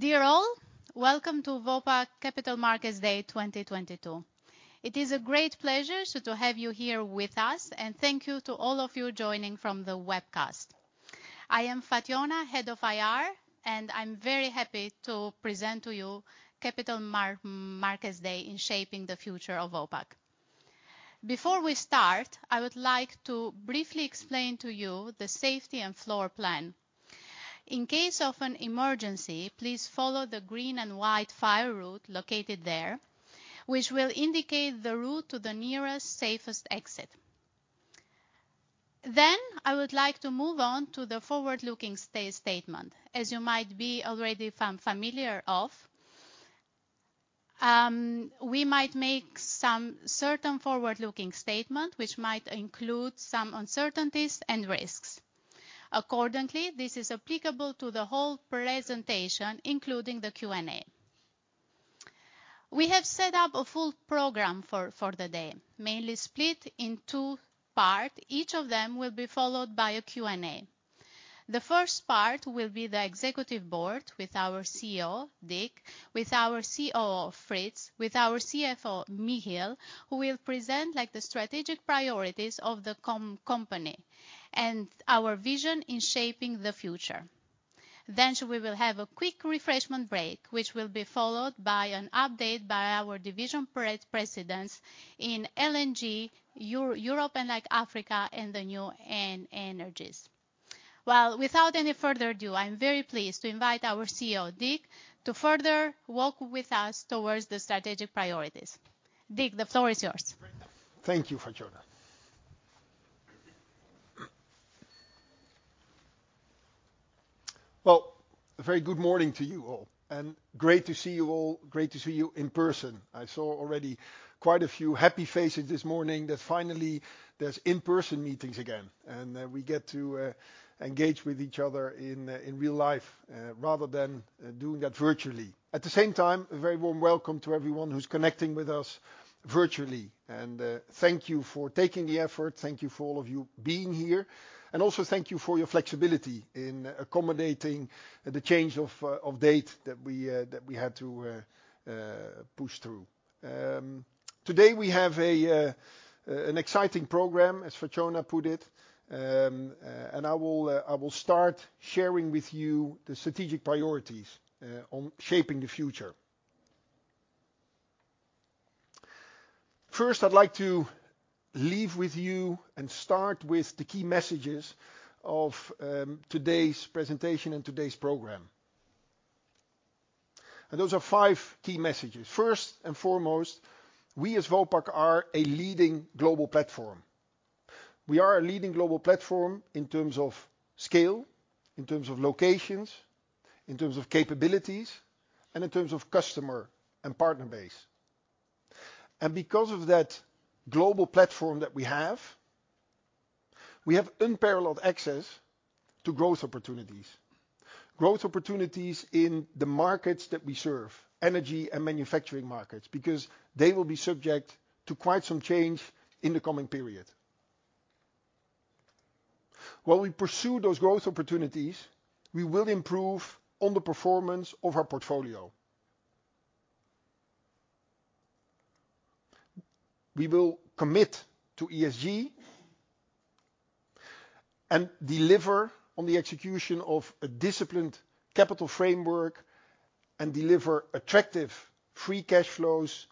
Dear all, welcome to Vopak Capital Markets Day 2022. It is a great pleasure so to have you here with us, and thank you to all of you joining from the webcast. I am Fatjona, head of IR, and I'm very happy to present to you Capital Markets Day in shaping the future of Vopak. Before we start, I would like to briefly explain to you the safety and floor plan. In case of an emergency, please follow the green and white fire route located there, which will indicate the route to the nearest safest exit. I would like to move on to the forward-looking statement. As you might be already familiar with, we might make some certain forward-looking statement which might include some uncertainties and risks. Accordingly, this is applicable to the whole presentation, including the Q&A. We have set up a full program for the day, mainly split in two part. Each of them will be followed by a Q&A. The first part will be the executive board with our CEO, Dick, with our COO, Fritz, with our CFO, Michiel, who will present like the strategic priorities of the company and our vision in shaping the future. We will have a quick refreshment break, which will be followed by an update by our division presidents in LNG, Europe and like Africa and the new energies. Well, without any further ado, I'm very pleased to invite our CEO, Dick, to further walk with us towards the strategic priorities. Dick, the floor is yours. Thank you, Fatjona. Well, a very good morning to you all, and great to see you all. Great to see you in person. I saw already quite a few happy faces this morning that finally there's in-person meetings again, and we get to engage with each other in real life rather than doing that virtually. At the same time, a very warm welcome to everyone who's connecting with us virtually. Thank you for taking the effort. Thank you for all of you being here. Thank you for your flexibility in accommodating the change of date that we had to push through. Today we have an exciting program, as Fatjona put it. I will start sharing with you the strategic priorities on shaping the future. First, I'd like to leave you with and start with the key messages of today's presentation and today's program. Those are five key messages. First and foremost, we as Vopak are a leading global platform. We are a leading global platform in terms of scale, in terms of locations, in terms of capabilities, and in terms of customer and partner base. Because of that global platform that we have, we have unparalleled access to growth opportunities. Growth opportunities in the markets that we serve, energy and manufacturing markets, because they will be subject to quite some change in the coming period. While we pursue those growth opportunities, we will improve on the performance of our portfolio. We will commit to ESG and deliver on the execution of a disciplined capital framework, and deliver attractive free cash flows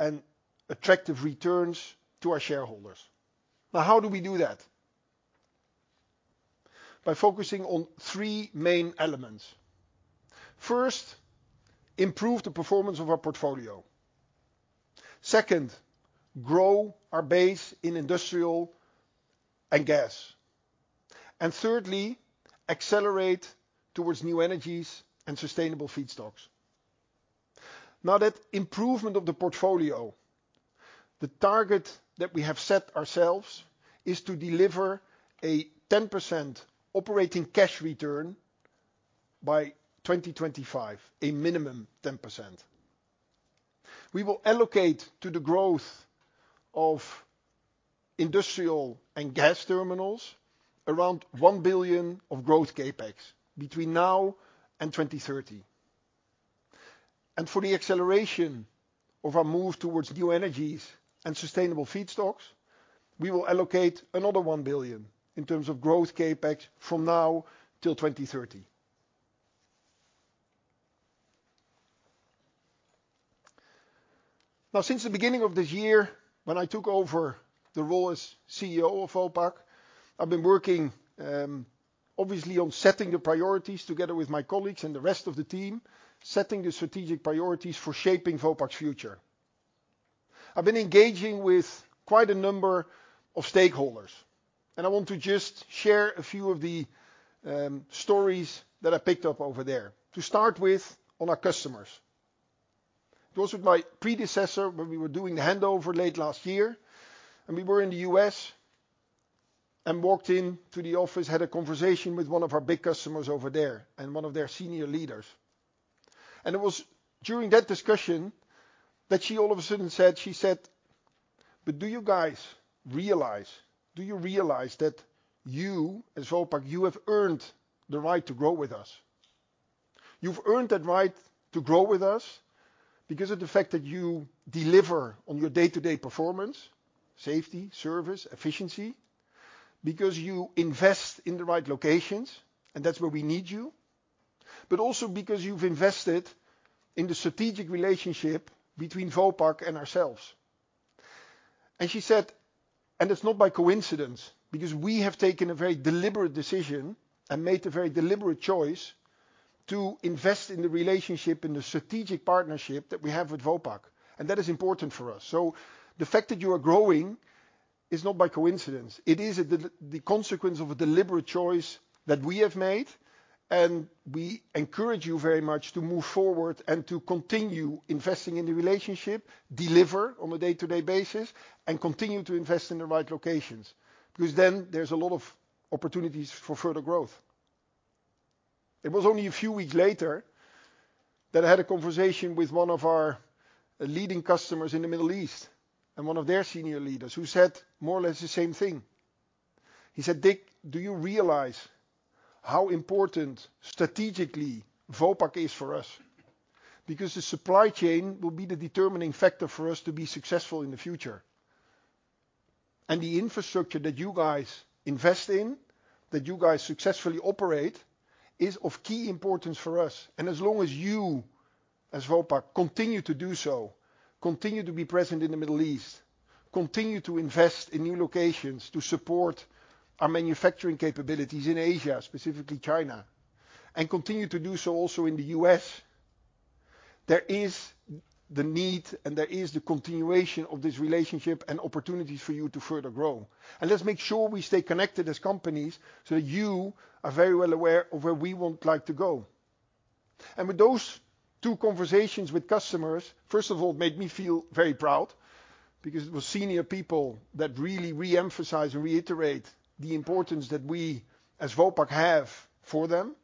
and attractive returns to our shareholders. Now, how do we do that? By focusing on three main elements. First, improve the performance of our portfolio. Second, grow our base in industrial and gas. And thirdly, accelerate towards new energies and sustainable feedstocks. Now that improvement of the portfolio, the target that we have set ourselves is to deliver a 10% operating cash return by 2025, a minimum 10%. We will allocate to the growth of industrial and gas terminals around 1 billion of growth CapEx between now and 2030. For the acceleration of our move towards new energies and sustainable feedstocks, we will allocate another 1 billion in terms of growth CapEx from now till 2030. Now since the beginning of this year when I took over the role as CEO of Vopak, I've been working, obviously on setting the priorities together with my colleagues and the rest of the team, setting the strategic priorities for shaping Vopak's future. I've been engaging with quite a number of stakeholders, and I want to just share a few of the stories that I picked up over there. To start with on our customers. I spoke with my predecessor when we were doing the handover late last year, and we were in the U.S. and walked into the office, had a conversation with one of our big customers over there and one of their senior leaders. It was during that discussion that she all of a sudden said, "Do you guys realize, do you realize that you as Vopak, you have earned the right to grow with us? You've earned that right to grow with us because of the fact that you deliver on your day-to-day performance, safety, service, efficiency. Because you invest in the right locations, and that's where we need you. Also because you've invested in the strategic relationship between Vopak and ourselves." She said, "It's not by coincidence, because we have taken a very deliberate decision and made a very deliberate choice to invest in the relationship and the strategic partnership that we have with Vopak, and that is important for us. The fact that you are growing is not by coincidence. It is the consequence of a deliberate choice that we have made, and we encourage you very much to move forward and to continue investing in the relationship, deliver on a day-to-day basis, and continue to invest in the right locations, because then there's a lot of opportunities for further growth. It was only a few weeks later that I had a conversation with one of our leading customers in the Middle East, and one of their senior leaders who said more or less the same thing. He said, "Dick, do you realize how important strategically Vopak is for us? Because the supply chain will be the determining factor for us to be successful in the future. And the infrastructure that you guys invest in, that you guys successfully operate, is of key importance for us. As long as you as Vopak continue to do so, continue to be present in the Middle East, continue to invest in new locations to support our manufacturing capabilities in Asia, specifically China, and continue to do so also in the U.S., there is the need, and there is the continuation of this relationship and opportunities for you to further grow. Let's make sure we stay connected as companies, so you are very well aware of where we would like to go." With those two conversations with customers, first of all, it made me feel very proud because it was senior people that really reemphasize and reiterate the importance that we as Vopak have for them.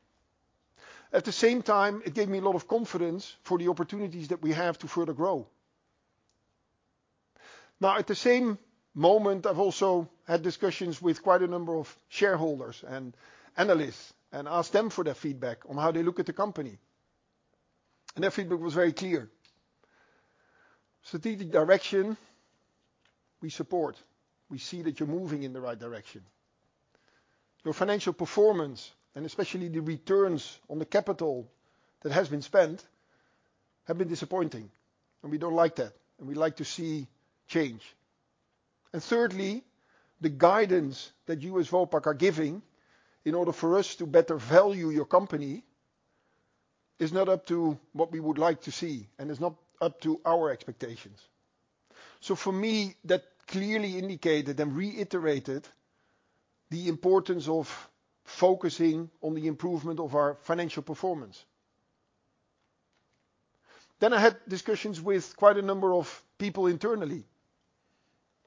At the same time, it gave me a lot of confidence for the opportunities that we have to further grow. Now, at the same moment, I've also had discussions with quite a number of shareholders and analysts and asked them for their feedback on how they look at the company. Their feedback was very clear. "Strategic direction we support. We see that you're moving in the right direction. Your financial performance, and especially the returns on the capital that has been spent, have been disappointing, and we don't like that, and we'd like to see change. And thirdly, the guidance that you as Vopak are giving in order for us to better value your company is not up to what we would like to see and is not up to our expectations." For me, that clearly indicated and reiterated the importance of focusing on the improvement of our financial performance. I had discussions with quite a number of people internally,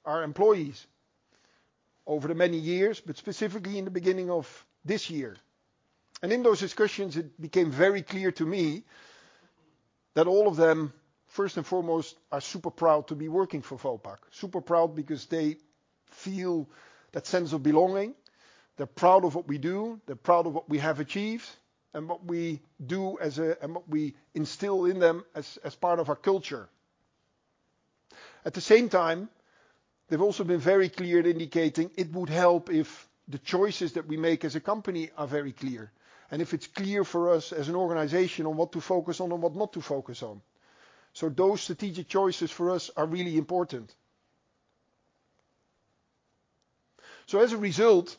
our employees, over the many years, but specifically in the beginning of this year. In those discussions it became very clear to me that all of them first and foremost are super proud to be working for Vopak. Super proud because they feel that sense of belonging. They're proud of what we do, they're proud of what we have achieved, and what we instill in them as part of our culture. At the same time, they've also been very clear in indicating it would help if the choices that we make as a company are very clear and if it's clear for us as an organization on what to focus on and what not to focus on. Those strategic choices for us are really important. As a result,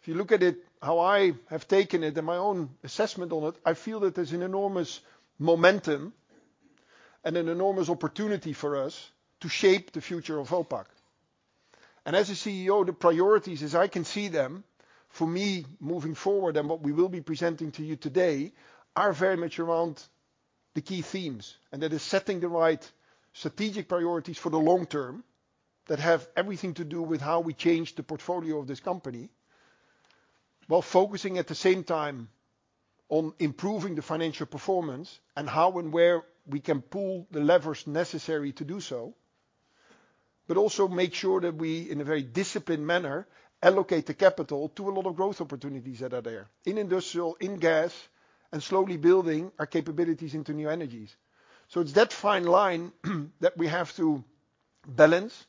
if you look at it, how I have taken it and my own assessment on it, I feel that there's an enormous momentum and an enormous opportunity for us to shape the future of Vopak. As a CEO, the priorities as I can see them, for me moving forward and what we will be presenting to you today are very much around the key themes. That is setting the right strategic priorities for the long term that have everything to do with how we change the portfolio of this company, while focusing at the same time on improving the financial performance and how and where we can pull the levers necessary to do so. Also make sure that we, in a very disciplined manner, allocate the capital to a lot of growth opportunities that are there in industrial, in gas, and slowly building our capabilities into new energies. It's that fine line that we have to balance,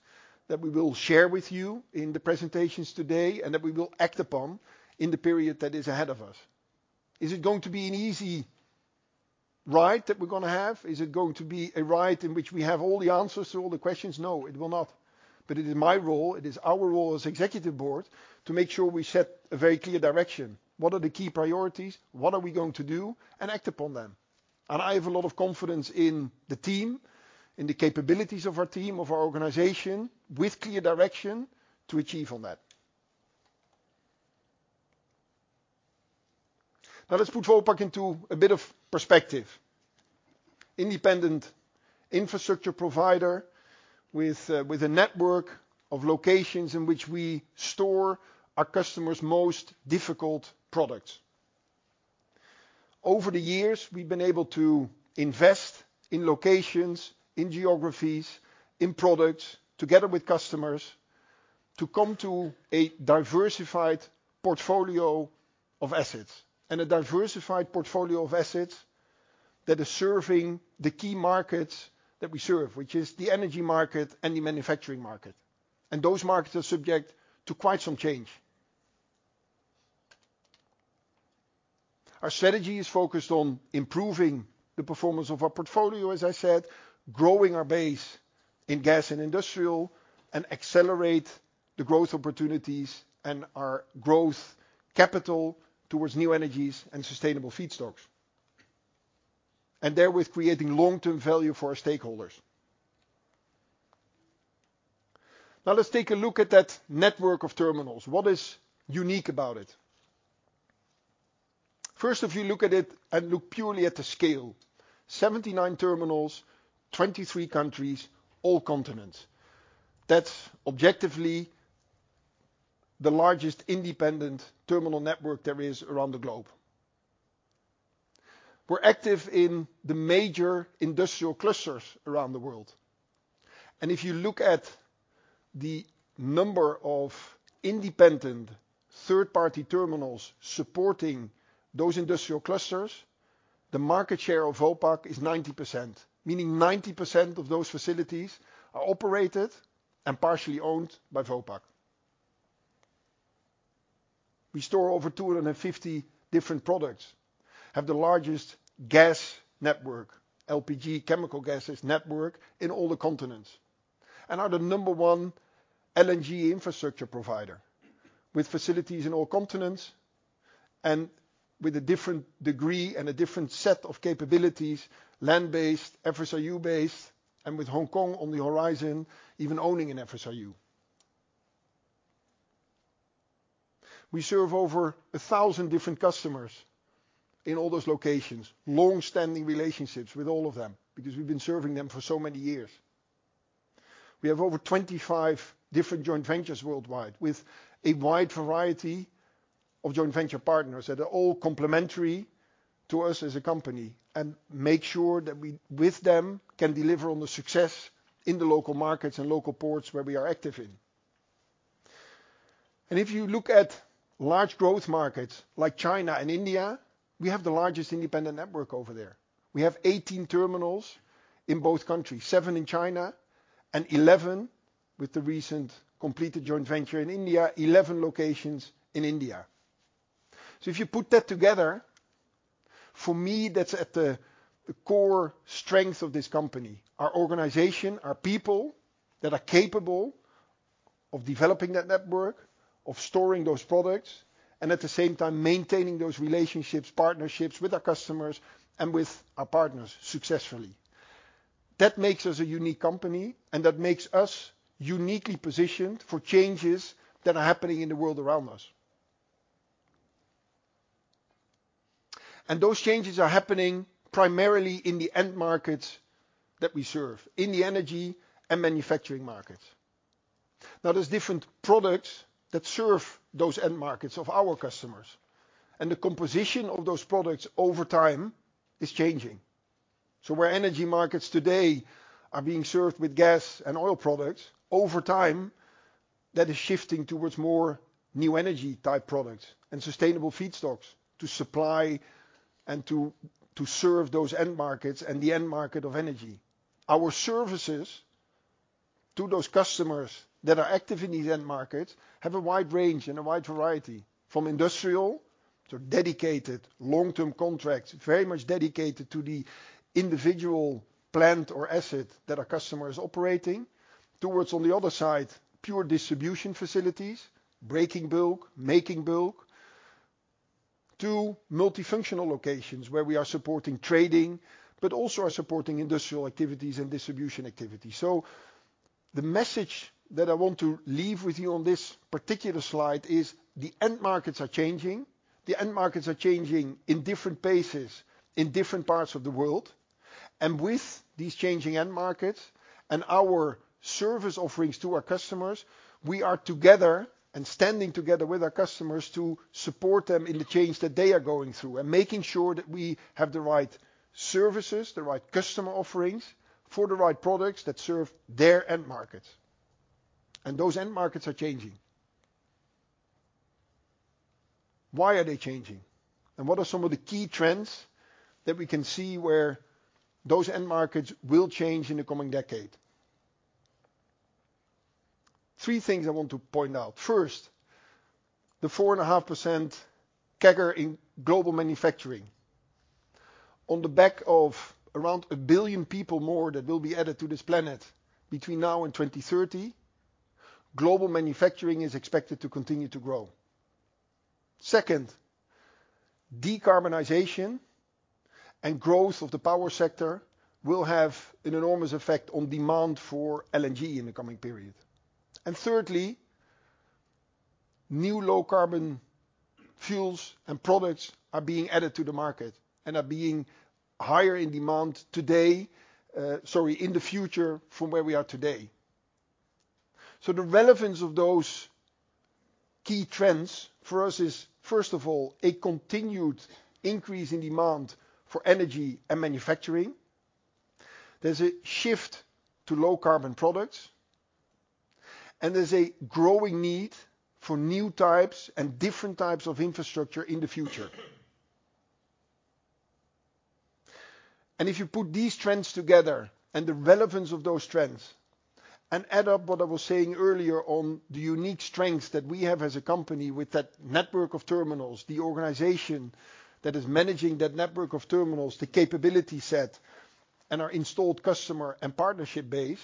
that we will share with you in the presentations today and that we will act upon in the period that is ahead of us. Is it going to be an easy ride that we're gonna have? Is it going to be a ride in which we have all the answers to all the questions? No, it will not. It is my role, it is our role as executive board to make sure we set a very clear direction. What are the key priorities? What are we going to do and act upon them? I have a lot of confidence in the team, in the capabilities of our team, of our organization with clear direction to achieve on that. Now, let's put Vopak into a bit of perspective. Independent infrastructure provider with a network of locations in which we store our customers' most difficult products. Over the years, we've been able to invest in locations, in geographies, in products together with customers to come to a diversified portfolio of assets. A diversified portfolio of assets that is serving the key markets that we serve, which is the energy market and the manufacturing market. Those markets are subject to quite some change. Our strategy is focused on improving the performance of our portfolio, as I said, growing our base in gas and industrial, and accelerate the growth opportunities and our growth capital towards new energies and sustainable feedstocks, and therewith creating long-term value for our stakeholders. Now, let's take a look at that network of terminals. What is unique about it? First, if you look at it and look purely at the scale, 79 terminals, 23 countries, all continents. That's objectively the largest independent terminal network there is around the globe. We're active in the major industrial clusters around the world. If you look at the number of independent third-party terminals supporting those industrial clusters, the market share of Vopak is 90%, meaning 90% of those facilities are operated and partially owned by Vopak. We store over 250 different products, have the largest gas network, LPG chemical gases network in all the continents, and are the number 1 LNG infrastructure provider with facilities in all continents and with a different degree and a different set of capabilities, land-based, FSRU-based, and with Hong Kong on the horizon, even owning an FSRU. We serve over 1,000 different customers in all those locations, long-standing relationships with all of them because we've been serving them for so many years. We have over 25 different joint ventures worldwide with a wide variety of joint venture partners that are all complementary to us as a company, and make sure that we, with them, can deliver on the success in the local markets and local ports where we are active in. If you look at large growth markets like China and India, we have the largest independent network over there. We have 18 terminals in both countries, 7 in China and 11 with the recently completed joint venture in India, 11 locations in India. If you put that together, for me, that's at the core strength of this company. Our organization, our people that are capable of developing that network, of storing those products, and at the same time maintaining those relationships, partnerships with our customers and with our partners successfully. That makes us a unique company, and that makes us uniquely positioned for changes that are happening in the world around us. Those changes are happening primarily in the end markets that we serve, in the energy and manufacturing markets. Now, there's different products that serve those end markets of our customers, and the composition of those products over time is changing. Where energy markets today are being served with gas and oil products, over time, that is shifting towards more new energy type products and sustainable feedstocks to supply and to serve those end markets and the end market of energy. Our services to those customers that are active in these end markets have a wide range and a wide variety from industrial to dedicated long-term contracts, very much dedicated to the individual plant or asset that our customer is operating, towards, on the other side, pure distribution facilities, breaking bulk, making bulk, to multifunctional locations where we are supporting trading, but also are supporting industrial activities and distribution activities. The message that I want to leave with you on this particular slide is the end markets are changing. The end markets are changing in different paces in different parts of the world. With these changing end markets and our service offerings to our customers, we are together and standing together with our customers to support them in the change that they are going through, and making sure that we have the right services, the right customer offerings for the right products that serve their end markets. Those end markets are changing. Why are they changing? What are some of the key trends that we can see where those end markets will change in the coming decade? Three things I want to point out. First, the 4.5% CAGR in global manufacturing. On the back of around 1 billion people more that will be added to this planet between now and 2030, global manufacturing is expected to continue to grow. Second, decarbonization and growth of the power sector will have an enormous effect on demand for LNG in the coming period. Thirdly, new low carbon fuels and products are being added to the market and are being higher in demand in the future from where we are today. The relevance of those key trends for us is, first of all, a continued increase in demand for energy and manufacturing. There's a shift to low carbon products, and there's a growing need for new types and different types of infrastructure in the future. If you put these trends together and the relevance of those trends and add up what I was saying earlier on, the unique strengths that we have as a company with that network of terminals, the organization that is managing that network of terminals, the capability set, and our installed customer and partnership base,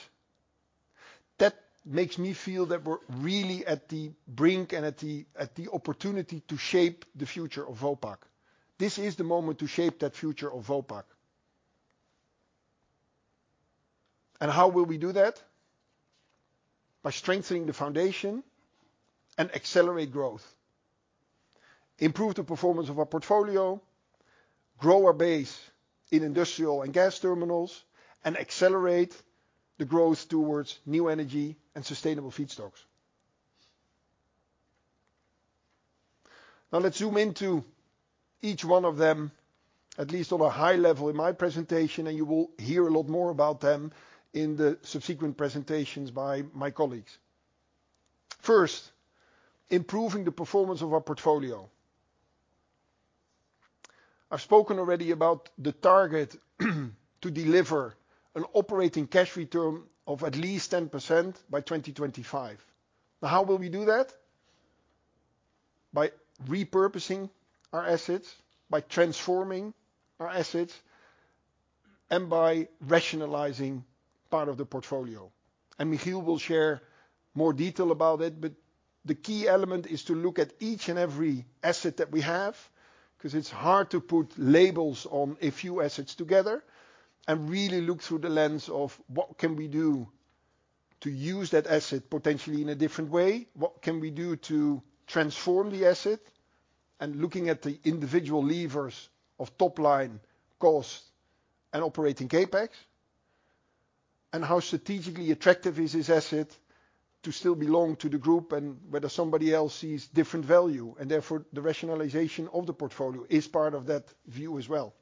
that makes me feel that we're really at the brink and at the opportunity to shape the future of Vopak. This is the moment to shape that future of Vopak. How will we do that? By strengthening the foundation and accelerate growth, improve the performance of our portfolio, grow our base in industrial and gas terminals, and accelerate the growth towards new energy and sustainable feedstocks. Now let's zoom into each one of them, at least on a high level in my presentation, and you will hear a lot more about them in the subsequent presentations by my colleagues. First, improving the performance of our portfolio. I've spoken already about the target to deliver an operating cash return of at least 10% by 2025. Now, how will we do that? By repurposing our assets, by transforming our assets, and by rationalizing part of the portfolio. Michiel will share more detail about it, but the key element is to look at each and every asset that we have, 'cause it's hard to put labels on a few assets together and really look through the lens of what can we do to use that asset potentially in a different way. What can we do to transform the asset? Looking at the individual levers of top line costs and operating CapEx, and how strategically attractive is this asset to still belong to the group, and whether somebody else sees different value, and therefore the rationalization of the portfolio is part of that view as well.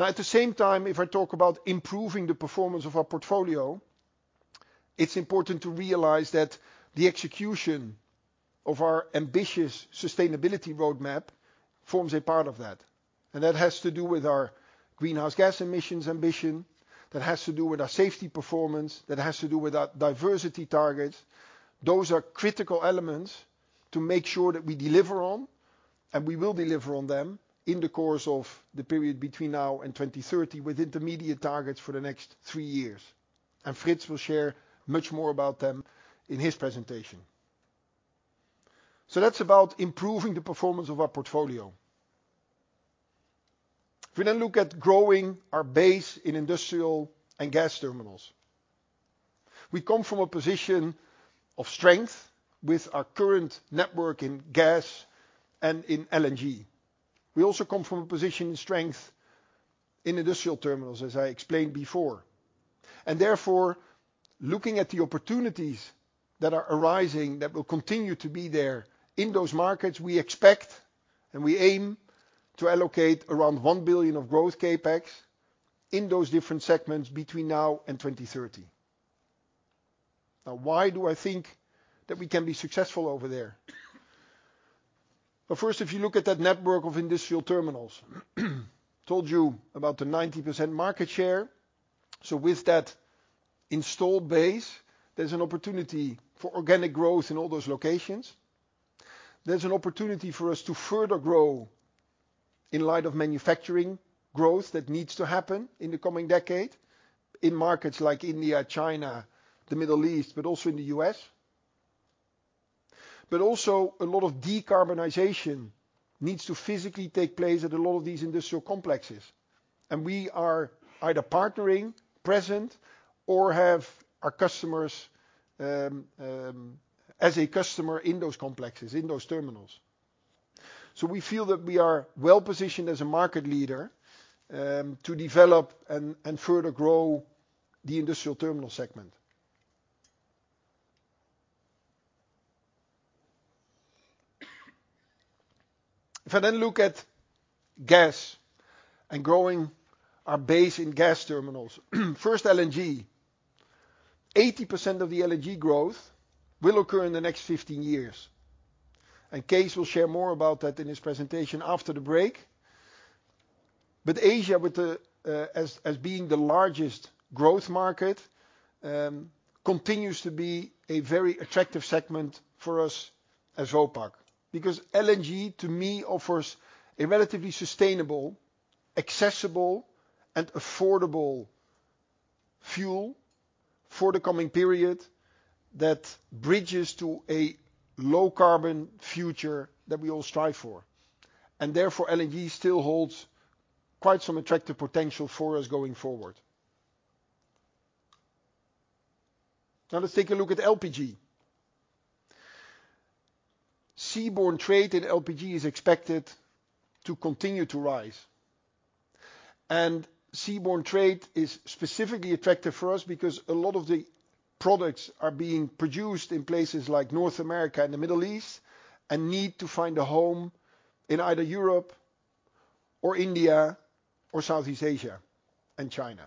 Now, at the same time, if I talk about improving the performance of our portfolio, it's important to realize that the execution of our ambitious sustainability roadmap forms a part of that. That has to do with our greenhouse gas emissions ambition. That has to do with our safety performance. That has to do with our diversity targets. Those are critical elements to make sure that we deliver on, and we will deliver on them in the course of the period between now and 2030, with intermediate targets for the next three years. Frits will share much more about them in his presentation. That's about improving the performance of our portfolio. If we then look at growing our base in industrial and gas terminals, we come from a position of strength with our current network in gas and in LNG. We also come from a position of strength in industrial terminals, as I explained before. Therefore, looking at the opportunities that are arising that will continue to be there in those markets, we expect and we aim to allocate around 1 billion of growth CapEx in those different segments between now and 2030. Now, why do I think that we can be successful over there? First, if you look at that network of industrial terminals, told you about the 90% market share. With that installed base, there's an opportunity for organic growth in all those locations. There's an opportunity for us to further grow in light of manufacturing growth that needs to happen in the coming decade in markets like India, China, the Middle East, but also in the US. Also a lot of decarbonization needs to physically take place at a lot of these industrial complexes. We are either partnering, present, or have our customers as a customer in those complexes, in those terminals. We feel that we are well-positioned as a market leader to develop and further grow the industrial terminal segment. If I look at gas and growing our base in gas terminals. First, LNG. 80% of the LNG growth will occur in the next 15 years, and Kees will share more about that in his presentation after the break. Asia as being the largest growth market continues to be a very attractive segment for us as Vopak, because LNG, to me, offers a relatively sustainable, accessible, and affordable fuel for the coming period that bridges to a low carbon future that we all strive for. LNG still holds quite some attractive potential for us going forward. Now let's take a look at LPG. Seaborne trade in LPG is expected to continue to rise. Seaborne trade is specifically attractive for us because a lot of the products are being produced in places like North America and the Middle East, and need to find a home in either Europe or India or Southeast Asia and China.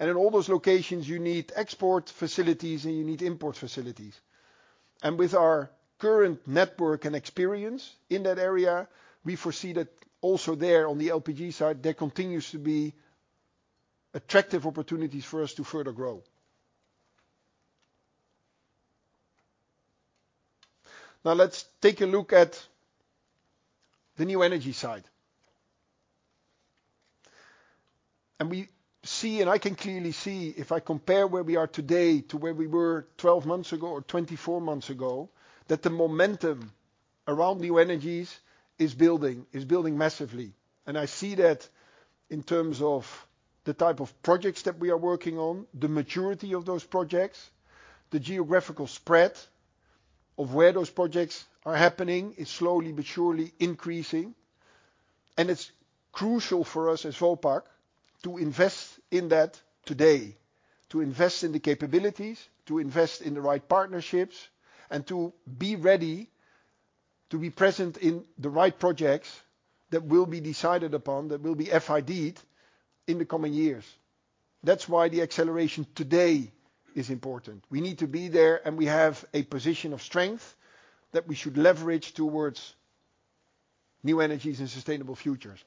In all those locations, you need export facilities and you need import facilities. With our current network and experience in that area, we foresee that also there on the LPG side, there continues to be attractive opportunities for us to further grow. Now let's take a look at the new energy side. We see, and I can clearly see if I compare where we are today to where we were 12 months ago or 24 months ago, that the momentum around new energies is building massively. I see that in terms of the type of projects that we are working on, the maturity of those projects, the geographical spread of where those projects are happening is slowly but surely increasing. It's crucial for us as Vopak to invest in that today, to invest in the capabilities, to invest in the right partnerships, and to be ready to be present in the right projects that will be decided upon, that will be FIDed in the coming years. That's why the acceleration today is important. We need to be there, and we have a position of strength that we should leverage towards new energies and sustainable futures.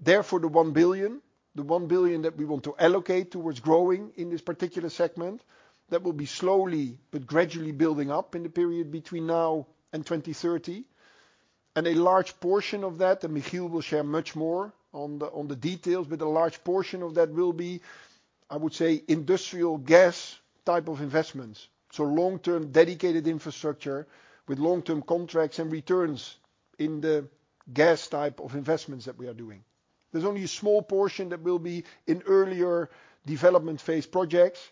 Therefore, 1 billion that we want to allocate towards growing in this particular segment, that will be slowly but gradually building up in the period between now and 2030. A large portion of that, and Michiel will share much more on the details, but a large portion of that will be, I would say, industrial gas type of investments. Long-term dedicated infrastructure with long-term contracts and returns in the gas type of investments that we are doing. There's only a small portion that will be in earlier development phase projects,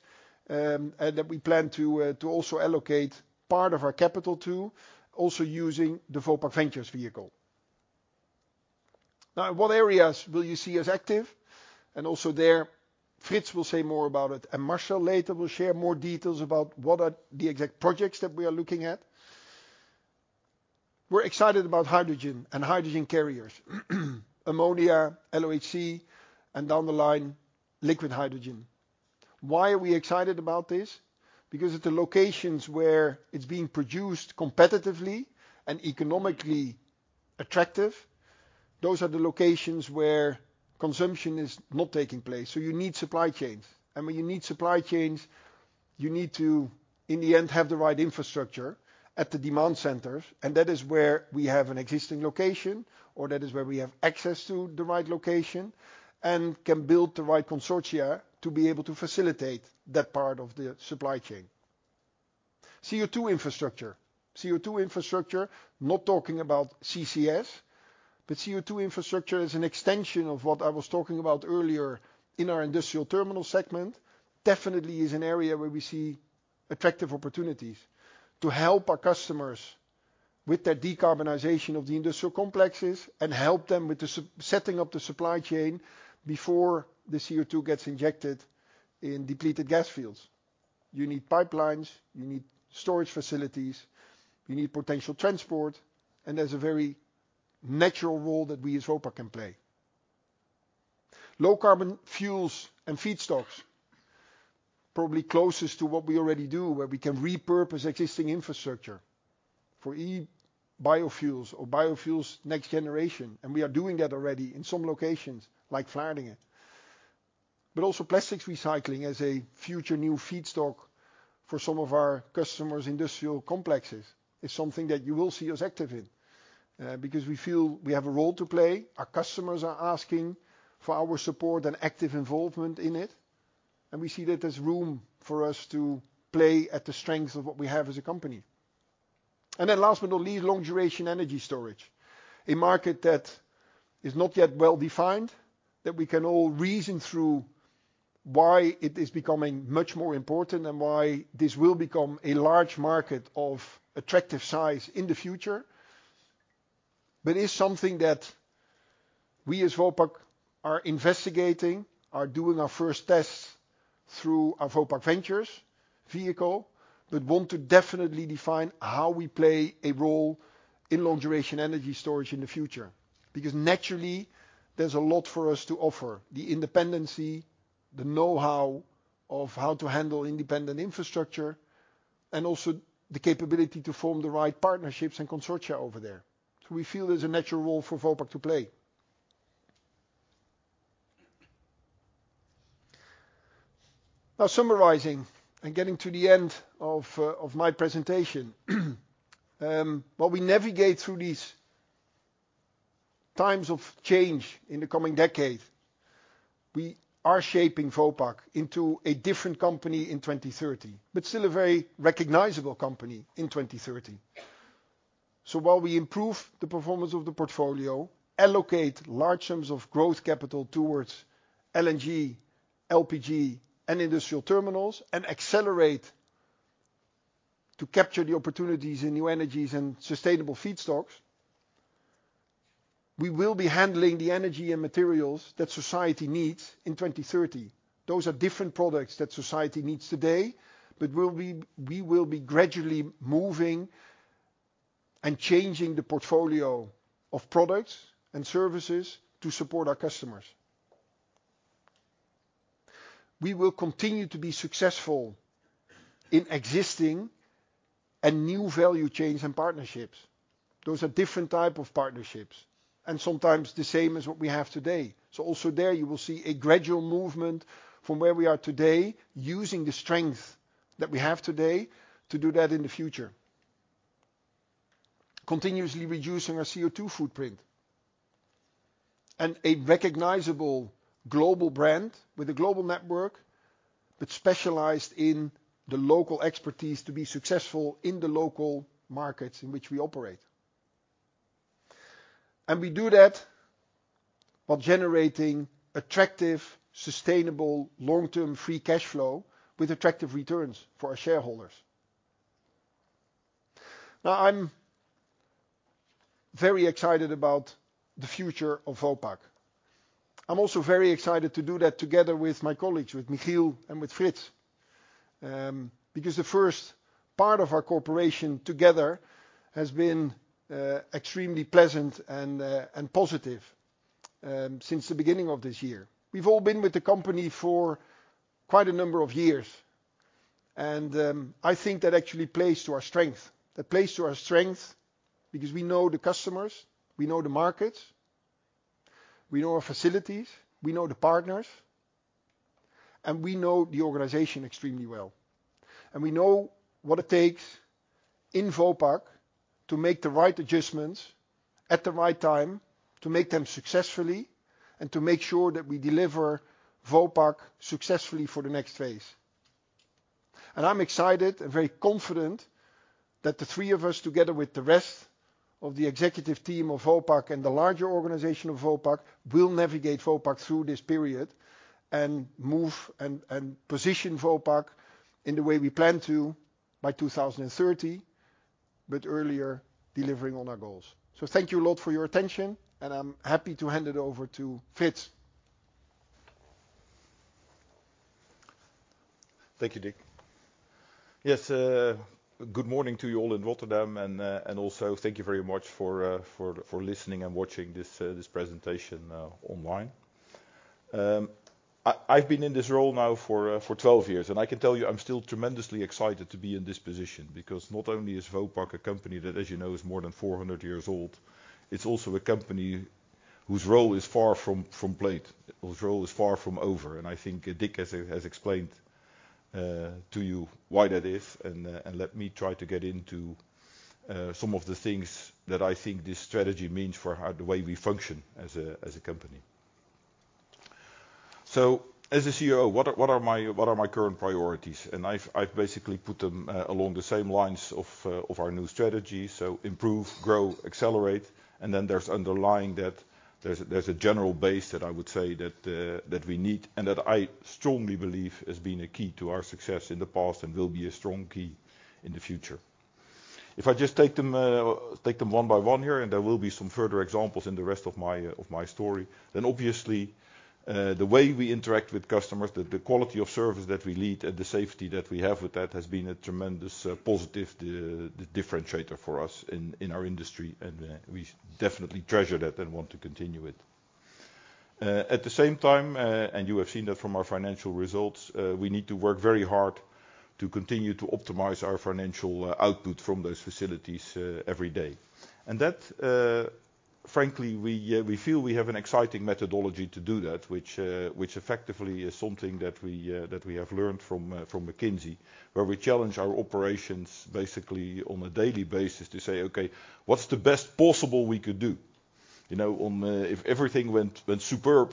and that we plan to also allocate part of our capital to, also using the Vopak Ventures vehicle. Now, what areas will you see as active? Also there, Frits will say more about it, and Marcel later will share more details about what are the exact projects that we are looking at. We're excited about hydrogen and hydrogen carriers, ammonia, LOHC, and down the line, liquid hydrogen. Why are we excited about this? Because at the locations where it's being produced competitively and economically attractive, those are the locations where consumption is not taking place. You need supply chains. When you need supply chains, you need to, in the end, have the right infrastructure at the demand centers, and that is where we have an existing location, or that is where we have access to the right location and can build the right consortia to be able to facilitate that part of the supply chain. CO2 infrastructure. CO2 infrastructure, not talking about CCS, but CO2 infrastructure as an extension of what I was talking about earlier in our Industrial Terminal segment, definitely is an area where we see attractive opportunities to help our customers with their decarbonization of the industrial complexes and help them with the setting up the supply chain before the CO2 gets injected in depleted gas fields. You need pipelines, you need storage facilities, you need potential transport, and there's a very natural role that we as Vopak can play. Low carbon fuels and feedstocks, probably closest to what we already do, where we can repurpose existing infrastructure for e-biofuels or biofuels next generation, and we are doing that already in some locations like Vlaardingen. Also plastics recycling as a future new feedstock for some of our customers' industrial complexes is something that you will see us active in, because we feel we have a role to play. Our customers are asking for our support and active involvement in it, and we see that there's room for us to play at the strengths of what we have as a company. Last but not least, long-duration energy storage, a market that is not yet well defined, that we can all reason through why it is becoming much more important and why this will become a large market of attractive size in the future. It's something that we as Vopak are investigating, are doing our first tests through our Vopak Ventures vehicle, but want to definitely define how we play a role in long-duration energy storage in the future. Because naturally, there's a lot for us to offer. The independence, the know-how of how to handle independent infrastructure, and also the capability to form the right partnerships and consortia over there. We feel there's a natural role for Vopak to play. Now summarizing and getting to the end of my presentation. While we navigate through these times of change in the coming decade, we are shaping Vopak into a different company in 2030, but still a very recognizable company in 2030. While we improve the performance of the portfolio, allocate large sums of growth capital towards LNG, LPG and industrial terminals and accelerate to capture the opportunities in new energies and sustainable feedstocks. We will be handling the energy and materials that society needs in 2030. Those are different products that society needs today, but we will be gradually moving and changing the portfolio of products and services to support our customers. We will continue to be successful in existing and new value chains and partnerships. Those are different type of partnerships, and sometimes the same as what we have today. Also there, you will see a gradual movement from where we are today, using the strength that we have today to do that in the future. Continuously reducing our CO2 footprint. A recognizable global brand with a global network, but specialized in the local expertise to be successful in the local markets in which we operate. We do that while generating attractive, sustainable, long-term free cash flow with attractive returns for our shareholders. Now, I'm very excited about the future of Vopak. I'm also very excited to do that together with my colleagues, with Michiel and with Frits, because the first part of our cooperation together has been extremely pleasant and positive, since the beginning of this year. We've all been with the company for quite a number of years, and I think that actually plays to our strength. That plays to our strength because we know the customers, we know the markets, we know our facilities, we know the partners, and we know the organization extremely well. We know what it takes in Vopak to make the right adjustments at the right time, to make them successfully, and to make sure that we deliver Vopak successfully for the next phase. I'm excited and very confident that the three of us, together with the rest of the executive team of Vopak and the larger organization of Vopak, will navigate Vopak through this period and move and position Vopak in the way we plan to by 2030, but earlier delivering on our goals. Thank you a lot for your attention, and I'm happy to hand it over to Frits. Thank you, Dick. Yes, good morning to you all in Rotterdam and also thank you very much for listening and watching this presentation online. I've been in this role now for 12 years, and I can tell you I'm still tremendously excited to be in this position because not only is Vopak a company that, as is more than 400 years old, it's also a company whose role is far from played, whose role is far from over. I think Dick has explained to you why that is, and let me try to get into some of the things that I think this strategy means for how the way we function as a company. As a COO, what are my current priorities? I've basically put them along the same lines of our new strategy. Improve, grow, accelerate, and then underlying that, there's a general base that I would say that we need and that I strongly believe has been a key to our success in the past and will be a strong key in the future. If I just take them one by one here, and there will be some further examples in the rest of my story. Obviously, the way we interact with customers, the quality of service that we lead and the safety that we have with that has been a tremendous positive differentiator for us in our industry, and we definitely treasure that and want to continue it. At the same time, and you have seen that from our financial results, we need to work very hard to continue to optimize our financial output from those facilities every day. That, frankly, we feel we have an exciting methodology to do that which effectively is something that we have learned from McKinsey, where we challenge our operations basically on a daily basis to say, "Okay, what's the best possible we could do? If everything went superb,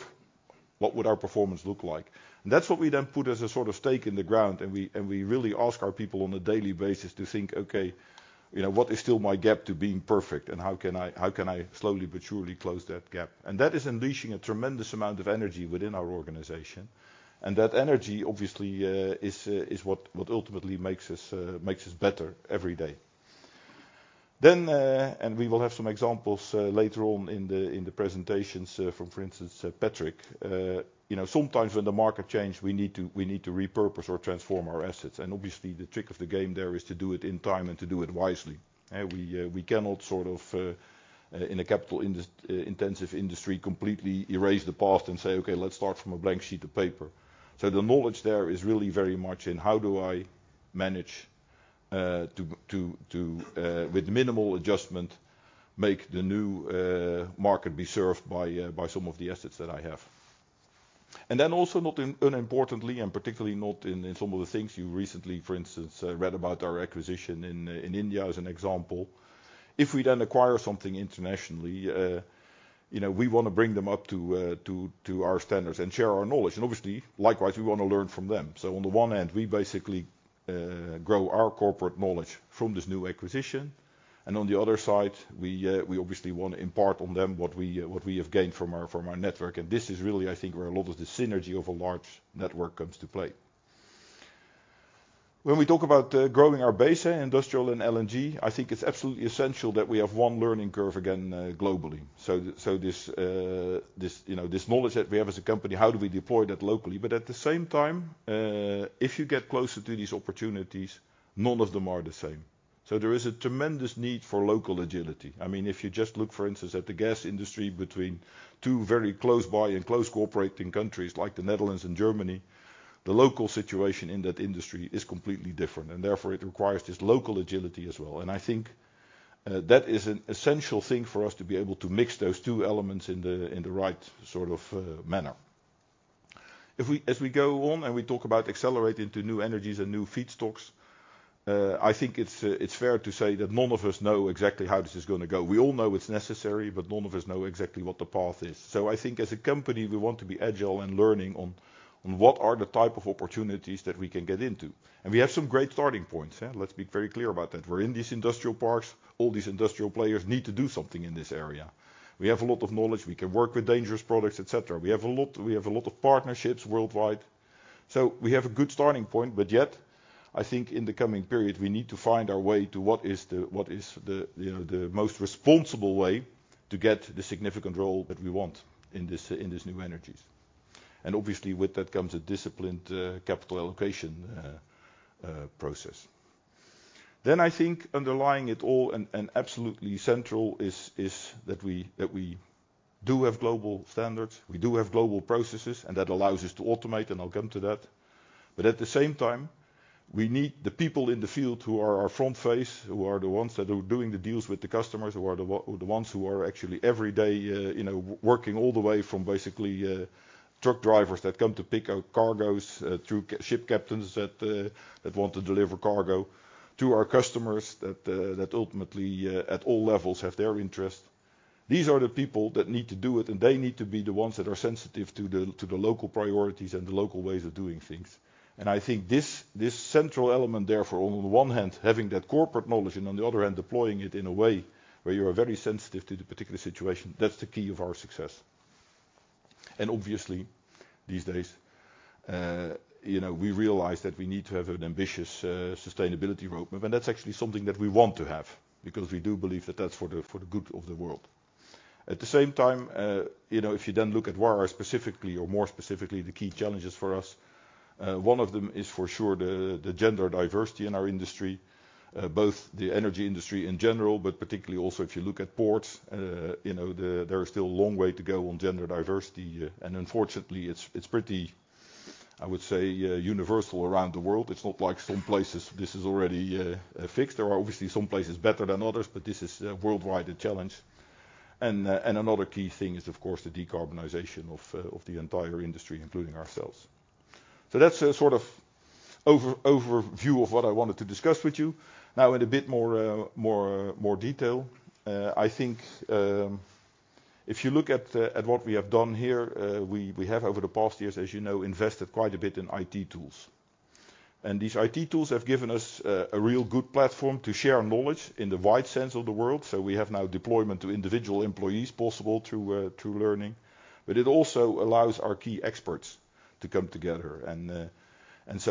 what would our performance look like? That's what we then put as a sort of stake in the ground, and we really ask our people on a daily basis to think, "Okay what is still my gap to being perfect, and how can I slowly but surely close that gap?" That is unleashing a tremendous amount of energy within our organization, and that energy obviously is what ultimately makes us better every day. We will have some examples later on in the presentations from, for instance, Patrick. sometimes when the market change, we need to repurpose or transform our assets. Obviously, the trick of the game there is to do it in time and to do it wisely. We cannot sort of, in a capital intensive industry, completely erase the past and say, "Okay, let's start from a blank sheet of paper." The knowledge there is really very much in how do I manage, to, with minimal adjustment, make the new market be served by some of the assets that I have. Then also not unimportantly, and particularly not in some of the things you recently, for instance, read about our acquisition in India as an example. If we then acquire something internationally we wanna bring them up to our standards and share our knowledge. Obviously, likewise, we wanna learn from them. On the one hand, we basically grow our corporate knowledge from this new acquisition. On the other side, we obviously wanna impart on them what we have gained from our network. This is really, I think, where a lot of the synergy of a large network comes to play. When we talk about growing our base, industrial and LNG, I think it's absolutely essential that we have one learning curve again globally. This knowledge that we have as a company, how do we deploy that locally? At the same time, if you get closer to these opportunities, none of them are the same. There is a tremendous need for local agility. I mean, if you just look, for instance, at the gas industry between two very close by and close cooperating countries like the Netherlands and Germany, the local situation in that industry is completely different. Therefore, it requires this local agility as well. I think that is an essential thing for us to be able to mix those two elements in the, in the right sort of, manner. As we go on and we talk about accelerating to new energies and new feedstocks, I think it's fair to say that none of us know exactly how this is gonna go. We all know it's necessary, but none of us know exactly what the path is. I think as a company, we want to be agile and learning on what are the type of opportunities that we can get into. We have some great starting points, yeah. Let's be very clear about that. We're in these industrial parks. All these industrial players need to do something in this area. We have a lot of knowledge. We can work with dangerous products, et cetera. We have a lot of partnerships worldwide. We have a good starting point, but yet, I think in the coming period, we need to find our way to what is the the most responsible way to get the significant role that we want in this new energies. Obviously, with that comes a disciplined capital allocation process. I think underlying it all and absolutely central is that we do have global standards. We do have global processes, and that allows us to automate, and I'll come to that. At the same time, we need the people in the field who are our front face, who are the ones that are doing the deals with the customers, who are the ones who are actually every day working all the way from basically truck drivers that come to pick up cargos through ship captains that want to deliver cargo to our customers that ultimately at all levels have their interest. These are the people that need to do it, and they need to be the ones that are sensitive to the local priorities and the local ways of doing things. I think this central element, therefore, on the one hand, having that corporate knowledge and on the other hand, deploying it in a way where you are very sensitive to the particular situation, that's the key of our success. Obviously, these days we realize that we need to have an ambitious sustainability roadmap, and that's actually something that we want to have because we do believe that that's for the good of the world. At the same time if you then look at where specifically or more specifically the key challenges for us, one of them is for sure the gender diversity in our industry, both the energy industry in general, but particularly also if you look at ports there is still a long way to go on gender diversity. Unfortunately, it's pretty, I would say, universal around the world. It's not like some places this is already fixed. There are obviously some places better than others, but this is worldwide a challenge. Another key thing is, of course, the decarbonization of the entire industry, including ourselves. That's a sort of overview of what I wanted to discuss with you. Now in a bit more detail, I think, if you look at what we have done here, we have over the past years, as invested quite a bit in IT tools. These IT tools have given us a real good platform to share knowledge in the wide sense of the world. We have now deployment to individual employees possible through learning. It also allows our key experts to come together.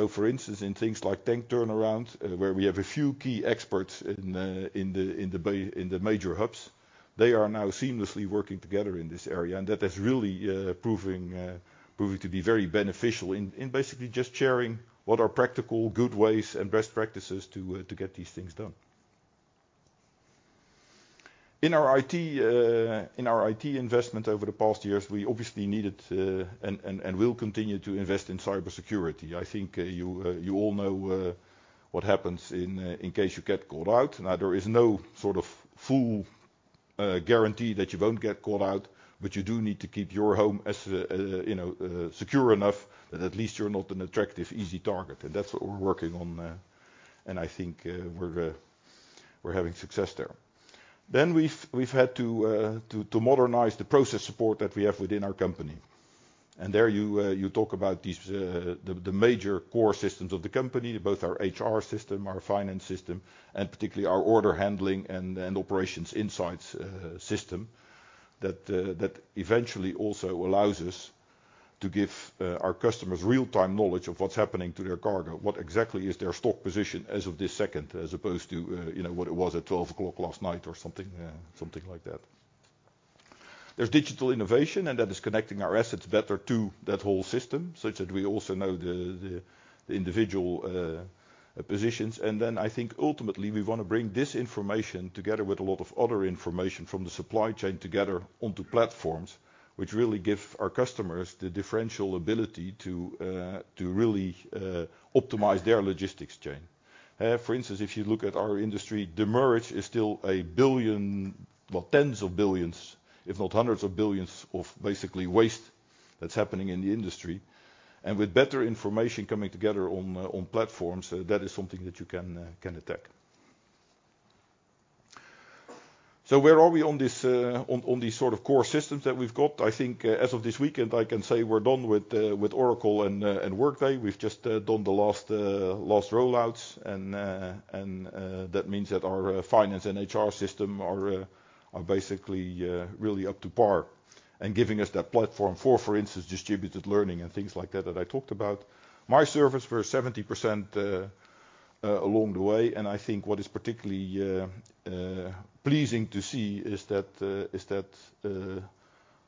For instance, in things like tank turnarounds, where we have a few key experts in the bay, in the major hubs, they are now seamlessly working together in this area, and that is really proving to be very beneficial in basically just sharing what are practical good ways and best practices to get these things done. In our IT investment over the past years, we obviously needed and will continue to invest in cybersecurity. I think you all know what happens in case you get called out. Now, there is no sort of full guarantee that you won't get called out, but you do need to keep your home as secure enough that at least you're not an attractive, easy target. That's what we're working on, and I think we're having success there. We've had to modernize the process support that we have within our company. You talk about these, the major core systems of the company, both our HR system, our finance system, and particularly our order handling and operations insights system that eventually also allows us to give our customers real-time knowledge of what's happening to their cargo, what exactly is their stock position as of this second, as opposed to what it was at 12:00 last night or something like that. There's digital innovation, and that is connecting our assets better to that whole system, such that we also know the individual positions. I think ultimately, we wanna bring this information together with a lot of other information from the supply chain together onto platforms, which really give our customers the differential ability to really optimize their logistics chain. For instance, if you look at our industry, demurrage is still 1 billion, well, tens of billions, if not hundreds of billions of basically waste that's happening in the industry. With better information coming together on platforms, that is something that you can can attack. Where are we on this, on these sort of core systems that we've got? I think, as of this weekend, I can say we're done with Oracle and Workday. We've just done the last rollouts and that means that our finance and HR system are basically really up to par and giving us that platform for instance, distributed learning and things like that I talked about. MyService, we're 70% along the way, and I think what is particularly pleasing to see is that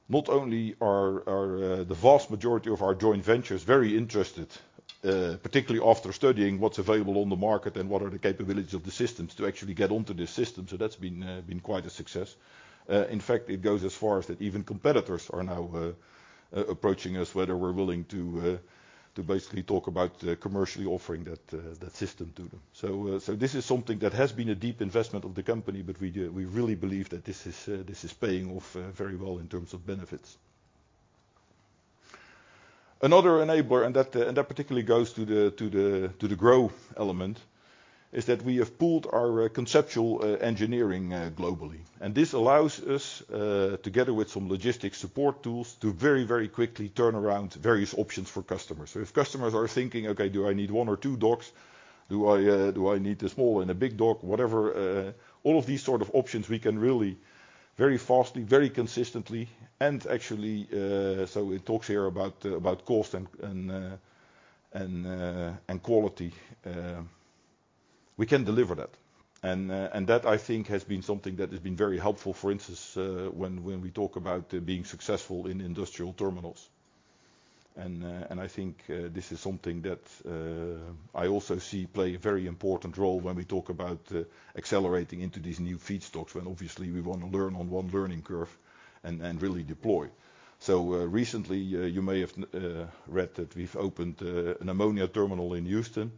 not only are the vast majority of our joint ventures very interested, particularly after studying what's available on the market and what are the capabilities of the systems to actually get onto the system, so that's been quite a success. In fact, it goes as far as that even competitors are now approaching us whether we're willing to basically talk about commercially offering that system to them. This is something that has been a deep investment of the company, but we really believe that this is paying off very well in terms of benefits. Another enabler, and that particularly goes to the growth element, is that we have pooled our conceptual engineering globally. This allows us, together with some logistic support tools, to very, very quickly turn around various options for customers. If customers are thinking, "Okay, do I need one or two docks? Do I need a small and a big dock?" Whatever, all of these sort of options we can really very fastly, very consistently and actually, so it talks here about cost and quality. We can deliver that. That I think has been something that has been very helpful, for instance, when we talk about being successful in industrial terminals. I think this is something that I also see play a very important role when we talk about accelerating into these new feedstocks, when obviously we want to learn on one learning curve and really deploy. Recently, you may have read that we've opened an ammonia terminal in Houston,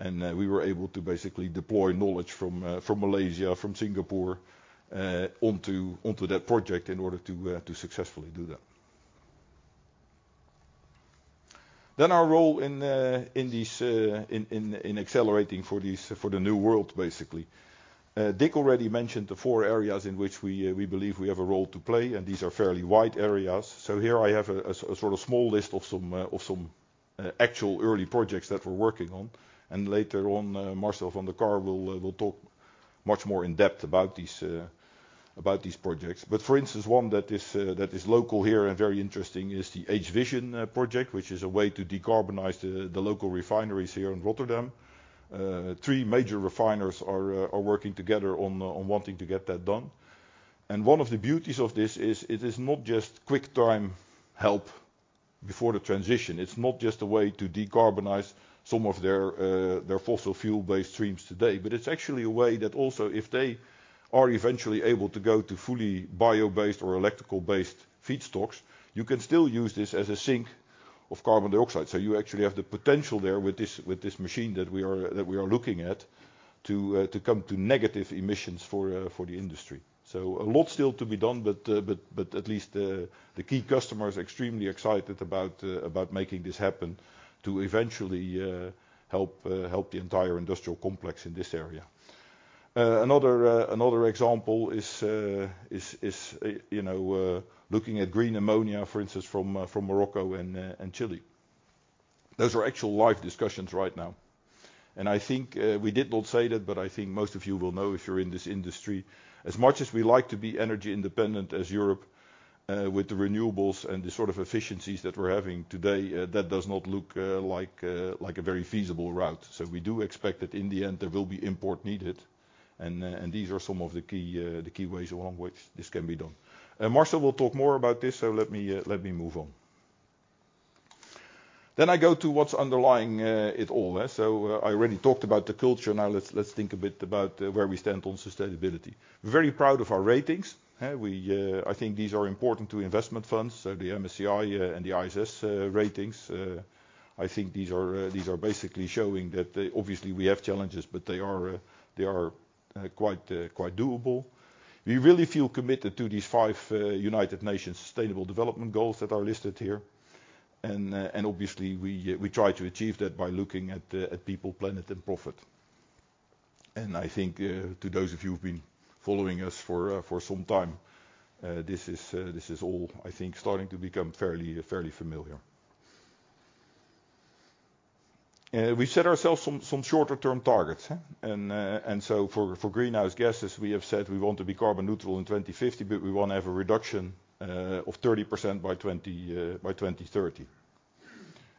and we were able to basically deploy knowledge from Malaysia, from Singapore, onto that project in order to successfully do that. Our role in these in accelerating for these for the new world, basically. Dick already mentioned the four areas in which we believe we have a role to play, and these are fairly wide areas. Here I have a sort of small list of some actual early projects that we're working on. Later on, Marcel van der Kar will talk much more in depth about these projects. For instance, one that is local here and very interesting is the H-vision project, which is a way to decarbonize the local refineries here in Rotterdam. Three major refiners are working together on wanting to get that done. One of the beauties of this is it is not just quick time help before the transition. It's not just a way to decarbonize some of their fossil fuel-based streams today, but it's actually a way that also if they are eventually able to go to fully bio-based or electrical-based feedstocks, you can still use this as a sink of carbon dioxide. You actually have the potential there with this machine that we are looking at to come to negative emissions for the industry. A lot still to be done, but at least the key customer is extremely excited about making this happen to eventually help the entire industrial complex in this area. Another example is looking at green ammonia, for instance, from Morocco and Chile. Those are actual live discussions right now. I think we did not say that, but I think most of you will know if you're in this industry, as much as we like to be energy independent as Europe, with the renewables and the sort of efficiencies that we're having today, that does not look like a very feasible route. We do expect that in the end, there will be import needed and these are some of the key ways along which this can be done. Marcel will talk more about this, let me move on. I go to what's underlying it all. I already talked about the culture. Now let's think a bit about where we stand on sustainability. Very proud of our ratings. I think these are important to investment funds, so the MSCI and the ISS ratings I think these are basically showing that obviously we have challenges, but they are quite doable. We really feel committed to these five United Nations Sustainable Development Goals that are listed here. Obviously we try to achieve that by looking at people, planet, and profit. I think to those of you who've been following us for some time, this is all, I think, starting to become fairly familiar. We set ourselves some shorter-term targets. For greenhouse gases, we have said we want to be carbon neutral in 2050, but we wanna have a reduction of 30% by 2030.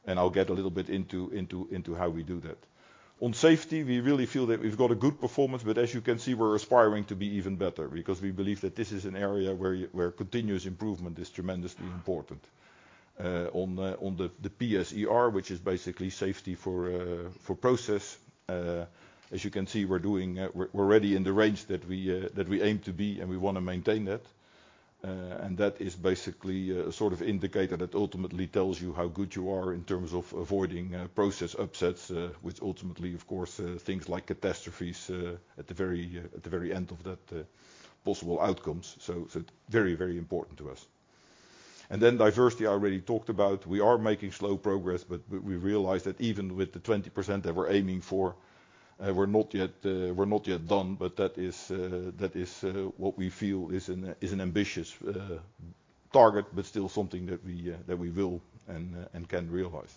I'll get a little bit into how we do that. On safety, we really feel that we've got a good performance, but as you can see, we're aspiring to be even better because we believe that this is an area where continuous improvement is tremendously important. On the PSER, which is basically safety for process, as you can see, we're already in the range that we aim to be, and we wanna maintain that. That is basically a sort of indicator that ultimately tells you how good you are in terms of avoiding process upsets, which ultimately, of course, things like catastrophes at the very end of that possible outcomes. Very important to us. Diversity, I already talked about. We are making slow progress, but we realize that even with the 20% that we're aiming for, we're not yet done, but that is what we feel is an ambitious target, but still something that we will and can realize.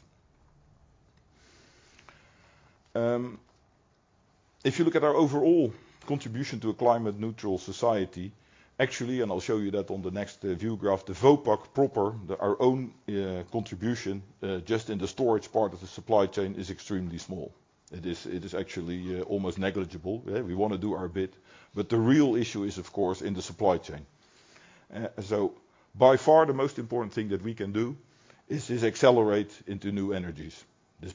If you look at our overall contribution to a climate neutral society, actually, and I'll show you that on the next view graph, the Vopak proper, our own contribution just in the storage part of the supply chain is extremely small. It is actually almost negligible. Yeah, we wanna do our bit, but the real issue is of course in the supply chain. By far the most important thing that we can do is accelerate into new energies,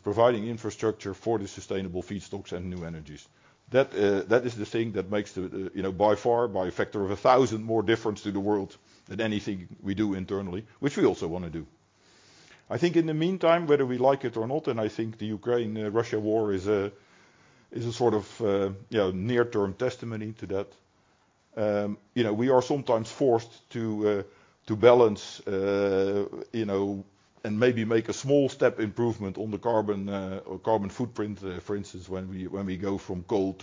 providing infrastructure for the sustainable feedstocks and new energies. That is the thing that makes the by far, by a factor of a thousand more difference to the world than anything we do internally, which we also wanna do. I think in the meantime, whether we like it or not, and I think the Ukraine-Russia war is a sort of near-term testimony to that we are sometimes forced to balance and maybe make a small step improvement on the carbon or carbon footprint, for instance, when we go from coal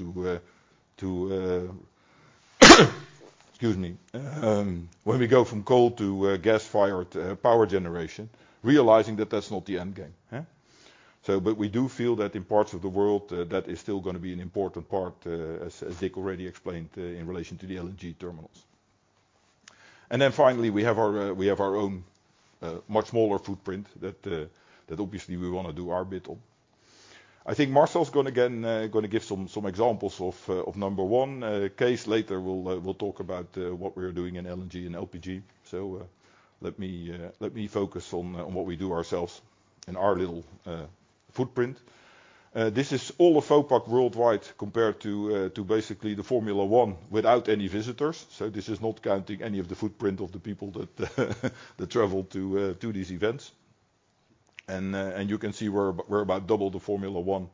to gas-fired power generation, realizing that that's not the end game. We do feel that in parts of the world, that is still gonna be an important part, as Dick already explained, in relation to the LNG terminals. Finally, we have our own much smaller footprint that obviously we wanna do our bit on. I think Marcel's gonna again give some examples of number one case. Later, we'll talk about what we are doing in LNG and LPG. Let me focus on what we do ourselves in our little footprint. This is all of Vopak worldwide compared to basically the Formula One without any visitors. This is not counting any of the footprint of the people that travel to these events. You can see we're about double the Formula One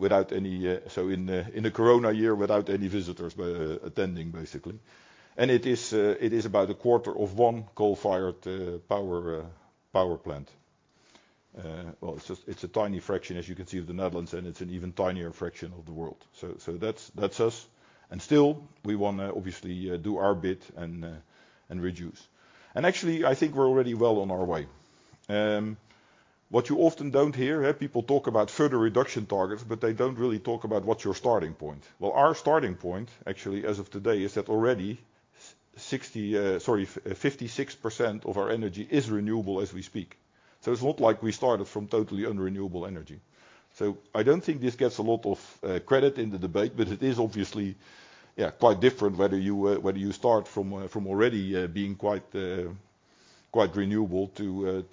without any, so in the Corona year, without any visitors attending basically. It is about a quarter of one coal-fired power plant. Well, it's just a tiny fraction, as you can see, of the Netherlands, and it's an even tinier fraction of the world. That's us. Still, we wanna obviously do our bit and reduce. Actually, I think we're already well on our way. What you often don't hear, yeah, people talk about further reduction targets, but they don't really talk about what's your starting point. Well, our starting point, actually, as of today, is that already 56% of our energy is renewable as we speak. It's not like we started from totally nonrenewable energy. I don't think this gets a lot of credit in the debate, but it is obviously quite different whether you start from already being quite renewable to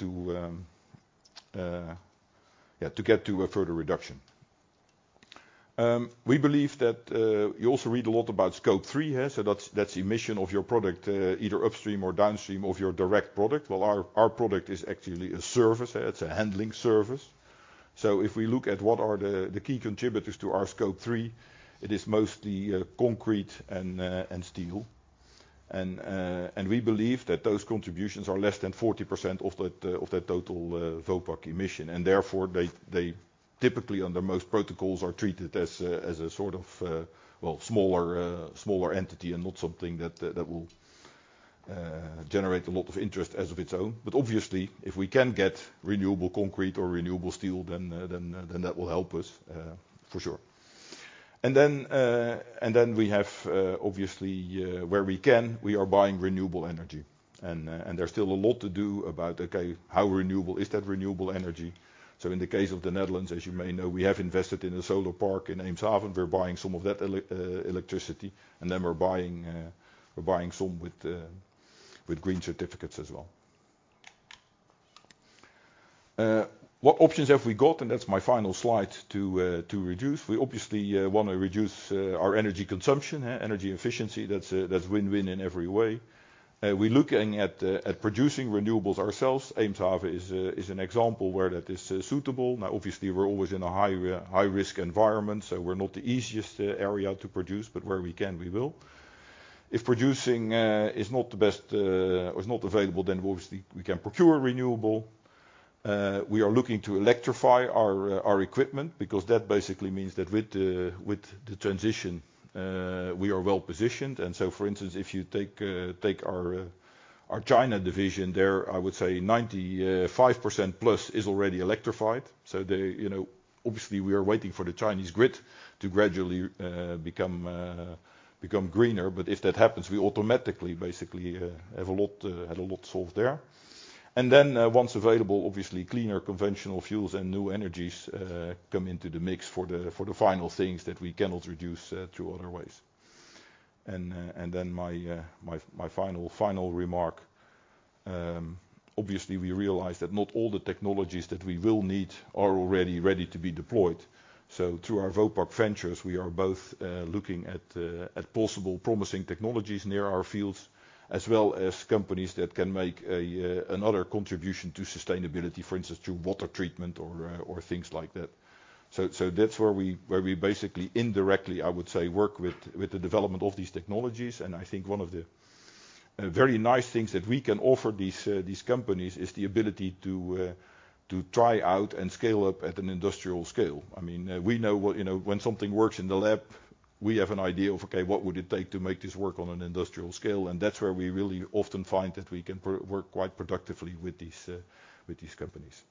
get to a further reduction. We believe that you also read a lot about Scope 3. That's emission of your product either upstream or downstream of your direct product. Well, our product is actually a service. It's a handling service. If we look at what are the key contributors to our Scope 3, it is mostly concrete and steel. We believe that those contributions are less than 40% of that total Vopak emission. Therefore, they typically, under most protocols, are treated as a sort of smaller entity and not something that will generate a lot of interest as of its own. Obviously, if we can get renewable concrete or renewable steel, then that will help us for sure. We have obviously where we can we are buying renewable energy. There's still a lot to do about how renewable is that renewable energy. In the case of the Netherlands, as you may know, we have invested in a solar park in Eemshaven. We're buying some of that electricity, and then we're buying some with green certificates as well. What options have we got, and that's my final slide, to reduce? We obviously wanna reduce our energy consumption, energy efficiency. That's win-win in every way. We're looking at producing renewables ourselves. Eemshaven is an example where that is suitable. Now, obviously, we're always in a high-risk environment, so we're not the easiest area to produce, but where we can, we will. If producing is not the best or is not available, then obviously we can procure renewable. We are looking to electrify our equipment because that basically means that with the transition we are well-positioned. For instance, if you take our China division there, I would say 95% plus is already electrified. They obviously we are waiting for the Chinese grid to gradually become greener. But if that happens, we automatically basically have a lot solved there. Then, once available, obviously cleaner conventional fuels and new energies come into the mix for the final things that we cannot reduce through other ways. Then my final remark, obviously we realize that not all the technologies that we will need are already ready to be deployed. Through our Vopak Ventures, we are both looking at possibly promising technologies near our fields, as well as companies that can make another contribution to sustainability, for instance, through water treatment or things like that. That's where we basically indirectly, I would say, work with the development of these technologies. I think one of the very nice things that we can offer these companies is the ability to try out and scale up at an industrial scale. I mean, we know what when something works in the lab, we have an idea of, okay, what would it take to make this work on an industrial scale. That's where we really often find that we can work quite productively with these companies.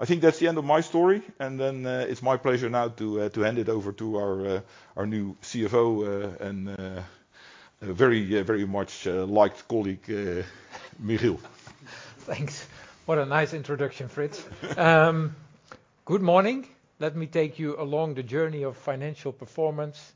I think that's the end of my story, and then it's my pleasure now to hand it over to our new CFO, and a very much liked colleague, Michiel. Thanks. What a nice introduction, Frits. Good morning. Let me take you along the journey of financial performance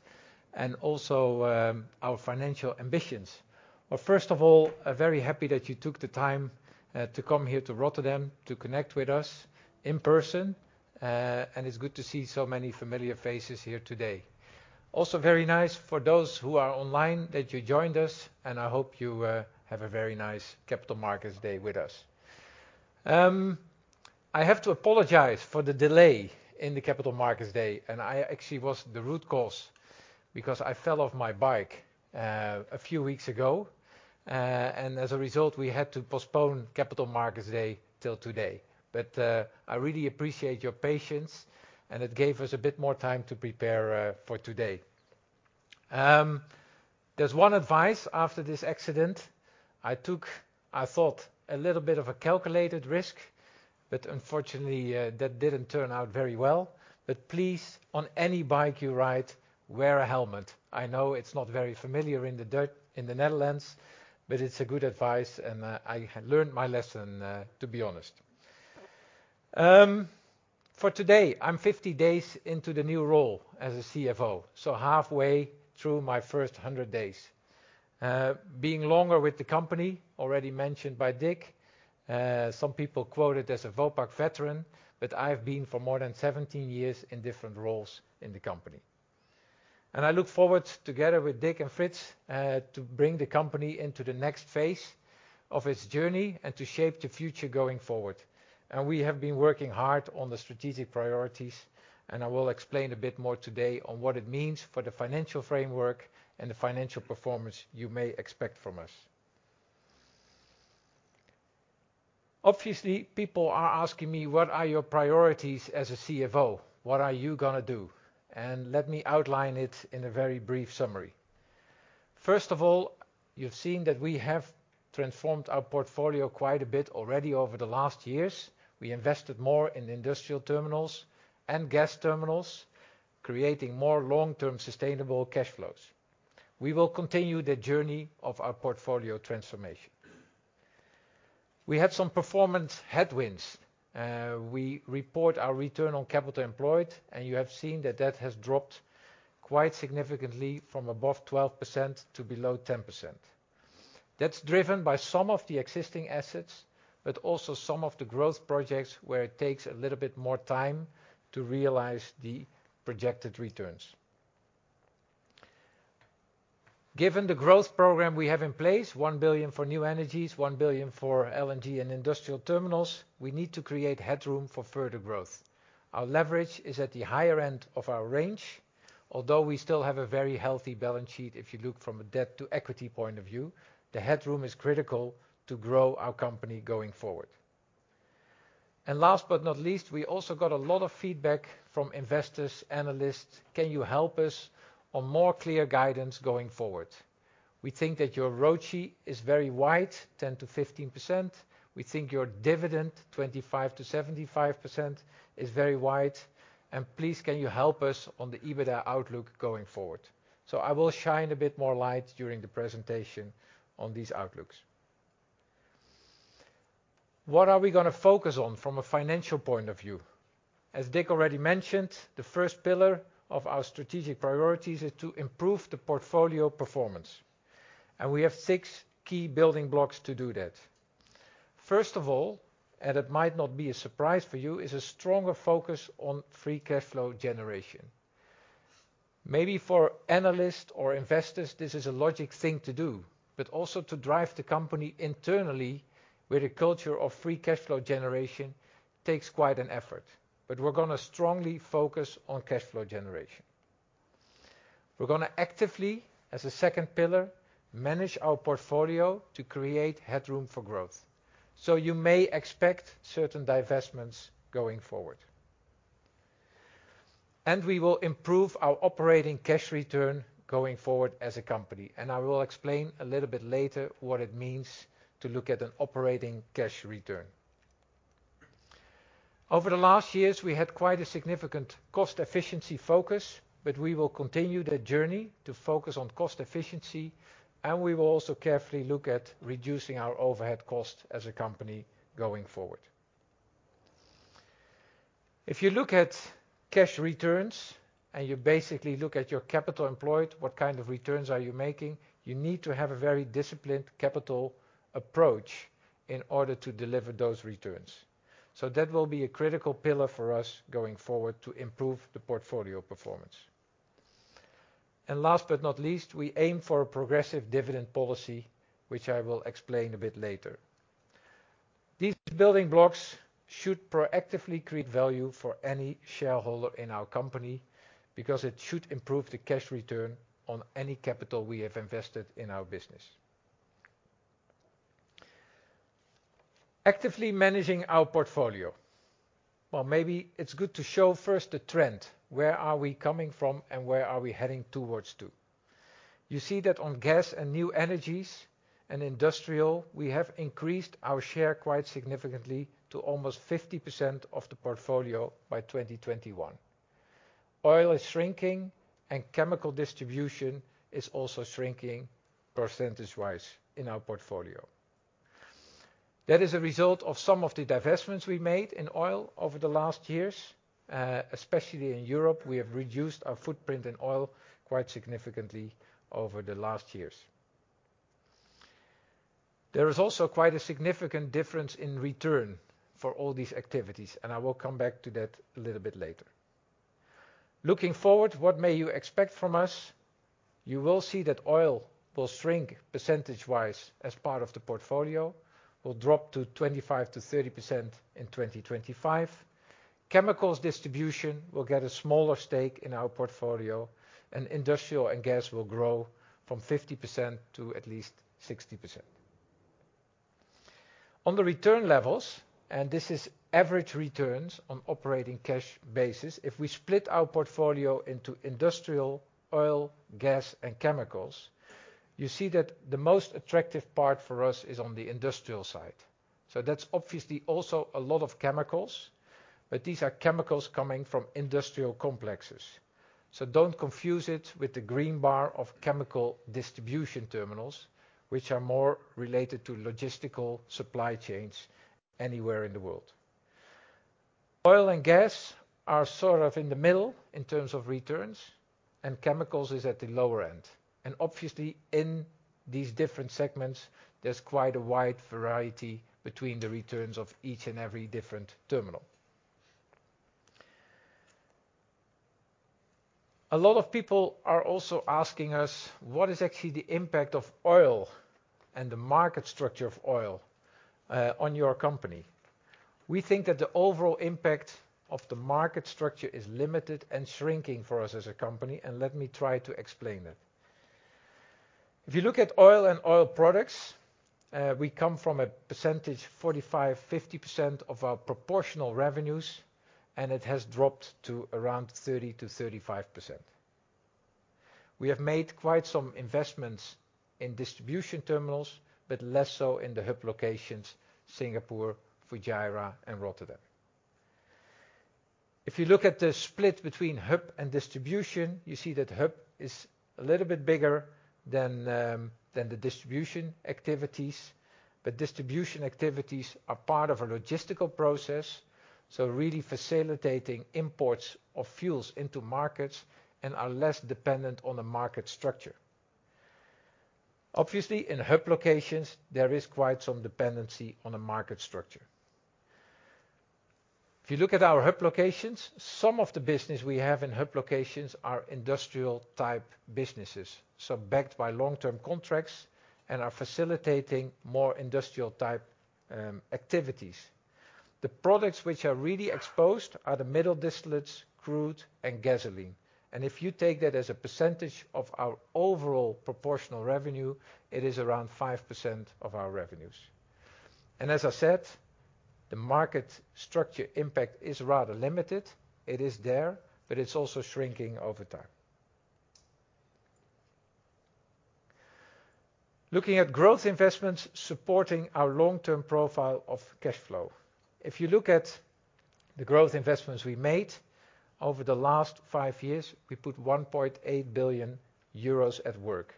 and also, our financial ambitions. Well, first of all, I'm very happy that you took the time, to come here to Rotterdam to connect with us in person. It's good to see so many familiar faces here today. Also, very nice for those who are online that you joined us, and I hope you, have a very nice Capital Markets Day with us. I have to apologize for the delay in the Capital Markets Day, and I actually was the root cause because I fell off my bike, a few weeks ago. As a result, we had to postpone Capital Markets Day till today. I really appreciate your patience, and it gave us a bit more time to prepare for today. There's one advice after this accident I took, I thought, a little bit of a calculated risk, but unfortunately, that didn't turn out very well. Please, on any bike you ride, wear a helmet. I know it's not very familiar in the Netherlands, but it's a good advice and, I learned my lesson, to be honest. For today, I'm 50 days into the new role as a CFO, so halfway through my first 100 days. Being longer with the company already mentioned by Dick, some people quoted as a Vopak veteran, but I've been for more than 17 years in different roles in the company. I look forward together with Dick and Frits to bring the company into the next phase of its journey and to shape the future going forward. We have been working hard on the strategic priorities, and I will explain a bit more today on what it means for the financial framework and the financial performance you may expect from us. Obviously, people are asking me, "What are your priorities as a CFO? What are you gonna do?" Let me outline it in a very brief summary. First of all, you've seen that we have transformed our portfolio quite a bit already over the last years. We invested more in industrial terminals and gas terminals, creating more long-term sustainable cash flows. We will continue the journey of our portfolio transformation. We had some performance headwinds. We report our return on capital employed, and you have seen that that has dropped quite significantly from above 12% to below 10%. That's driven by some of the existing assets, but also some of the growth projects where it takes a little bit more time to realize the projected returns. Given the growth program we have in place, 1 billion for new energies, 1 billion for LNG and industrial terminals, we need to create headroom for further growth. Our leverage is at the higher end of our range. Although we still have a very healthy balance sheet, if you look from a debt to equity point of view, the headroom is critical to grow our company going forward. Last but not least, we also got a lot of feedback from investors, analysts, "Can you help us on more clear guidance going forward? We think that your ROCE is very wide, 10%-15%. We think your dividend, 25%-75% is very wide, and please, can you help us on the EBITDA outlook going forward?" I will shine a bit more light during the presentation on these outlooks. What are we gonna focus on from a financial point of view? As Dick already mentioned, the first pillar of our strategic priorities is to improve the portfolio performance, and we have six key building blocks to do that. First of all, and it might not be a surprise for you, is a stronger focus on free cash flow generation. Maybe for analysts or investors, this is a logical thing to do, but also to drive the company internally with a culture of free cash flow generation takes quite an effort. We're gonna strongly focus on cash flow generation. We're gonna actively, as a second pillar, manage our portfolio to create headroom for growth, so you may expect certain divestments going forward. We will improve our Operating Cash Return going forward as a company, and I will explain a little bit later what it means to look at an Operating Cash Return. Over the last years, we had quite a significant cost efficiency focus, but we will continue that journey to focus on cost efficiency, and we will also carefully look at reducing our overhead cost as a company going forward. If you look at cash returns and you basically look at your capital employed, what kind of returns are you making? You need to have a very disciplined capital approach in order to deliver those returns. That will be a critical pillar for us going forward to improve the portfolio performance. Last but not least, we aim for a progressive dividend policy, which I will explain a bit later. These building blocks should proactively create value for any shareholder in our company because it should improve the cash return on any capital we have invested in our business. Actively managing our portfolio. Well, maybe it's good to show first the trend, where are we coming from and where are we heading towards to? You see that on gas and new energies and industrial, we have increased our share quite significantly to almost 50% of the portfolio by 2021. Oil is shrinking and chemical distribution is also shrinking percentage-wise in our portfolio. That is a result of some of the divestments we made in oil over the last years, especially in Europe, we have reduced our footprint in oil quite significantly over the last years. There is also quite a significant difference in return for all these activities, and I will come back to that a little bit later. Looking forward, what may you expect from us? You will see that oil will shrink percentage-wise as part of the portfolio, will drop to 25%-30% in 2025. Chemicals distribution will get a smaller stake in our portfolio, and industrial and gas will grow from 50% to at least 60%. On the return levels, and this is average returns on operating cash basis, if we split our portfolio into industrial, oil, gas, and chemicals, you see that the most attractive part for us is on the industrial side. That's obviously also a lot of chemicals, but these are chemicals coming from industrial complexes. Don't confuse it with the green bar of chemical distribution terminals, which are more related to logistical supply chains anywhere in the world. Oil and gas are sort of in the middle in terms of returns, and chemicals is at the lower end. Obviously in these different segments, there's quite a wide variety between the returns of each and every different terminal. A lot of people are also asking us, "What is actually the impact of oil and the market structure of oil on your company?" We think that the overall impact of the market structure is limited and shrinking for us as a company, and let me try to explain that. If you look at oil and oil products, we come from 45-50% of our proportional revenues, and it has dropped to around 30%-35%. We have made quite some investments in distribution terminals, but less so in the hub locations, Singapore, Fujairah, and Rotterdam. If you look at the split between hub and distribution, you see that hub is a little bit bigger than the distribution activities, but distribution activities are part of a logistical process, so really facilitating imports of fuels into markets and are less dependent on the market structure. Obviously, in hub locations, there is quite some dependency on the market structure. If you look at our hub locations, some of the business we have in hub locations are industrial type businesses, so backed by long-term contracts and are facilitating more industrial type activities. The products which are really exposed are the middle distillates, crude, and gasoline. As I said, the market structure impact is rather limited. It is there, but it's also shrinking over time. Looking at growth investments supporting our long-term profile of cash flow. If you look at the growth investments we made over the last five years, we put 1.8 billion euros at work.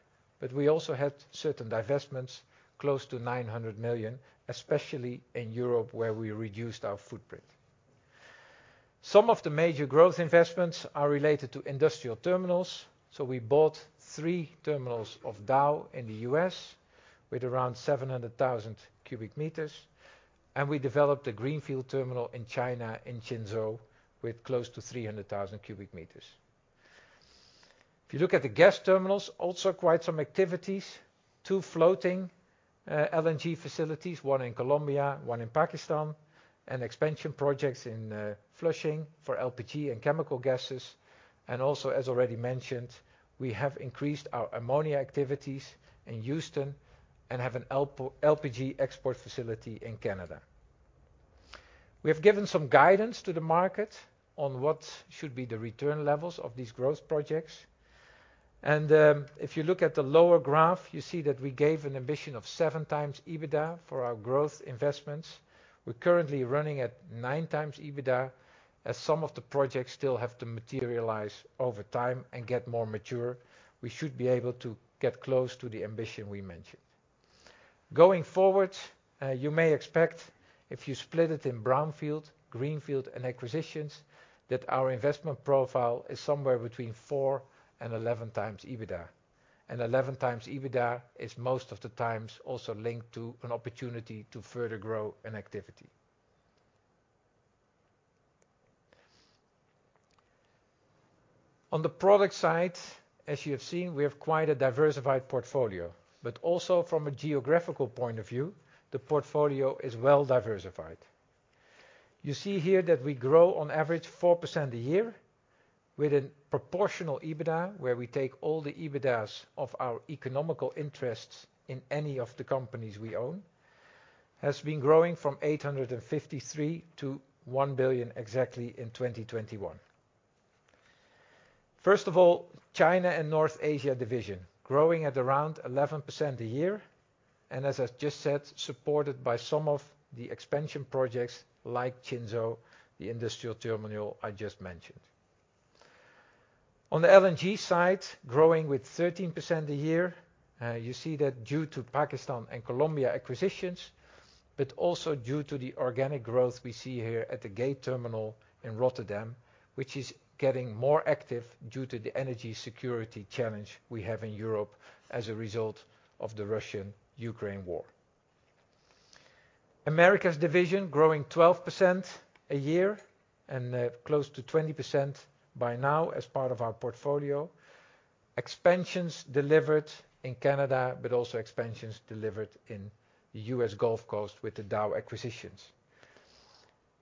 We also had certain divestments, close to 900 million, especially in Europe, where we reduced our footprint. Some of the major growth investments are related to industrial terminals. We bought three terminals of Dow in the U.S. with around 700,000 cubic meters, and we developed a greenfield terminal in China, in Qinzhou, with close to 300,000 cubic meters. If you look at the gas terminals, also quite some activities. Two floating LNG facilities, one in Colombia, one in Pakistan, and expansion projects in Flushing for LPG and chemical gases. Also, as already mentioned, we have increased our ammonia activities in Houston and have an LP-LPG export facility in Canada. We have given some guidance to the market on what should be the return levels of these growth projects. If you look at the lower graph, you see that we gave an ambition of 7 times EBITDA for our growth investments. We're currently running at 9 times EBITDA. As some of the projects still have to materialize over time and get more mature, we should be able to get close to the ambition we mentioned. Going forward, you may expect if you split it in brownfield, greenfield, and acquisitions, that our investment profile is somewhere between 4 and 11 times EBITDA. 11x EBITDA is most of the time also linked to an opportunity to further grow an activity. On the product side, as you have seen, we have quite a diversified portfolio, but also from a geographical point of view, the portfolio is well diversified. You see here that we grow on average 4% a year with a proportional EBITDA, where we take all the EBITDAs of our economic interests in any of the companies we own, has been growing from 853 million to 1 billion exactly in 2021. First of all, China and North Asia Division growing at around 11% a year and as I just said, supported by some of the expansion projects like Qinzhou, the industrial terminal I just mentioned. On the LNG side, growing with 13% a year. You see that due to Pakistan and Colombia acquisitions, but also due to the organic growth we see here at the Gate terminal in Rotterdam, which is getting more active due to the energy security challenge we have in Europe as a result of the Russia-Ukraine war. Americas division growing 12% a year and close to 20% by now as part of our portfolio. Expansions delivered in Canada, but also expansions delivered in the U.S. Gulf Coast with the Dow acquisitions.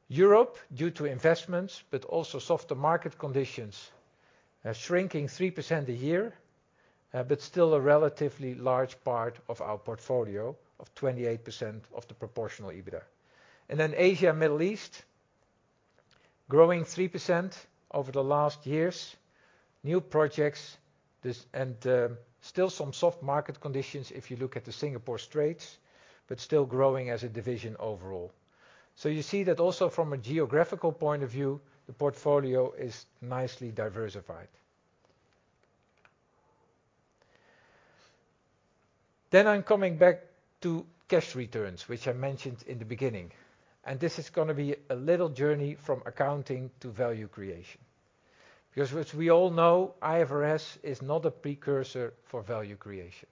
Europe, due to investments but also softer market conditions, shrinking 3% a year, but still a relatively large part of our portfolio of 28% of the proportional EBITDA. Asia, Middle East, growing 3% over the last years. Still some soft market conditions if you look at the Singapore Straits, but still growing as a division overall. You see that also from a geographical point of view, the portfolio is nicely diversified. I'm coming back to cash returns, which I mentioned in the beginning, and this is gonna be a little journey from accounting to value creation, because as we all know, IFRS is not a precursor for value creation.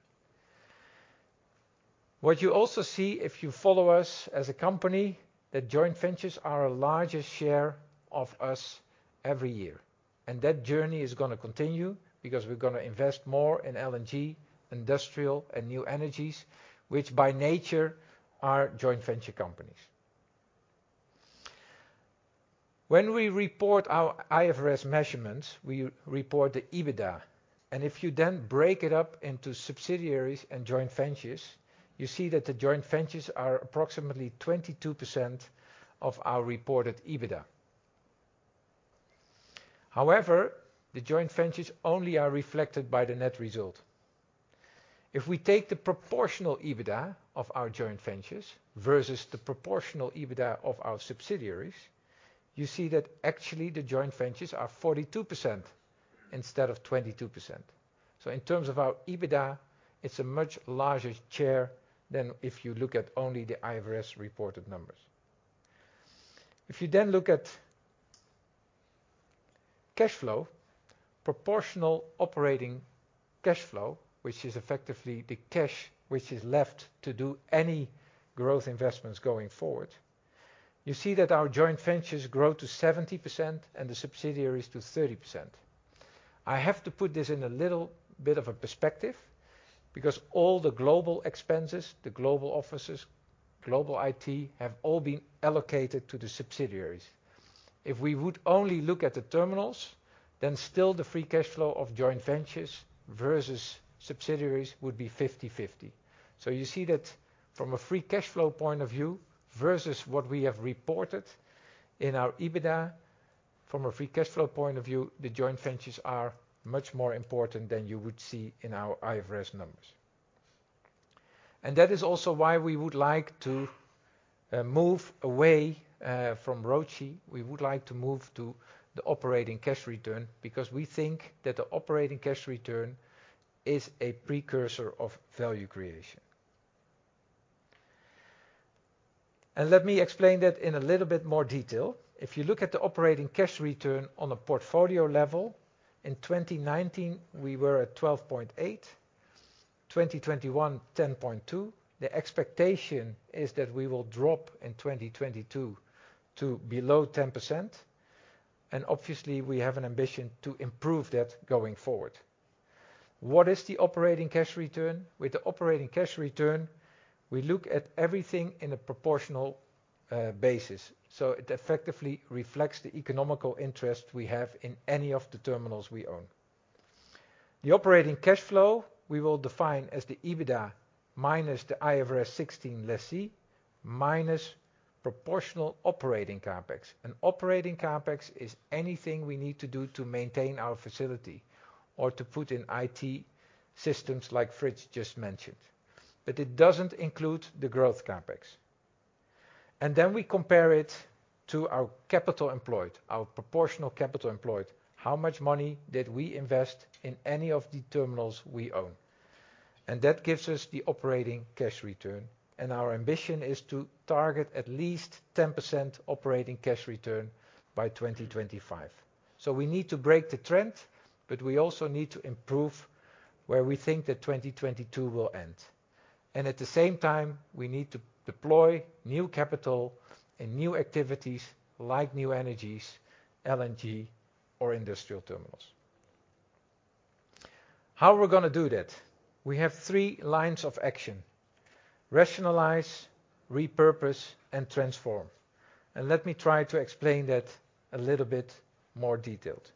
What you also see if you follow us as a company, that joint ventures are a larger share of us every year, and that journey is gonna continue because we're gonna invest more in LNG, industrial and new energies, which by nature are joint venture companies. When we report our IFRS measurements, we report the EBITDA, and if you then break it up into subsidiaries and joint ventures, you see that the joint ventures are approximately 22% of our reported EBITDA. However, the joint ventures only are reflected by the net result. If we take the proportional EBITDA of our joint ventures versus the proportional EBITDA of our subsidiaries, you see that actually the joint ventures are 42% instead of 22%. In terms of our EBITDA, it's a much larger share than if you look at only the IFRS reported numbers. If you then look at cash flow, proportional operating cash flow, which is effectively the cash which is left to do any growth investments going forward, you see that our joint ventures grow to 70% and the subsidiaries to 30%. I have to put this in a little bit of a perspective because all the global expenses, the global offices, global IT, have all been allocated to the subsidiaries. If we would only look at the terminals, then still the free cash flow of joint ventures versus subsidiaries would be 50/50. You see that from a free cash flow point of view versus what we have reported in our EBITDA from a free cash flow point of view, the joint ventures are much more important than you would see in our IFRS numbers. That is also why we would like to move away from ROCE. We would like to move to the operating cash return because we think that the operating cash return is a precursor of value creation. Let me explain that in a little bit more detail. If you look at the operating cash return on a portfolio level, in 2019 we were at 12.8, 2021, 10.2. The expectation is that we will drop in 2022 to below 10%, and obviously we have an ambition to improve that going forward. What is the operating cash return? With the operating cash return, we look at everything in a proportional basis, so it effectively reflects the economic interest we have in any of the terminals we own. The operating cash flow we will define as the EBITDA minus the IFRS 16 leases minus proportional operating CapEx. An operating CapEx is anything we need to do to maintain our facility or to put in IT systems like Fritz just mentioned, but it doesn't include the growth CapEx. We compare it to our capital employed, our proportional capital employed. How much money did we invest in any of the terminals we own? That gives us the Operating Cash Return and our ambition is to target at least 10% Operating Cash Return by 2025. We need to break the trend, but we also need to improve where we think that 2022 will end. At the same time, we need to deploy new capital and new activities like New Energies, LNG or industrial terminals. How we're gonna do that? We have three lines of action, rationalize, repurpose, and transform. Let me try to explain that a little bit more detailed.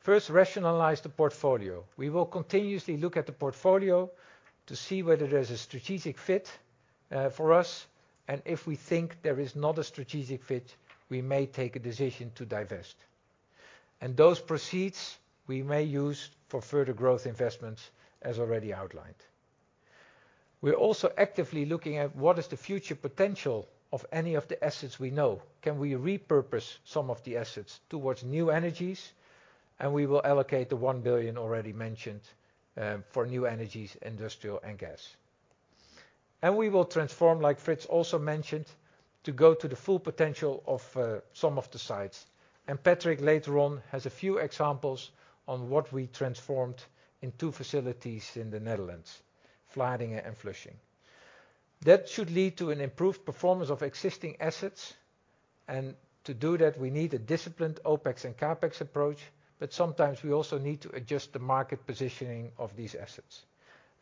First, rationalize the portfolio. We will continuously look at the portfolio to see whether there's a strategic fit, for us, and if we think there is not a strategic fit, we may take a decision to divest. Those proceeds we may use for further growth investments as already outlined. We're also actively looking at what is the future potential of any of the assets we know. Can we repurpose some of the assets towards new energies? We will allocate the 1 billion already mentioned for new energies, industrial and gas. We will transform, like Fritz also mentioned, to go to the full potential of some of the sites. Patrick later on has a few examples on what we transformed in two facilities in the Netherlands, Vlaardingen and Vlissingen. That should lead to an improved performance of existing assets. To do that, we need a disciplined OpEx and CapEx approach, but sometimes we also need to adjust the market positioning of these assets.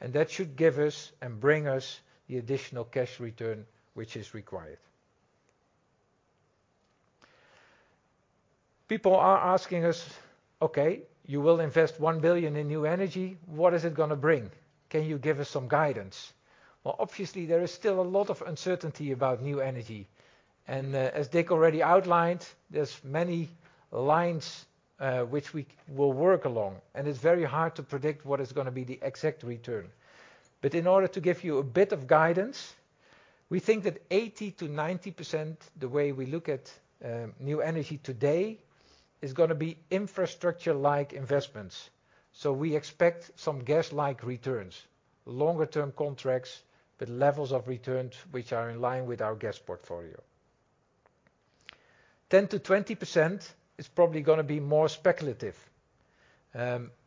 That should give us and bring us the additional cash return which is required. People are asking us, "Okay, you will invest 1 billion in new energy. What is it gonna bring? Can you give us some guidance?" Well, obviously there is still a lot of uncertainty about new energy and, as Dick already outlined, there's many lines, which we will work along, and it's very hard to predict what is gonna be the exact return. In order to give you a bit of guidance, we think that 80%-90% the way we look at new energy today is gonna be infrastructure-like investments, so we expect some gas-like returns, longer term contracts, but levels of returns which are in line with our gas portfolio. 10%-20% is probably gonna be more speculative.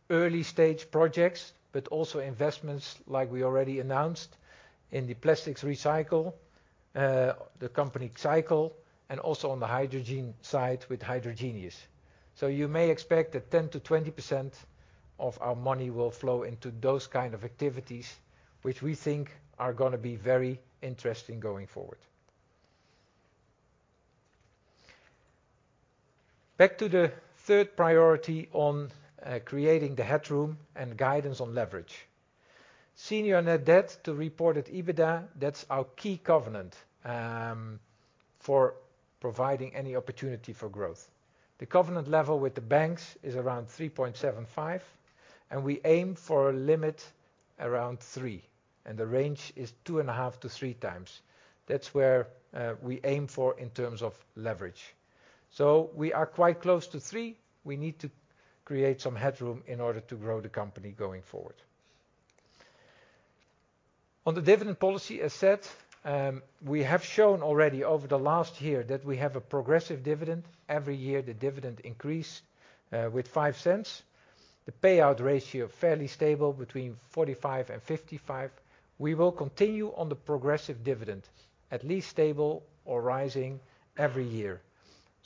Early stage projects, but also investments like we already announced in the plastics recycle, the company Xycle, and also on the hydrogen side with Hydrogenious. You may expect that 10%-20% of our money will flow into those kind of activities, which we think are gonna be very interesting going forward. Back to the third priority on creating the headroom and guidance on leverage. Senior net debt to reported EBITDA, that's our key covenant, for providing any opportunity for growth. The covenant level with the banks is around 3.75, and we aim for a limit around 3, and the range is 2.5-3 times. That's where we aim for in terms of leverage. We are quite close to 3. We need to create some headroom in order to grow the company going forward. On the dividend policy, as said, we have shown already over the last year that we have a progressive dividend. Every year the dividend increase with five cents. The payout ratio fairly stable between 45%-55%. We will continue on the progressive dividend at least stable or rising every year.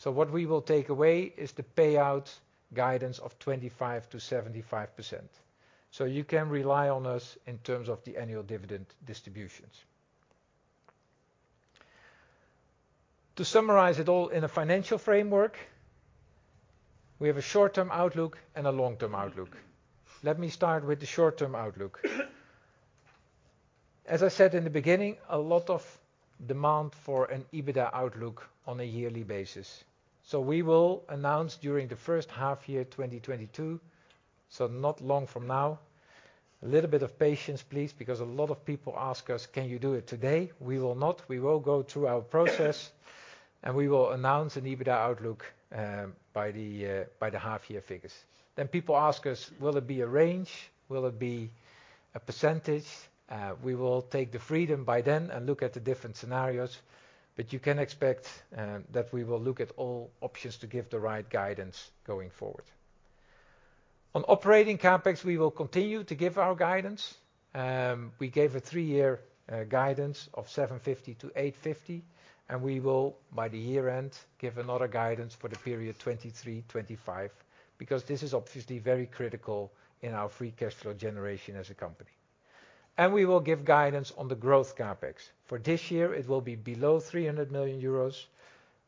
What we will take away is the payout guidance of 25%-75%. You can rely on us in terms of the annual dividend distributions. To summarize it all in a financial framework, we have a short-term outlook and a long-term outlook. Let me start with the short-term outlook. As I said in the beginning, a lot of demand for an EBITDA outlook on a yearly basis. We will announce during the H1 year 2022, not long from now. A little bit of patience, please, because a lot of people ask us, "Can you do it today?" We will not. We will go through our process and we will announce an EBITDA outlook by the half-year figures. People ask us, "Will it be a range? Will it be a percentage?" We will take the freedom by then and look at the different scenarios, but you can expect that we will look at all options to give the right guidance going forward. On operating CapEx, we will continue to give our guidance. We gave a three-year guidance of 750-850, and we will, by the year-end, give another guidance for the period 2023-2025, because this is obviously very critical in our free cash flow generation as a company. We will give guidance on the growth CapEx. For this year it will be below 300 million euros,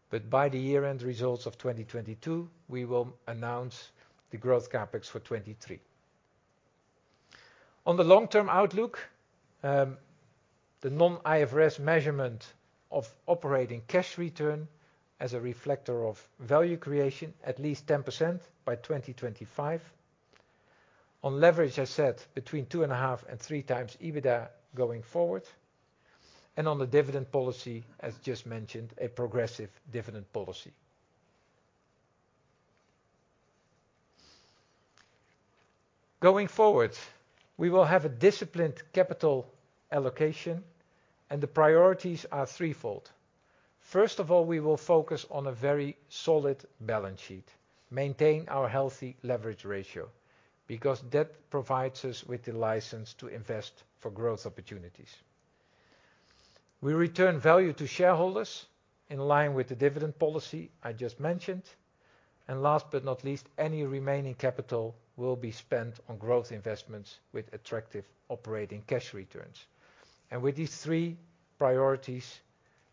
but by the year-end results of 2022, we will announce the growth CapEx for 2023. On the long-term outlook, the non-IFRS measurement of operating cash return as a reflector of value creation at least 10% by 2025. On leverage, I said between 2.5 and 3 times EBITDA going forward. On the dividend policy, as just mentioned, a progressive dividend policy. Going forward, we will have a disciplined capital allocation and the priorities are threefold. First of all, we will focus on a very solid balance sheet, maintain our healthy leverage ratio, because that provides us with the license to invest for growth opportunities. We return value to shareholders in line with the dividend policy I just mentioned. Last but not least, any remaining capital will be spent on growth investments with attractive operating cash returns. With these three priorities,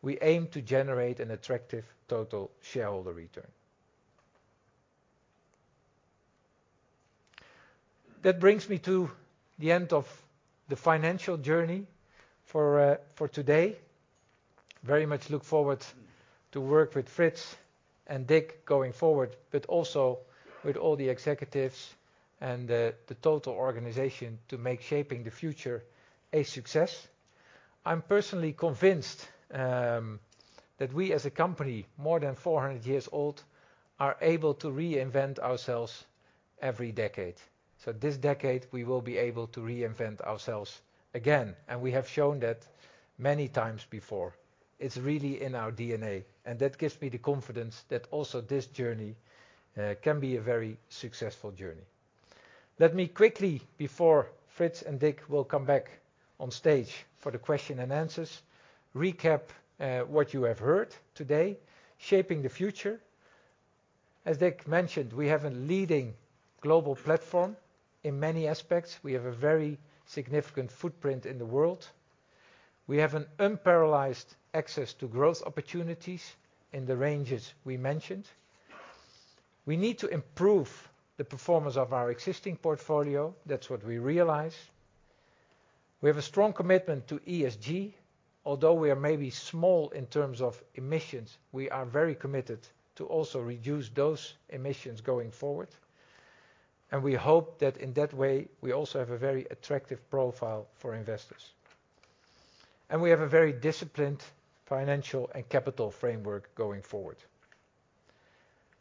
we aim to generate an attractive total shareholder return. That brings me to the end of the financial journey for today. Very much look forward to work with Frits and Dick going forward, but also with all the executives and the total organization to make Shaping the Future a success. I'm personally convinced that we as a company, more than 400 years old, are able to reinvent ourselves every decade. This decade we will be able to reinvent ourselves again, and we have shown that many times before. It's really in our DNA, and that gives me the confidence that also this journey can be a very successful journey. Let me quickly, before Frits and Dick come back on stage for the question and answers, recap what you have heard today, Shaping the Future. As Dick mentioned, we have a leading global platform in many aspects. We have a very significant footprint in the world. We have an unparalleled access to growth opportunities in the ranges we mentioned. We need to improve the performance of our existing portfolio. That's what we realize. We have a strong commitment to ESG. Although we are maybe small in terms of emissions, we are very committed to also reduce those emissions going forward, and we hope that in that way, we also have a very attractive profile for investors. We have a very disciplined financial and capital framework going forward.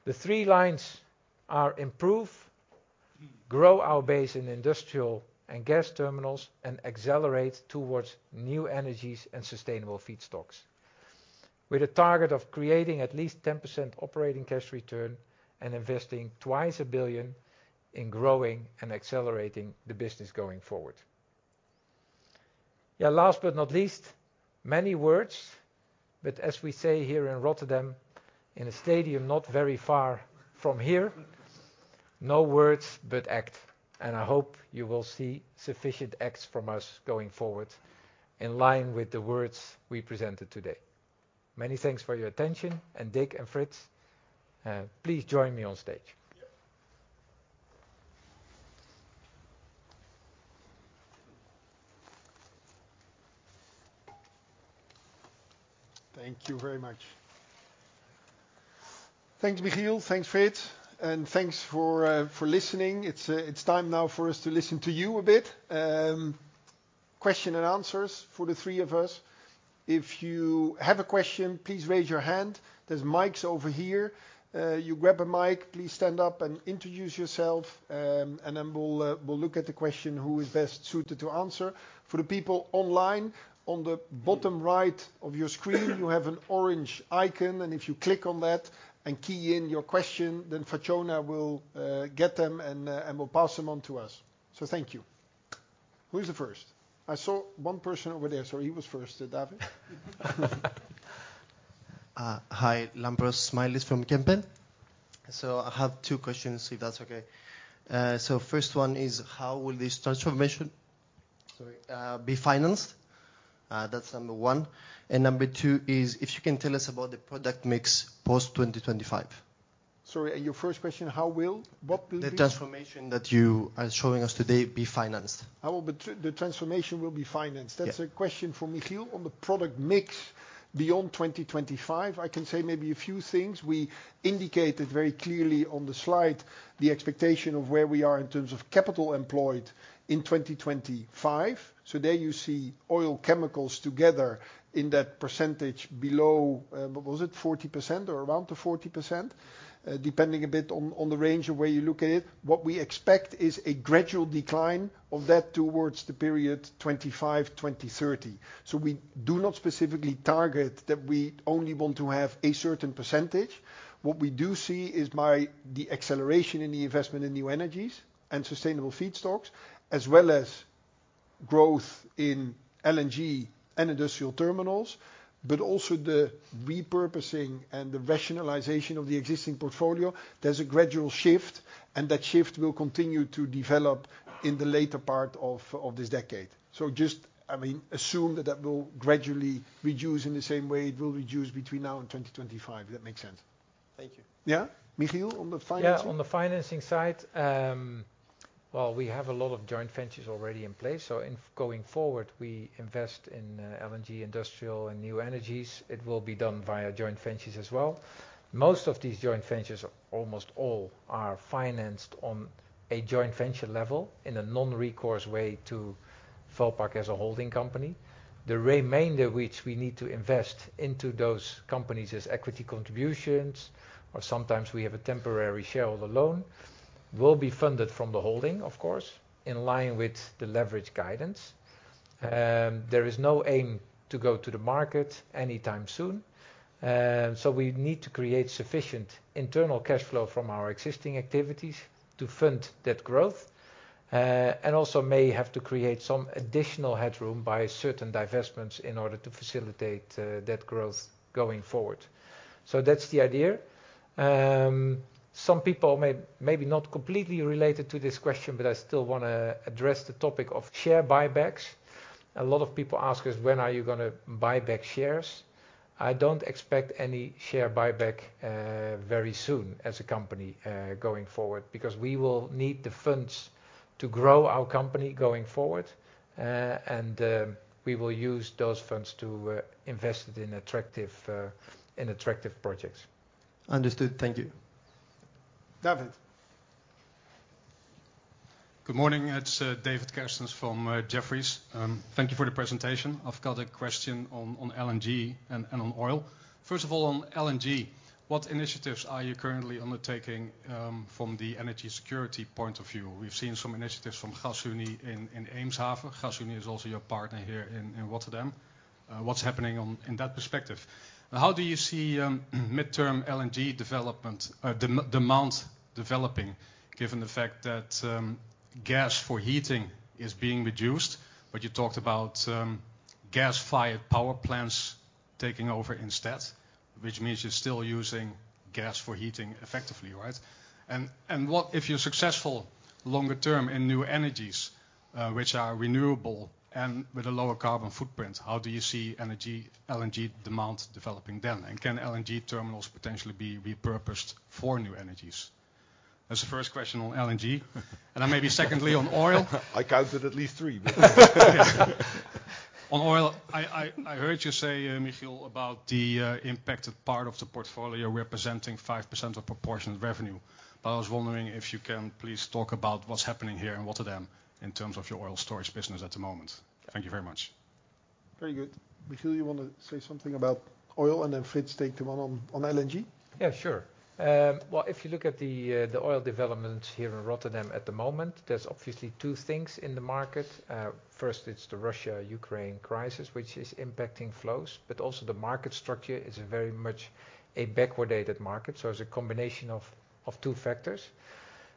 The three lines are improve, grow our base in industrial and gas terminals, and accelerate towards new energies and sustainable feedstocks. With a target of creating at least 10% operating cash return and investing 2 billion in growing and accelerating the business going forward. Yeah, last but not least, many words, but as we say here in Rotterdam, in a stadium not very far from here, no words but act, and I hope you will see sufficient acts from us going forward in line with the words we presented today. Many thanks for your attention. Dick and Frits, please join me on stage. Yeah. Thank you very much. Thanks, Michiel. Thanks, Frits. Thanks for listening. It's time now for us to listen to you a bit. Question and answers for the three of us. If you have a question, please raise your hand. There's mics over here. You grab a mic, please stand up and introduce yourself, and then we'll look at the question who is best suited to answer. For the people online, on the bottom right of your screen you have an orange icon, and if you click on that and key in your question, then Fatjona will get them and will pass them on to us. Thank you. Who is the first? I saw one person over there, so he was first. David? Hi. Lambros Smyrlaios from Kempen & Co. I have two questions if that's okay. First one is: How will this transformation be financed? That's number one. Number two is if you can tell us about the product mix post 2025. Sorry, your first question. What will be- The transformation that you are showing us today be financed? How will the transformation be financed? Yeah. That's a question for Michiel. On the product mix beyond 2025, I can say maybe a few things. We indicated very clearly on the slide the expectation of where we are in terms of capital employed in 2025, so there you see oil and chemicals together in that percentage below what was it? 40% or around the 40%, depending a bit on the range of where you look at it. What we expect is a gradual decline of that towards the period 2025-2030. We do not specifically target that we only want to have a certain percentage. What we do see is by the acceleration in the investment in new energies and sustainable feedstocks, as well as growth in LNG and industrial terminals, but also the repurposing and the rationalization of the existing portfolio, there's a gradual shift, and that shift will continue to develop in the later part of this decade. Just, I mean, assume that that will gradually reduce in the same way it will reduce between now and 2025, if that makes sense. Thank you. Yeah. Michiel, on the financing? On the financing side, well, we have a lot of joint ventures already in place. In going forward, we invest in LNG, industrial and new energies. It will be done via joint ventures as well. Most of these joint ventures, almost all, are financed on a joint venture level in a non-recourse way to Vopak as a holding company. The remainder which we need to invest into those companies is equity contributions, or sometimes we have a temporary shareholder loan will be funded from the holding, of course, in line with the leverage guidance. There is no aim to go to the market anytime soon. We need to create sufficient internal cash flow from our existing activities to fund that growth. We may have to create some additional headroom by certain divestments in order to facilitate that growth going forward. That's the idea. Some people may not be completely related to this question, but I still wanna address the topic of share buybacks. A lot of people ask us, "When are you gonna buy back shares?" I don't expect any share buyback very soon as a company going forward because we will need the funds to grow our company going forward. We will use those funds to invest it in attractive projects. Understood. Thank you. David. Good morning. It's David Kerstens from Jefferies. Thank you for the presentation. I've got a question on LNG and on oil. First of all, on LNG, what initiatives are you currently undertaking from the energy security point of view? We've seen some initiatives from Gasunie in Eemshaven. Gasunie is also your partner here in Rotterdam. What's happening in that perspective? How do you see midterm LNG development demand developing given the fact that gas for heating is being reduced, but you talked about gas-fired power plants taking over instead, which means you're still using gas for heating effectively, right? What if you're successful longer term in new energies, which are renewable and with a lower carbon footprint, how do you see LNG demand developing then? Can LNG terminals potentially be repurposed for new energies? That's the first question on LNG. Then maybe secondly on oil- I counted at least three, but. On oil, I heard you say, Michiel, about the impacted part of the portfolio representing 5% of proportionate revenue, but I was wondering if you can please talk about what's happening here in Rotterdam in terms of your oil storage business at the moment. Thank you very much. Very good. Michiel, you wanna say something about oil, and then Frits take the one on LNG? Yeah, sure. Well, if you look at the oil development here in Rotterdam at the moment, there's obviously two things in the market. First, it's the Russia-Ukraine crisis, which is impacting flows, but also the market structure is very much a backwardated market, so it's a combination of two factors.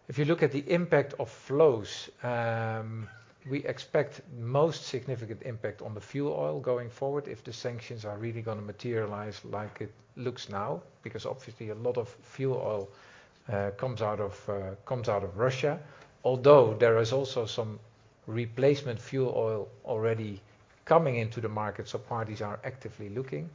If you look at the impact of flows, we expect most significant impact on the fuel oil going forward if the sanctions are really gonna materialize like it looks now, because obviously a lot of fuel oil comes out of Russia. Although, there is also some replacement fuel oil already coming into the market, so parties are actively looking.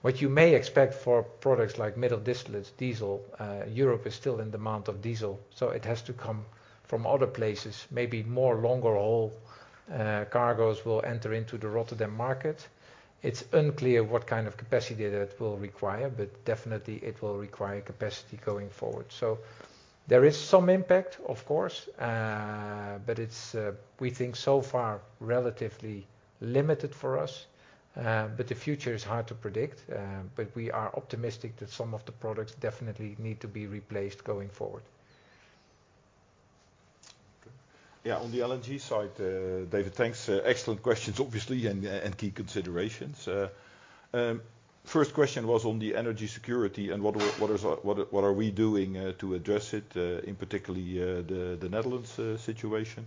What you may expect for products like middle distillates diesel, Europe is still in demand of diesel, so it has to come from other places. Maybe more longer haul cargos will enter into the Rotterdam market. It's unclear what kind of capacity that will require, but definitely it will require capacity going forward. There is some impact, of course, but it's, we think so far relatively limited for us, but the future is hard to predict, but we are optimistic that some of the products definitely need to be replaced going forward. Okay. Yeah. On the LNG side, David, thanks. Excellent questions, obviously and key considerations. First question was on the energy security and what are we doing to address it in particular, the Netherlands situation.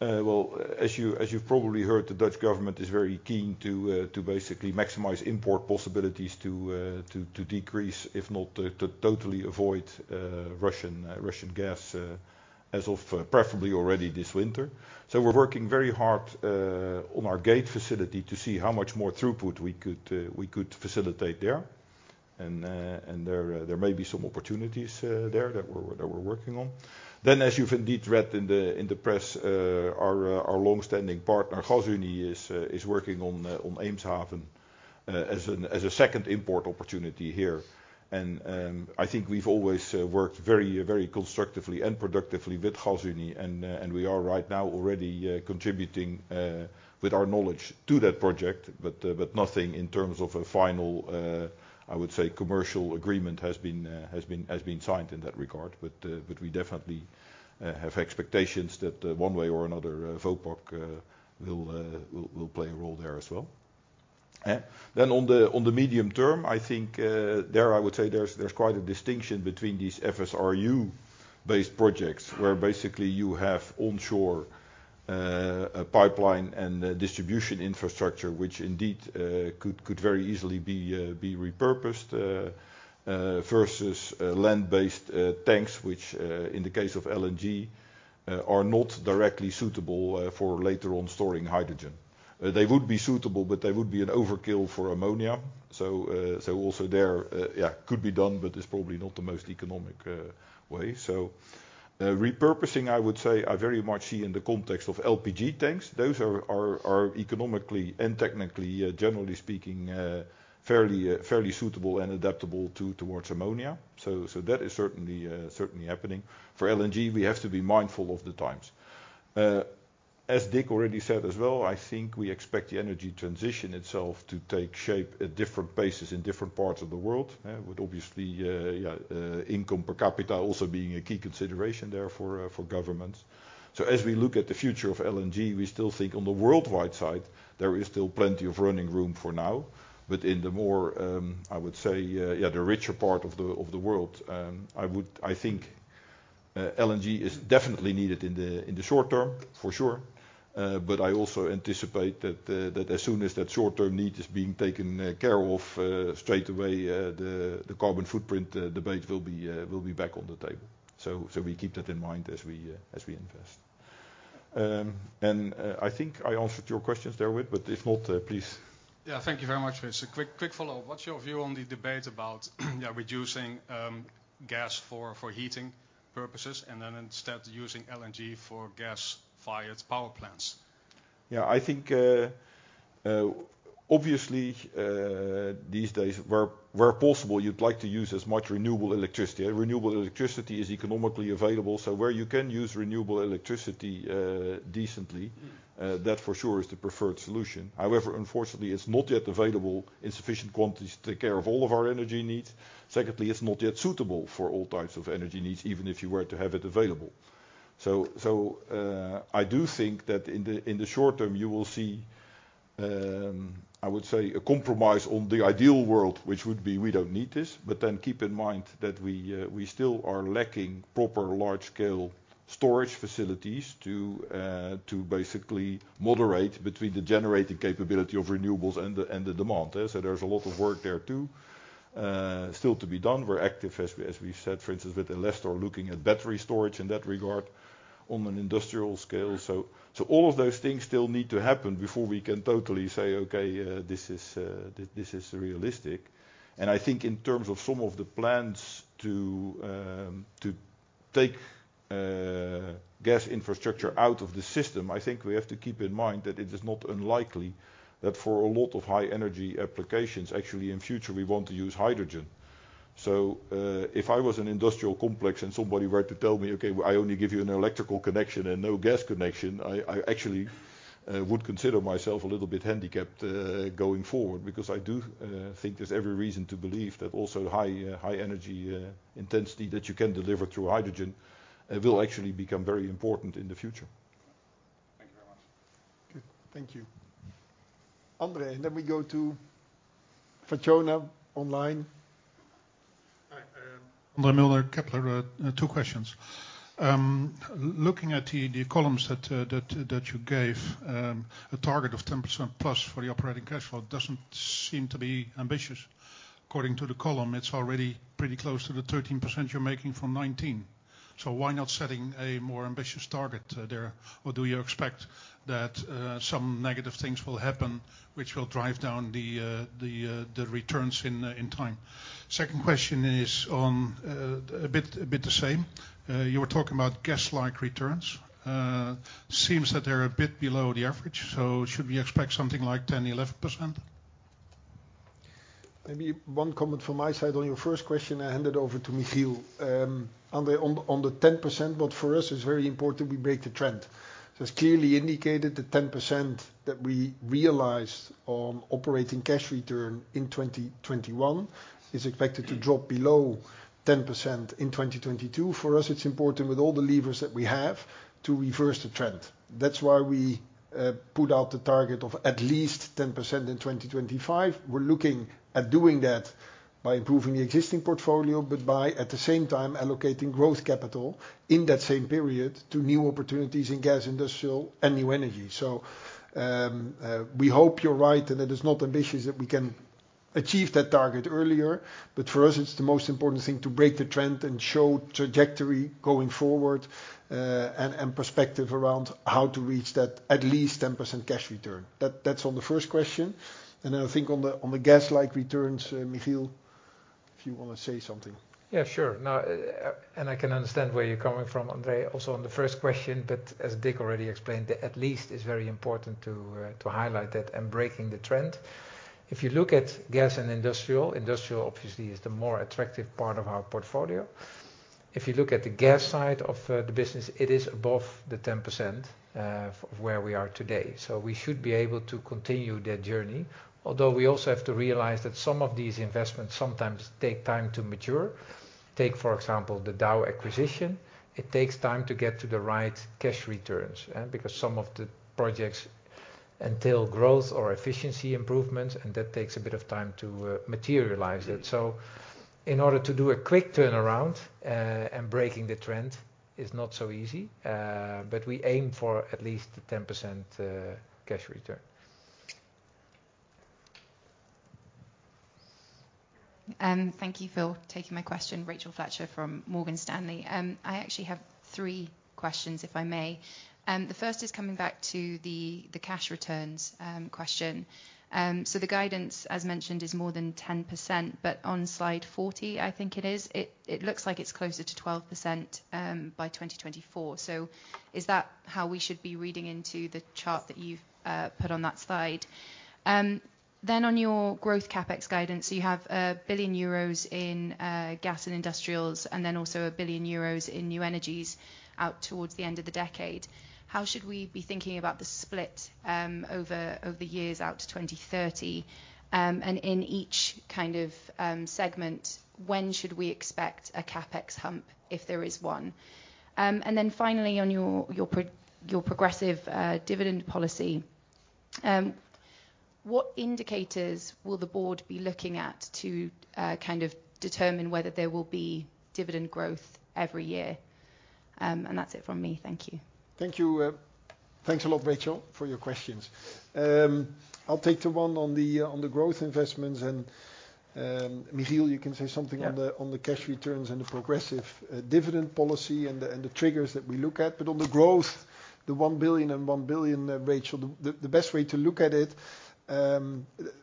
Well, as you've probably heard, the Dutch government is very keen to basically maximize import possibilities to decrease, if not to totally avoid, Russian gas as of preferably already this winter. We're working very hard on our Gate terminal to see how much more throughput we could facilitate there. There may be some opportunities there that we're working on. As you've indeed read in the press, our longstanding partner, Gasunie, is working on Eemshaven as a second import opportunity here. I think we've always worked very, very constructively and productively with Gasunie and we are right now already contributing with our knowledge to that project, but nothing in terms of a final, I would say, commercial agreement has been signed in that regard. But we definitely have expectations that, one way or another, Vopak will play a role there as well. On the medium term, I think, there I would say there's quite a distinction between these FSRU-based projects where basically you have onshore pipeline and distribution infrastructure, which indeed could very easily be repurposed versus land-based tanks, which in the case of LNG are not directly suitable for later on storing hydrogen. They would be suitable, but they would be an overkill for ammonia. Also there yeah could be done, but it's probably not the most economic way. Repurposing, I would say, I very much see in the context of LPG tanks. Those are economically and technically generally speaking fairly suitable and adaptable to towards ammonia. That is certainly happening. For LNG, we have to be mindful of the times. As Dick already said as well, I think we expect the energy transition itself to take shape at different paces in different parts of the world, with obviously, income per capita also being a key consideration there for governments. As we look at the future of LNG, we still think on the worldwide side there is still plenty of running room for now. In the more, I would say, the richer part of the world, I think LNG is definitely needed in the short term, for sure. I also anticipate that the As soon as that short-term need is being taken care of, straight away, the carbon footprint debate will be back on the table. We keep that in mind as we invest. I think I answered your questions therewith, but if not, please. Yeah. Thank you very much. Just a quick follow-up. What's your view on the debate about, yeah, reducing gas for heating purposes and then instead using LNG for gas-fired power plants? Yeah. I think, obviously, these days where possible, you'd like to use as much renewable electricity. Renewable electricity is economically available, so where you can use renewable electricity, decently. Mm-hmm That for sure is the preferred solution. However, unfortunately it's not yet available in sufficient quantities to take care of all of our energy needs. Secondly, it's not yet suitable for all types of energy needs, even if you were to have it available. I do think that in the short term you will see, I would say a compromise on the ideal world, which would be we don't need this. Keep in mind that we still are lacking proper large scale storage facilities to basically moderate between the generating capability of renewables and the demand. There's a lot of work there too, still to be done. We're active as we said, for instance, with Elestor looking at battery storage in that regard on an industrial scale. All of those things still need to happen before we can totally say, "Okay, this is realistic." I think in terms of some of the plans to take gas infrastructure out of the system, I think we have to keep in mind that it is not unlikely that for a lot of high energy applications, actually in future we want to use hydrogen. If I was an industrial complex and somebody were to tell me, "Okay, I only give you an electrical connection and no gas connection," I actually would consider myself a little bit handicapped going forward. Because I do think there's every reason to believe that also high energy intensity that you can deliver through hydrogen will actually become very important in the future. Thank you very much. Okay. Thank you. André, then we go to Fatjona online. Hi. André Mulder, Kepler Cheuvreux. Two questions. Looking at the columns that you gave, a target of 10% plus for the operating cash flow doesn't seem to be ambitious. According to the column, it's already pretty close to the 13% you're making from 2019. Why not setting a more ambitious target there? Or do you expect that some negative things will happen which will drive down the returns in time? Second question is on a bit the same. You were talking about gas-like returns. Seems that they're a bit below the average, so should we expect something like 10, 11%? Maybe one comment from my side on your first question, I hand it over to Michiel. André, on the 10%, what for us is very important, we break the trend. It's clearly indicated the 10% that we realized on Operating Cash Return in 2021 is expected to drop below 10% in 2022. For us, it's important with all the levers that we have to reverse the trend. That's why we put out the target of at least 10% in 2025. We're looking at doing that by improving the existing portfolio, but by at the same time allocating growth capital in that same period to new opportunities in gas, industrial and new energy. We hope you're right and that it's not ambitious that we can achieve that target earlier. For us, it's the most important thing to break the trend and show trajectory going forward, and perspective around how to reach that at least 10% cash return. That's on the first question. I think on the gas-like returns, Michiel, if you wanna say something. Yeah, sure. No, I can understand where you're coming from, André, also on the first question, but as Dick already explained, the at least is very important to highlight that and breaking the trend. If you look at gas and industrial obviously is the more attractive part of our portfolio. If you look at the gas side of the business, it is above the 10%, where we are today. We should be able to continue that journey, although we also have to realize that some of these investments sometimes take time to mature. Take, for example, the Dow acquisition. It takes time to get to the right cash returns, yeah, because some of the projects entail growth or efficiency improvements, and that takes a bit of time to materialize it. In order to do a quick turnaround, and breaking the trend is not so easy. We aim for at least a 10% cash return. Thank you for taking my question. Rachel Fletcher from Morgan Stanley. I actually have three questions, if I may. The first is coming back to the cash returns question. The guidance, as mentioned, is more than 10%, but on slide 40, I think it is, it looks like it's closer to 12%, by 2024. Is that how we should be reading into the chart that you've put on that slide? On your growth CapEx guidance, you have 1 billion euros in gas and industrials, and also 1 billion euros in new energies out towards the end of the decade. How should we be thinking about the split over years out to 2030? And in each kind of segment, when should we expect a CapEx hump, if there is one? And then finally on your progressive dividend policy, what indicators will the board be looking at to kind of determine whether there will be dividend growth every year? And that's it from me. Thank you. Thank you, thanks a lot, Rachel, for your questions. I'll take the one on the growth investments and Michiel, you can say something- Yeah On the cash returns and the progressive dividend policy and the triggers that we look at. On the growth, the 1 billion and 1 billion, Rachel, the best way to look at it, a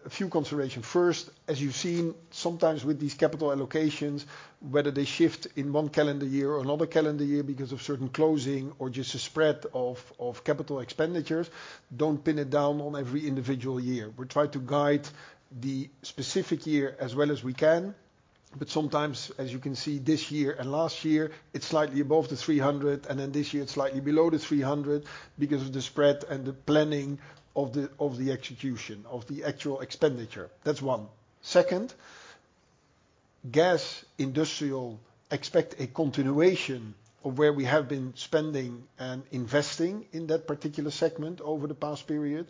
few considerations. First, as you've seen, sometimes with these capital allocations, whether they shift in one calendar year or another calendar year because of certain closing or just a spread of capital expenditures, don't pin it down on every individual year. We try to guide the specific year as well as we can, but sometimes, as you can see this year and last year, it's slightly above the 300 million, and then this year it's slightly below the 300 million because of the spread and the planning of the execution of the actual expenditure. That's one. Second, gas, industrial expect a continuation of where we have been spending and investing in that particular segment over the past period.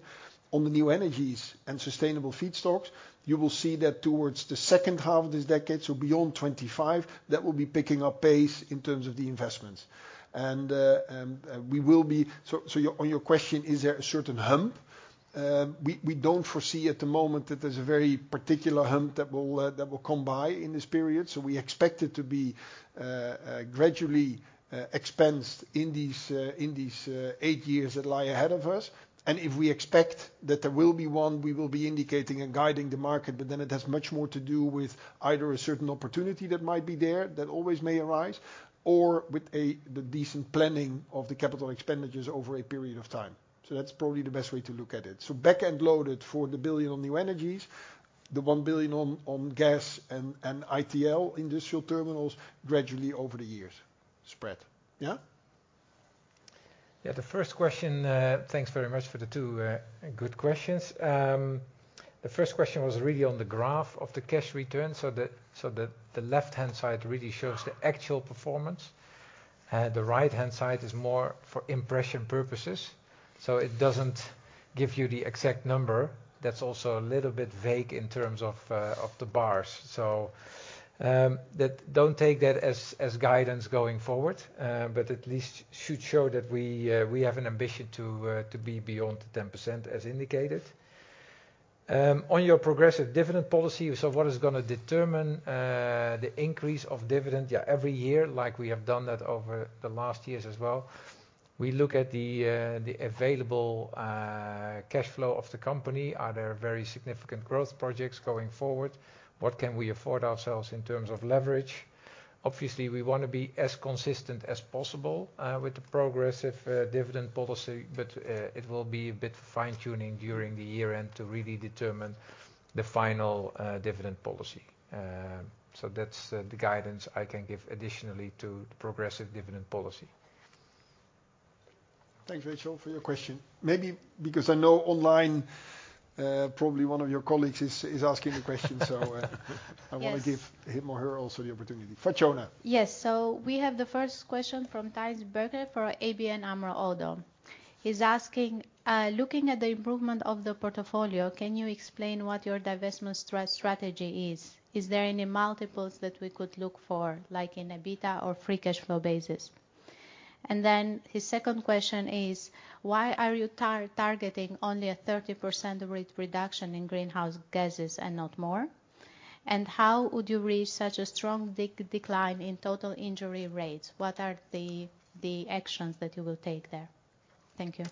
On the new energies and sustainable feedstocks, you will see that towards the H2 of this decade, so beyond 25, that will be picking up pace in terms of the investments. So on your question, is there a certain hump? We don't foresee at the moment that there's a very particular hump that will come by in this period, so we expect it to be gradually expensed in these eight years that lie ahead of us. If we expect that there will be one, we will be indicating and guiding the market, but then it has much more to do with either a certain opportunity that might be there that always may arise, or with the decent planning of the capital expenditures over a period of time. That's probably the best way to look at it. Back-end loaded for the 1 billion on new energies, the 1 billion on gas and oil, industrial terminals, gradually over the years spread. Yeah? Yeah, the first question, thanks very much for the two good questions. The first question was really on the graph of the cash return, so the left-hand side really shows the actual performance. The right-hand side is more for impression purposes, so it doesn't give you the exact number. That's also a little bit vague in terms of the bars. That don't take that as guidance going forward. At least should show that we have an ambition to be beyond the 10% as indicated. On your progressive dividend policy, what is gonna determine the increase of dividend? Yeah, every year, like we have done that over the last years as well. We look at the available cash flow of the company. Are there very significant growth projects going forward? What can we afford ourselves in terms of leverage? Obviously, we wanna be as consistent as possible with the progressive dividend policy, but it will be a bit fine-tuning during the year-end to really determine the final dividend policy. That's the guidance I can give additionally to the progressive dividend policy. Thanks, Rachel, for your question. Maybe because I know online, probably one of your colleagues is asking the question. Yes. I wanna give him or her also the opportunity. Fatjona? Yes. We have the first question from Thijs Berkelder for ABN AMRO ODDO. He's asking, looking at the improvement of the portfolio, can you explain what your divestment strategy is? Is there any multiples that we could look for, like in EBITDA or free cash flow basis? And then his second question is, why are you targeting only a 30% rate reduction in greenhouse gases and not more? And how would you reach such a strong decline in total injury rates? What are the actions that you will take there? Thank you.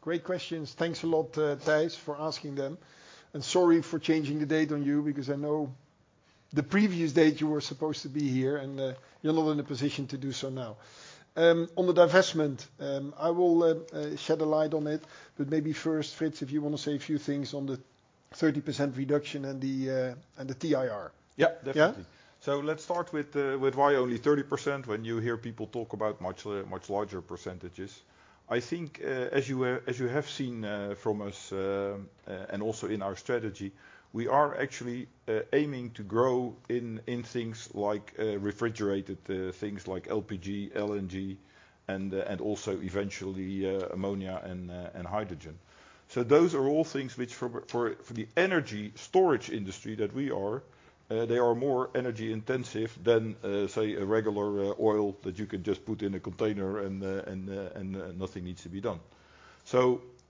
Great questions. Thanks a lot, Thijs, for asking them. Sorry for changing the date on you because I know the previous date you were supposed to be here, and you're not in a position to do so now. On the divestment, I will shed a light on it, but maybe first, Frits, if you wanna say a few things on the 30% reduction and the TIR. Yeah, definitely. Yeah? Let's start with why only 30% when you hear people talk about much larger percentages. I think, as you have seen from us and also in our strategy, we are actually aiming to grow in things like refrigerated things like LPG, LNG, and also eventually ammonia and hydrogen. Those are all things which for the energy storage industry that we are, they are more energy intensive than say a regular oil that you can just put in a container and nothing needs to be done.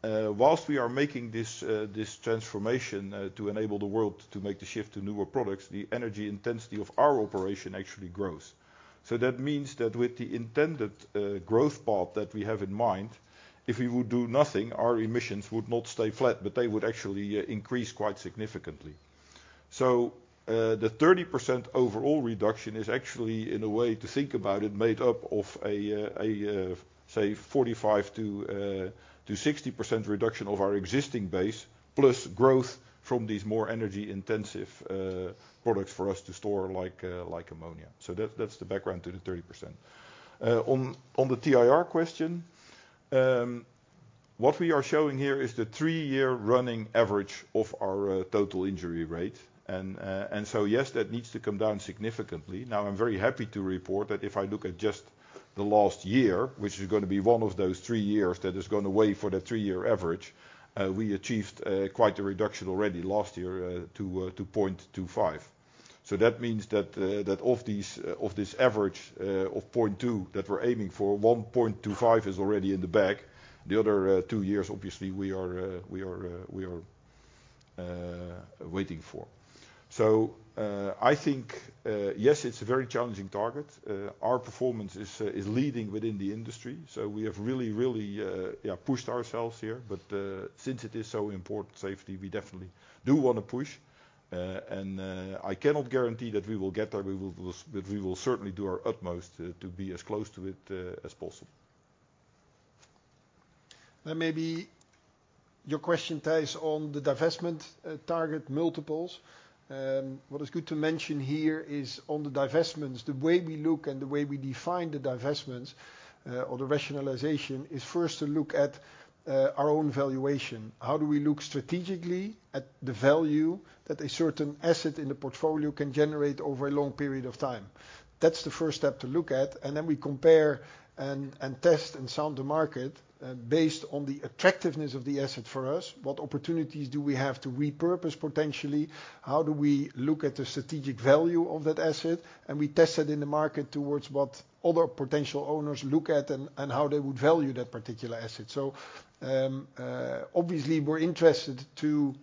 While we are making this transformation to enable the world to make the shift to newer products, the energy intensity of our operation actually grows. That means that with the intended growth path that we have in mind, if we would do nothing, our emissions would not stay flat, but they would actually increase quite significantly. The 30% overall reduction is actually in a way to think about it, made up of a say 45%-60% reduction of our existing base, plus growth from these more energy intensive products for us to store like ammonia. That's the background to the 30%. On the TIR question, what we are showing here is the three-year running average of our total injury rate. Yes, that needs to come down significantly. Now, I'm very happy to report that if I look at just the last year, which is gonna be one of those three years that is gonna weigh for the three-year average, we achieved quite a reduction already last year to 0.25. That means that of these, of this average of 0.2 that we're aiming for, 1.25 is already in the bag. The other two years, obviously we are waiting for. I think, yes, it's a very challenging target. Our performance is leading within the industry, so we have really pushed ourselves here. Since it is so important, safety, we definitely do wanna push. I cannot guarantee that we will get there, but we will certainly do our utmost to be as close to it as possible. Maybe your question, Thijs, on the divestment target multiples. What is good to mention here is on the divestments, the way we look and the way we define the divestments or the rationalization, is first to look at our own valuation. How do we look strategically at the value that a certain asset in the portfolio can generate over a long period of time? That's the first step to look at, and then we compare and test and sound the market based on the attractiveness of the asset for us. What opportunities do we have to repurpose potentially? How do we look at the strategic value of that asset? We test that in the market towards what other potential owners look at and how they would value that particular asset. Obviously we're interested to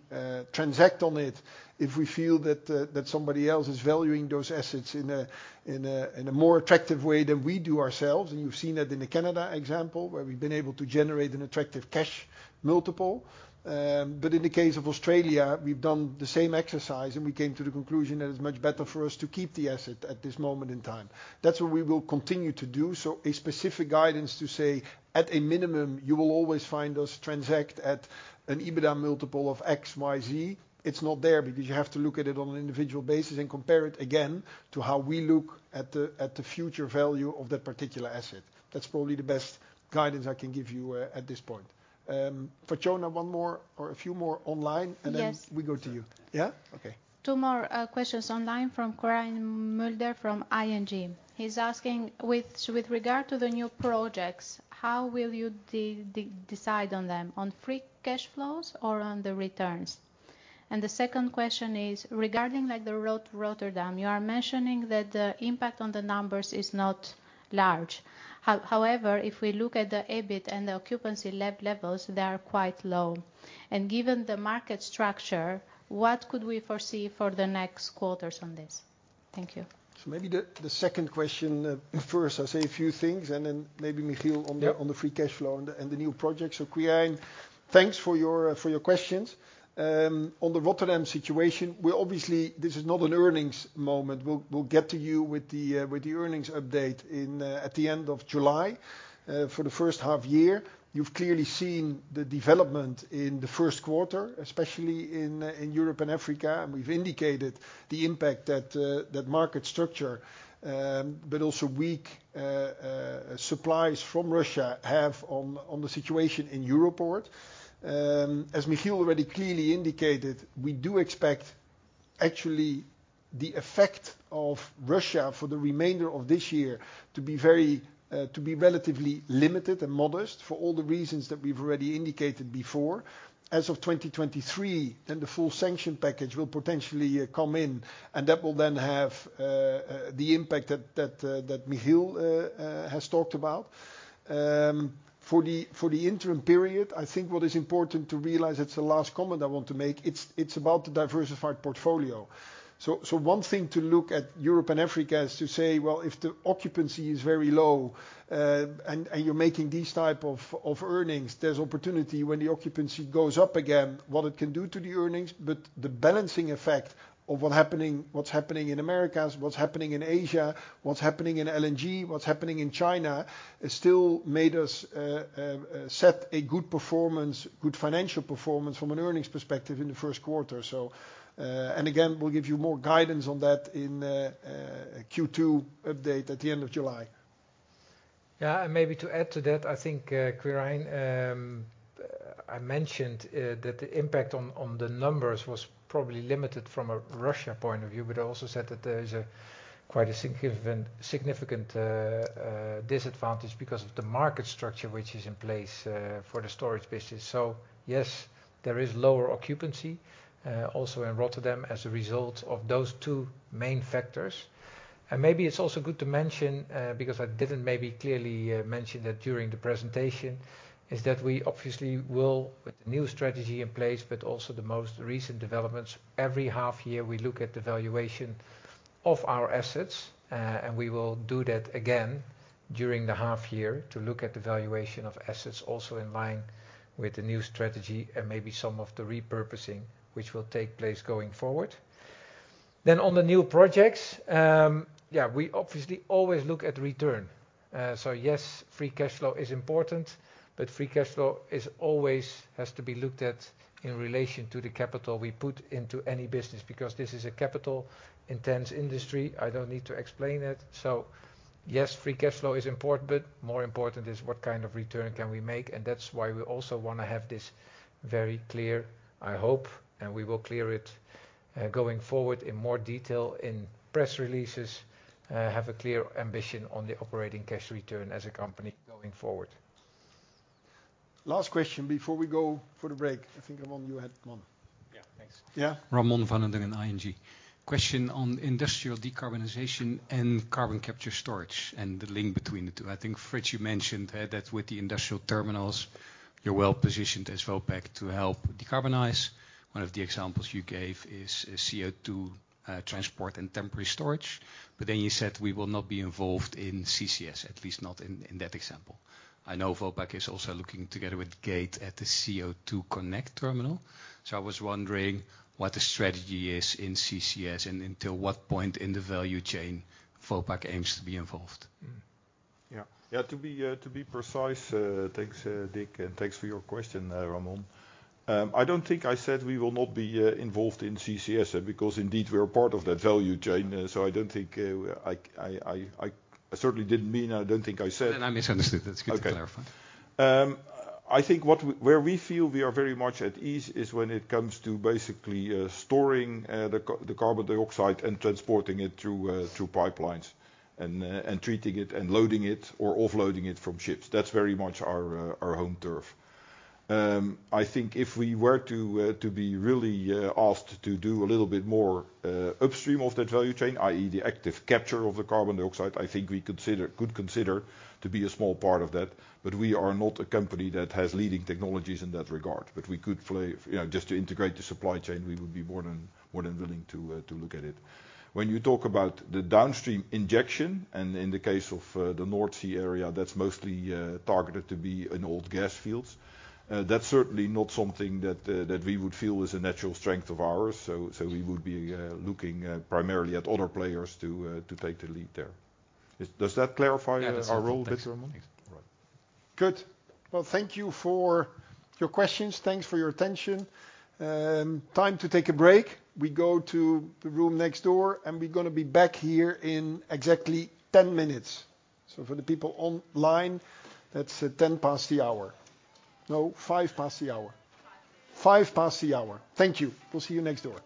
transact on it if we feel that that somebody else is valuing those assets in a more attractive way than we do ourselves. You've seen that in the Canada example, where we've been able to generate an attractive cash multiple. In the case of Australia, we've done the same exercise and we came to the conclusion that it's much better for us to keep the asset at this moment in time. That's what we will continue to do. A specific guidance to say, at a minimum, you will always find us transact at an EBITDA multiple of X, Y, Z. It's not there because you have to look at it on an individual basis and compare it again to how we look at the future value of that particular asset. That's probably the best guidance I can give you at this point. For Fatjona, one more or a few more online. Yes. We go to you. Yeah? Okay. Two more questions online from Quirijn Mulder from ING. He's asking, with regard to the new projects, how will you decide on them, on free cash flows or on the returns? And the second question is, regarding like the Rotterdam, you are mentioning that the impact on the numbers is not large. However, if we look at the EBIT and the occupancy levels, they are quite low. And given the market structure, what could we foresee for the next quarters on this? Thank you. Maybe the second question first. I'll say a few things and then maybe Michiel on the- Yeah. On the free cash flow and the new project. Quirijn, thanks for your questions. On the Rotterdam situation, we obviously. This is not an earnings moment. We'll get to you with the earnings update at the end of July for the H1 year. You've clearly seen the development in the Q1, especially in Europe and Africa. We've indicated the impact that market structure, but also weak supplies from Russia have on the situation in European ports. As Michiel already clearly indicated, we do expect actually the effect of Russia for the remainder of this year to be relatively limited and modest for all the reasons that we've already indicated before. As of 2023, then the full sanction package will potentially come in, and that will then have the impact that Michiel has talked about. For the interim period, I think what is important to realize, it's the last comment I want to make, it's about the diversified portfolio. One thing to look at Europe and Africa is to say, well, if the occupancy is very low, and you're making these type of earnings, there's opportunity when the occupancy goes up again, what it can do to the earnings. The balancing effect of what's happening in Americas, what's happening in Asia, what's happening in LNG, what's happening in China, it still made us set a good performance, good financial performance from an earnings perspective in the Q1. Again, we'll give you more guidance on that in Q2 update at the end of July. Yeah. Maybe to add to that, I think, Quirijn, I mentioned that the impact on the numbers was probably limited from a Russia point of view, but I also said that there is quite a significant disadvantage because of the market structure which is in place for the storage business. Yes, there is lower occupancy also in Rotterdam as a result of those two main factors. Maybe it's also good to mention because I didn't maybe clearly mention that during the presentation, is that we obviously will, with the new strategy in place, but also the most recent developments, every half year we look at the valuation. Of our assets, we will do that again during the half year to look at the valuation of assets also in line with the new strategy and maybe some of the repurposing which will take place going forward. On the new projects, we obviously always look at return. Yes, free cash flow is important, but free cash flow always has to be looked at in relation to the capital we put into any business because this is a capital-intensive industry. I don't need to explain it. Yes, free cash flow is important, but more important is what kind of return can we make, and that's why we also wanna have this very clear, I hope, and we will clear it going forward in more detail in press releases, have a clear ambition on the Operating Cash Return as a company going forward. Last question before we go for the break. I think, Ramon, you had one. Yeah. Thanks. Yeah. Ramon van der Zwan, ING. Question on industrial decarbonization and carbon capture and storage and the link between the two. I think, Frits, you mentioned that with the industrial terminals, you're well positioned as Vopak to help decarbonize. One of the examples you gave is CO2 transport and temporary storage. But then you said we will not be involved in CCS, at least not in that example. I know Vopak is also looking together with Gate terminal at the CO2next terminal, so I was wondering what the strategy is in CCS and until what point in the value chain Vopak aims to be involved. Mm. Yeah. To be precise, thanks, Dick, and thanks for your question, Ramon. I don't think I said we will not be involved in CCS, because indeed we are part of that value chain. I certainly didn't mean. I don't think I said- I misunderstood. That's good to clarify. Okay. I think where we feel we are very much at ease is when it comes to basically storing the carbon dioxide and transporting it through pipelines and treating it and loading it or offloading it from ships. That's very much our home turf. I think if we were to be really asked to do a little bit more upstream of that value chain, i.e., the active capture of the carbon dioxide, I think we could consider to be a small part of that. But we are not a company that has leading technologies in that regard. But we could play. Just to integrate the supply chain, we would be more than willing to look at it. When you talk about the downstream injection and in the case of the North Sea area, that's mostly targeted to be in old gas fields, that's certainly not something that we would feel is a natural strength of ours. We would be looking primarily at other players to take the lead there. Does that clarify our role better, Ramon? Yes. Thank you. Thanks. Right. Good. Well, thank you for your questions. Thanks for your attention. Time to take a break. We go to the room next door, and we're gonna be back here in exactly 10 minutes. For the people online, that's, 10 past the hour. No, 5 past the hour. Thank you. We'll see you next door.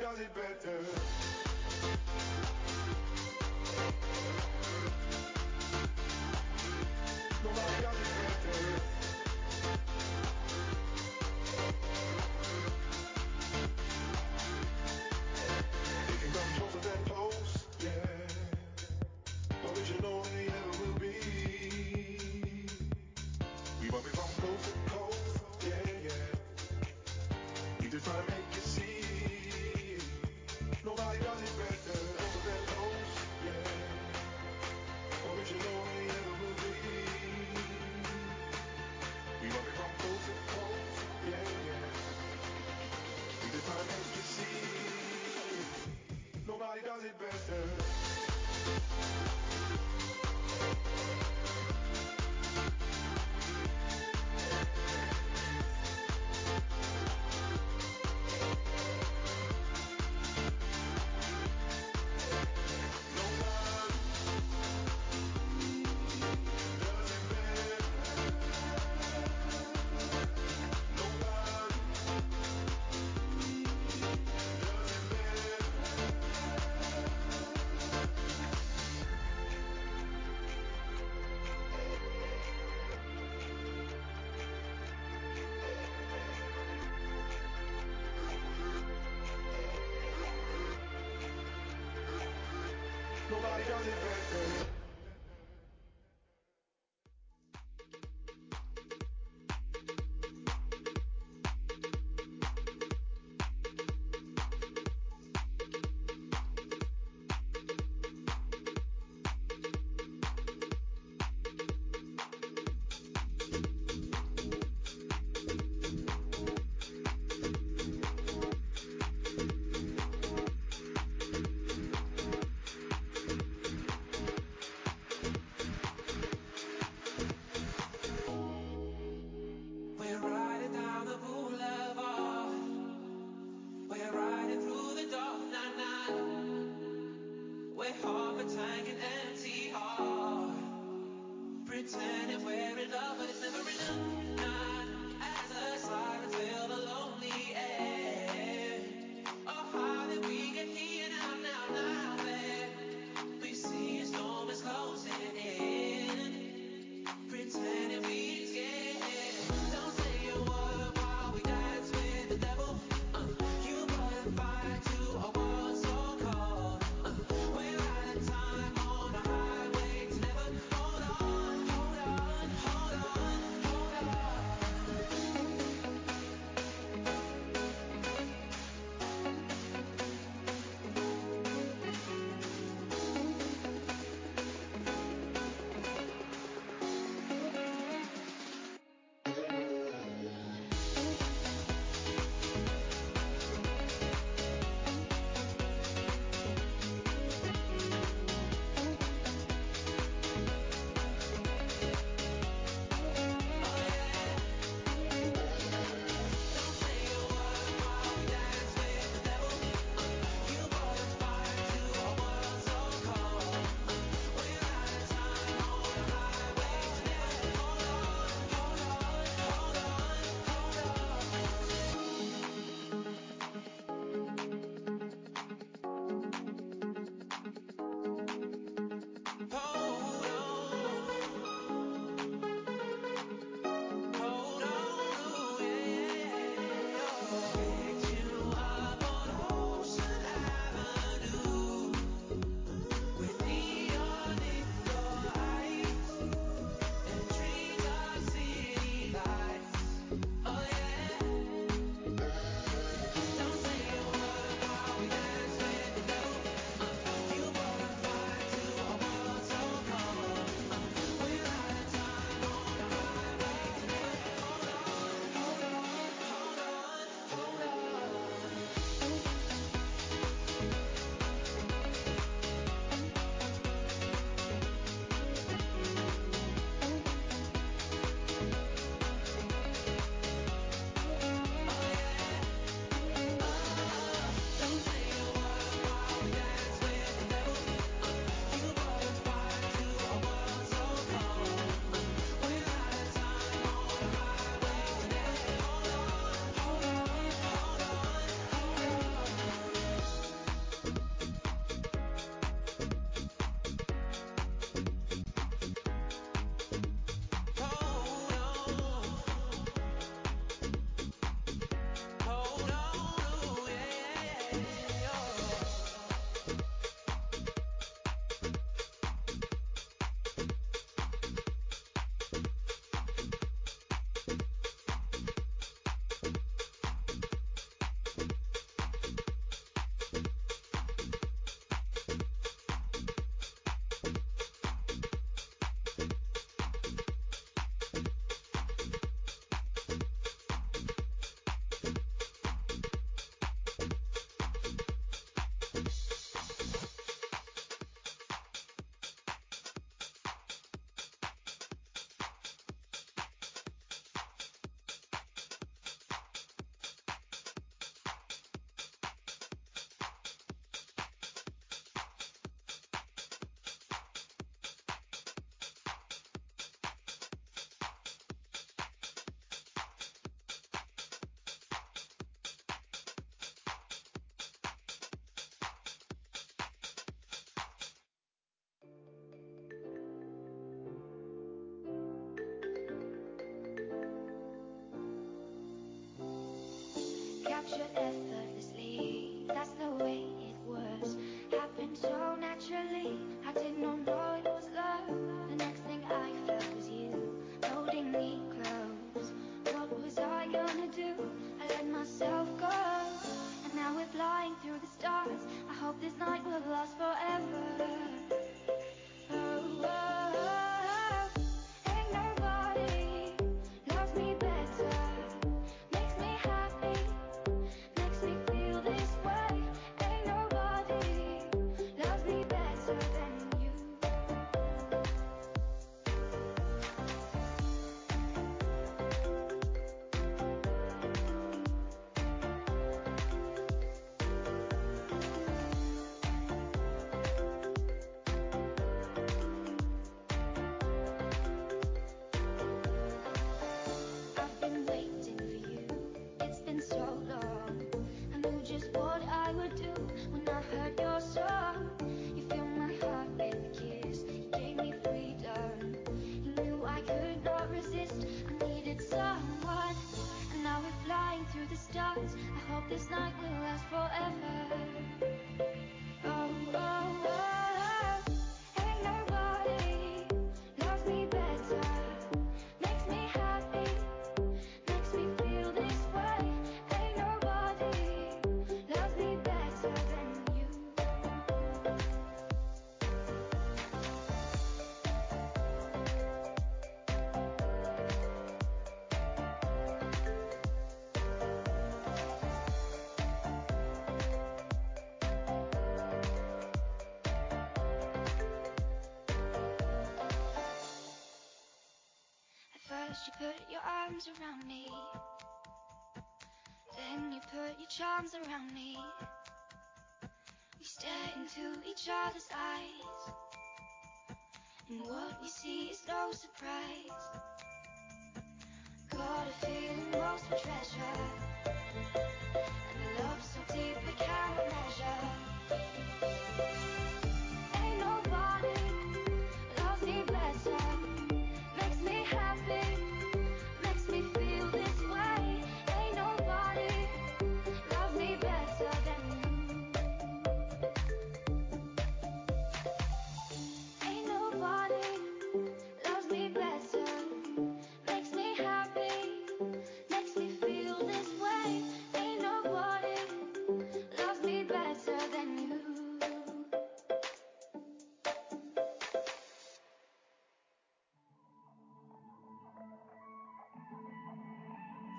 does it better. Close but they're close, yeah. Original we ever will be. We run it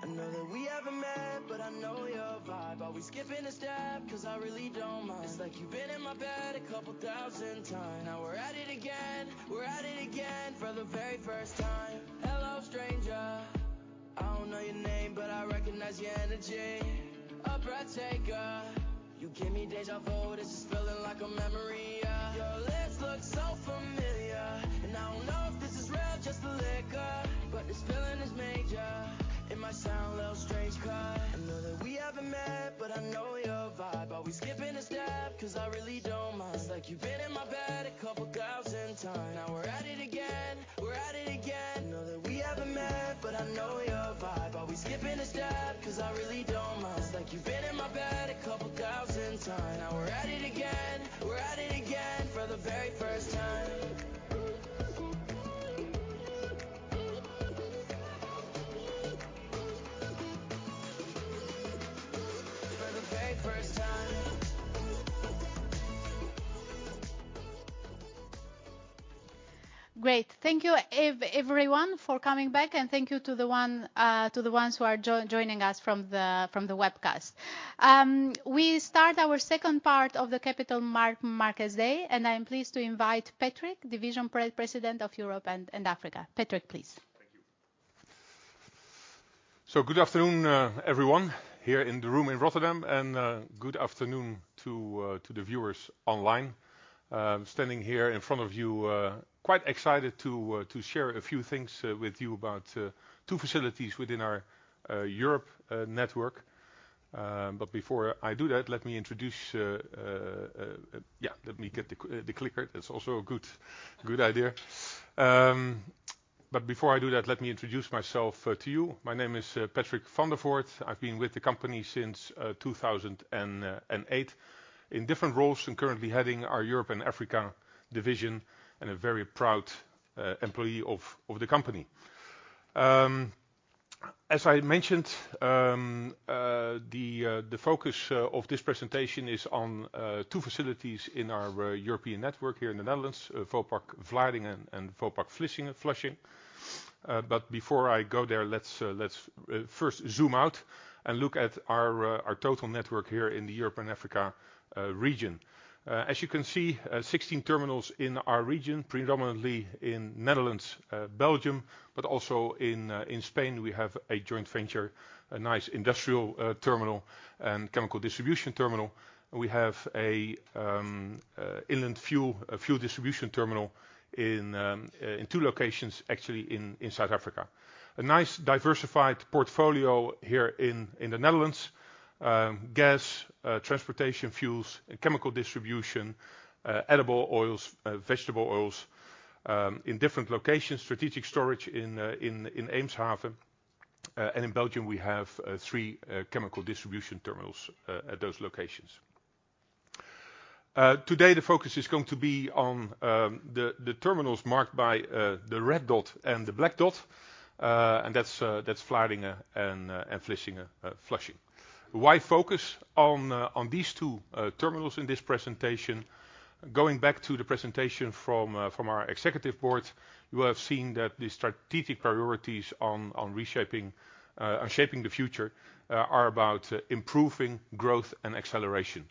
love so deep we cannot measure. Ain't nobody loves me better. Makes me happy, makes me feel this way. Ain't nobody loves me better than you. Ain't nobody loves me better. Makes me happy, makes me feel this way. Ain't nobody loves me better than you. I know that we haven't met, but I know your vibe. Are we skipping a step? 'Cause I really don't mind. It's like you've been in my bed a couple thousand times. Now we're at it again, we're at it again for the very first time. Hello, stranger. I don't know your name, but I recognize your energy. A breath taker. You give me deja vu. This is feeling like a memory, yeah. Your lips look so familiar, and I don't know if this is real or just the liquor. But this feeling is major. It might sound a little strange 'cause I know that we haven't met, but I know your vibe. Are we skipping a step? 'Cause I really don't mind. It's like you've been in my bed a couple thousand times. Now we're at it again, we're at it again. I know that we haven't met, but I know your vibe. Are we skipping a step? 'Cause I really don't mind. It's like you've been in my bed 2,000 times. Now we're at it again, we're at it again for the very first time. For the very first time. Great. Thank you everyone for coming back, and thank you to the ones who are joining us from the webcast. We start our second part of the Capital Markets Day, and I am pleased to invite Patrick, Division President of Europe and Africa. Patrick, please. Thank you. Good afternoon, everyone here in the room in Rotterdam, and good afternoon to the viewers online. Standing here in front of you, quite excited to share a few things with you about two facilities within our Europe network. Before I do that, let me introduce myself to you. My name is Patrick van der Voort. I've been with the company since 2008 in different roles, and currently heading our Europe and Africa division, and a very proud employee of the company. As I mentioned, the focus of this presentation is on two facilities in our European network here in the Netherlands, Vopak Vlaardingen and Vopak Vlissingen, Flushing. Before I go there, let's first zoom out and look at our total network here in the Europe and Africa region. As you can see, 16 terminals in our region, predominantly in the Netherlands, Belgium, but also in Spain, we have a joint venture, a nice industrial terminal and chemical distribution terminal. We have an inland fuel distribution terminal in two locations, actually in South Africa. A nice diversified portfolio here in the Netherlands. Gas transportation fuels, chemical distribution, edible oils, vegetable oils in different locations. Strategic storage in Eemshaven. In Belgium, we have three chemical distribution terminals at those locations. Today, the focus is going to be on the terminals marked by the red dot and the black dot. That's Vlaardingen and Vlissingen, Flushing. Why focus on these two terminals in this presentation? Going back to the presentation from our executive board, you will have seen that the strategic priorities on reshaping, on shaping the future are about improving growth and acceleration.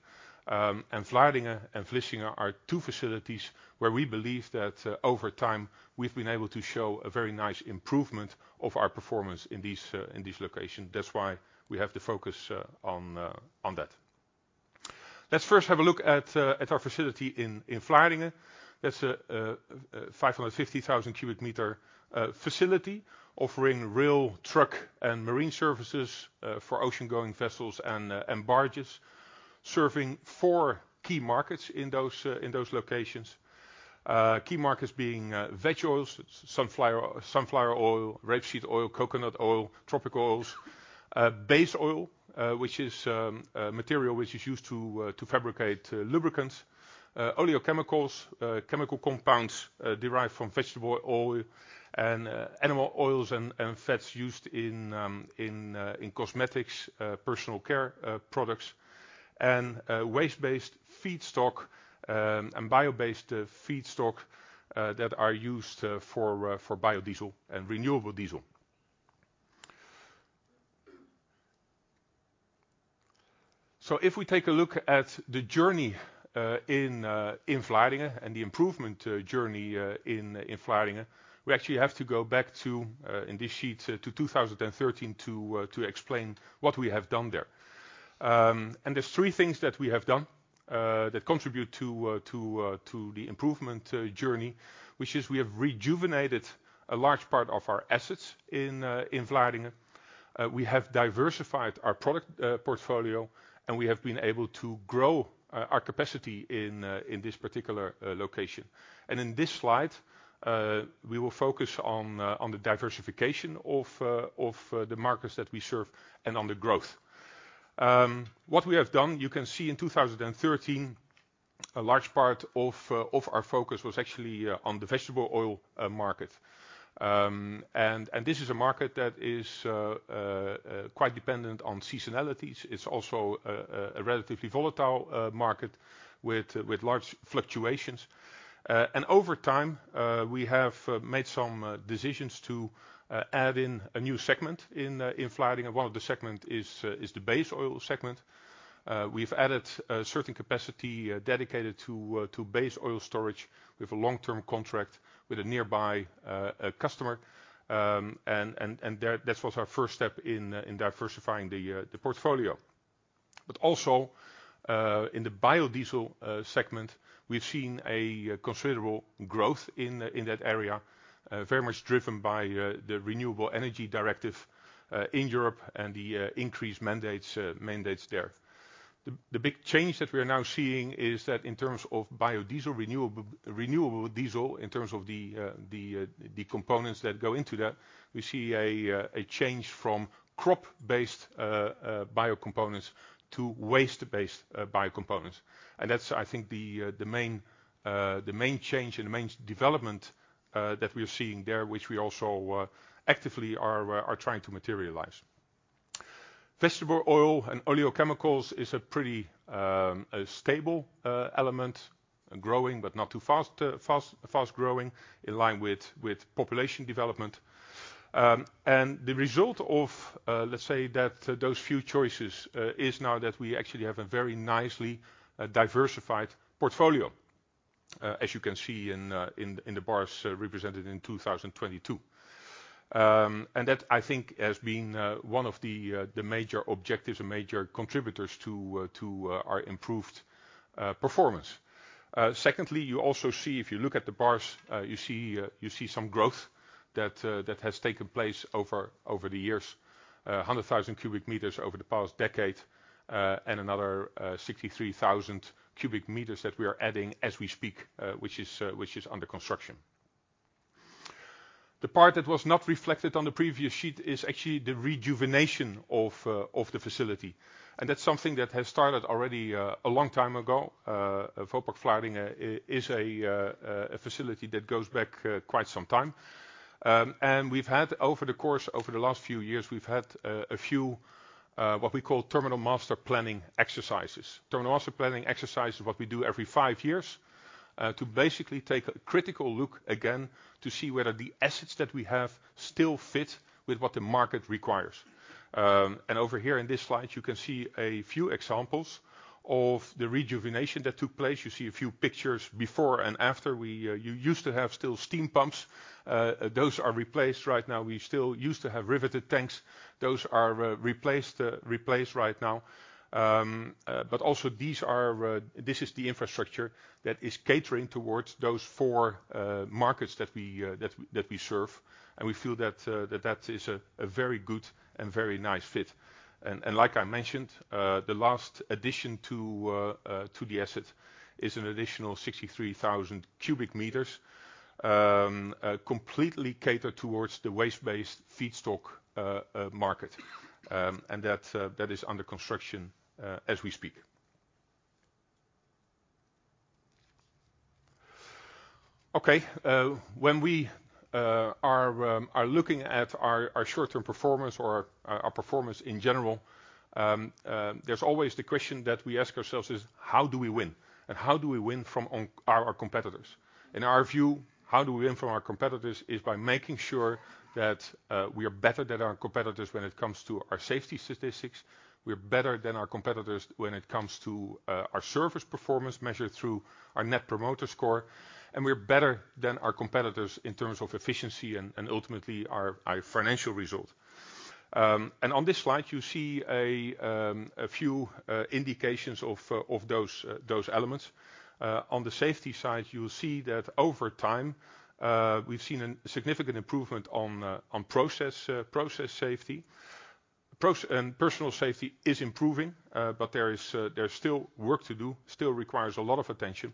Vlaardingen and Vlissingen are two facilities where we believe that over time, we've been able to show a very nice improvement of our performance in these locations. That's why we have the focus on that. Let's first have a look at our facility in Vlaardingen. That's a 550,000 cubic meter facility offering rail, truck, and marine services for ocean-going vessels and barges. Serving four key markets in those locations. Key markets being veg oils, sunflower oil, rapeseed oil, coconut oil, tropical oils. Base oil, which is a material which is used to fabricate lubricants. Oleochemicals, chemical compounds derived from vegetable oil and animal oils and fats used in cosmetics, personal care products. Waste-based feedstock and bio-based feedstock that are used for biodiesel and renewable diesel. If we take a look at the journey in Vlaardingen and the improvement journey in Vlaardingen, we actually have to go back to, in this sheet, to 2013 to explain what we have done there. There's three things that we have done that contribute to the improvement journey, which is we have rejuvenated a large part of our assets in Vlaardingen. We have diversified our product portfolio, and we have been able to grow our capacity in this particular location. In this slide, we will focus on the diversification of the markets that we serve and on the growth. What we have done, you can see in 2013, a large part of our focus was actually on the vegetable oil market. This is a market that is quite dependent on seasonalities. It's also a relatively volatile market with large fluctuations. Over time, we have made some decisions to add in a new segment in Vlaardingen. One of the segment is the base oil segment. We've added a certain capacity dedicated to base oil storage. We have a long-term contract with a nearby customer. There, that was our first step in diversifying the portfolio. In the biodiesel segment, we've seen a considerable growth in that area, very much driven by the Renewable Energy Directive in Europe and the increased mandates there. The big change that we are now seeing is that in terms of biodiesel, renewable diesel, in terms of the components that go into that, we see a change from crop-based bio components to waste-based bio components. That's, I think, the main change and the main development that we're seeing there, which we also actively are trying to materialize. Vegetable oil and oleochemicals is a pretty stable element, growing but not too fast, fast-growing in line with population development. The result of those few choices is now that we actually have a very nicely diversified portfolio, as you can see in the bars represented in 2022. That, I think, has been one of the major objectives or major contributors to our improved performance. Secondly, you also see, if you look at the bars, you see some growth that has taken place over the years. 100,000 cubic meters over the past decade, and another 63,000 cubic meters that we are adding as we speak, which is under construction. The part that was not reflected on the previous sheet is actually the rejuvenation of the facility, and that's something that has started already a long time ago. Vopak Vlaardingen is a facility that goes back quite some time. Over the last few years, we've had a few what we call terminal master planning exercises. Terminal master planning exercise is what we do every five years to basically take a critical look again to see whether the assets that we have still fit with what the market requires. Over here in this slide, you can see a few examples of the rejuvenation that took place. You see a few pictures before and after. We used to have steam pumps. Those are replaced right now. We still used to have riveted tanks. Those are replaced right now. This is the infrastructure that is catering towards those four markets that we serve, and we feel that that is a very good and very nice fit. Like I mentioned, the last addition to the asset is an additional 63,000 cubic meters completely catered towards the waste-based feedstock market, and that is under construction as we speak. Okay. When we are looking at our short-term performance or our performance in general, there's always the question that we ask ourselves is: how do we win? How do we win from our competitors? In our view, how do we win from our competitors is by making sure that we are better than our competitors when it comes to our safety statistics, we are better than our competitors when it comes to our service performance measured through our Net Promoter Score, and we are better than our competitors in terms of efficiency and ultimately our financial result. On this slide, you see a few indications of those elements. On the safety side, you'll see that over time we've seen a significant improvement on process safety. Personal safety is improving, but there's still work to do, still requires a lot of attention.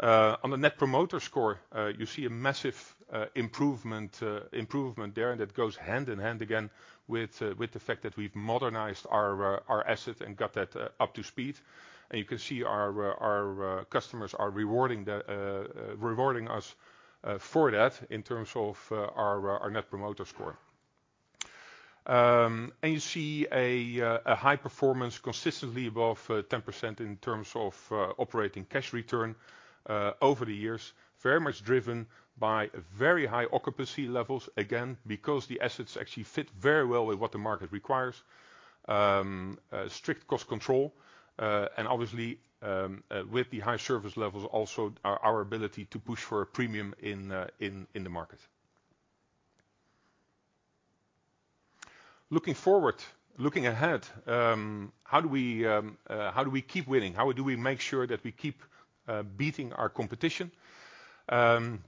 On the Net Promoter Score, you see a massive improvement there, and that goes hand in hand again with the fact that we've modernized our asset and got that up to speed. You can see our customers are rewarding us for that in terms of our Net Promoter Score. You see a high performance consistently above 10% in terms of Operating Cash Return over the years, very much driven by very high occupancy levels, again, because the assets actually fit very well with what the market requires. Strict cost control and obviously with the high service levels also our ability to push for a premium in the market. Looking forward, looking ahead, how do we keep winning? How do we make sure that we keep beating our competition? We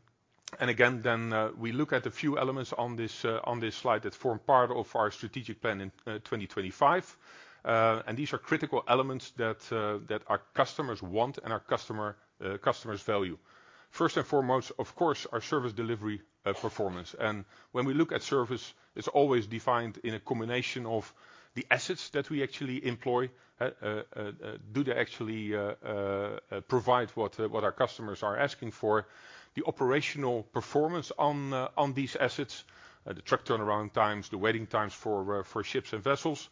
look at a few elements on this slide that form part of our strategic plan in 2025. These are critical elements that our customers want and our customers value. First and foremost, of course, our service delivery performance. When we look at service, it's always defined in a combination of the assets that we actually employ. Do they actually provide what our customers are asking for? The operational performance on these assets, the truck turnaround times, the waiting times for ships and vessels.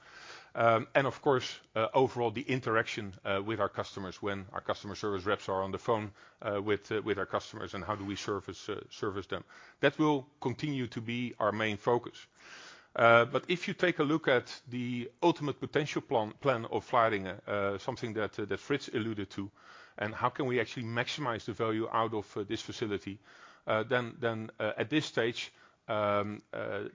Of course, overall, the interaction with our customers when our customer service reps are on the phone with our customers and how do we service them. That will continue to be our main focus. If you take a look at the ultimate potential plan of Vlaardingen, something that Fritz alluded to, and how can we actually maximize the value out of this facility? At this stage, the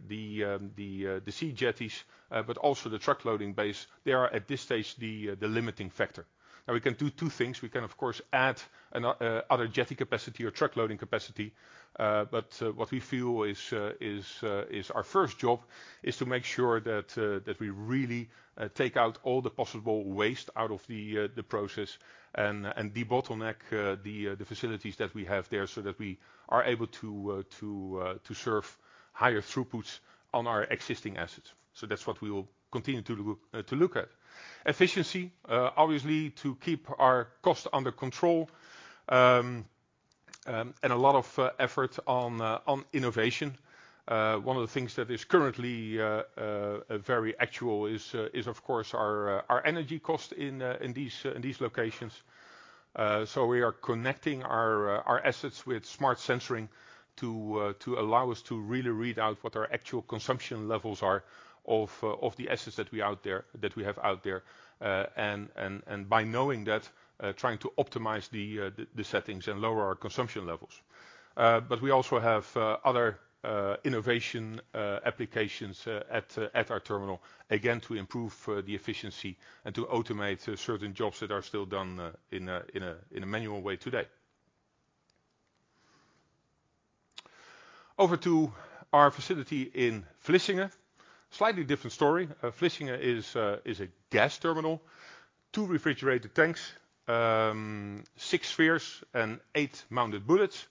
sea jetties, but also the truck loading base, they are at this stage the limiting factor. Now we can do two things. We can, of course, add other jetty capacity or truck loading capacity. What we feel is our first job is to make sure that we really take out all the possible waste out of the process and debottleneck the facilities that we have there so that we are able to serve higher throughputs on our existing assets. That's what we will continue to look at. Efficiency obviously to keep our costs under control. A lot of effort on innovation. One of the things that is currently very actual is of course our energy cost in these locations. We are connecting our assets with smart sensing to allow us to really read out what our actual consumption levels are of the assets that we have out there. By knowing that, trying to optimize the settings and lower our consumption levels. We also have other innovative applications at our terminal, again, to improve the efficiency and to automate certain jobs that are still done in a manual way today. Over to our facility in Vlissingen. Slightly different story. Vlissingen is a gas terminal. 2 refrigerated tanks, 6 spheres and 8 mounted bullets.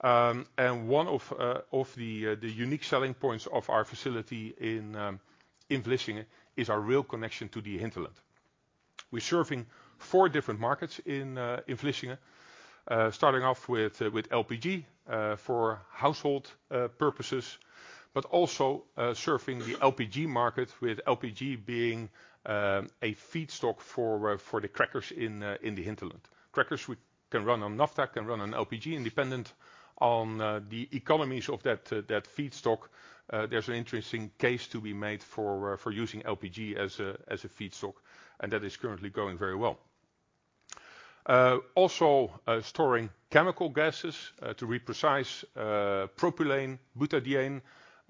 One of the unique selling points of our facility in Vlissingen is our rail connection to the hinterland. We're serving four different markets in Vlissingen, starting off with LPG for household purposes, but also serving the LPG market with LPG being a feedstock for the crackers in the hinterland. Crackers we can run on naphtha, can run on LPG, independent of the economies of that feedstock. There's an interesting case to be made for using LPG as a feedstock, and that is currently going very well. Also, storing chemical gases, such as propylene, butadiene,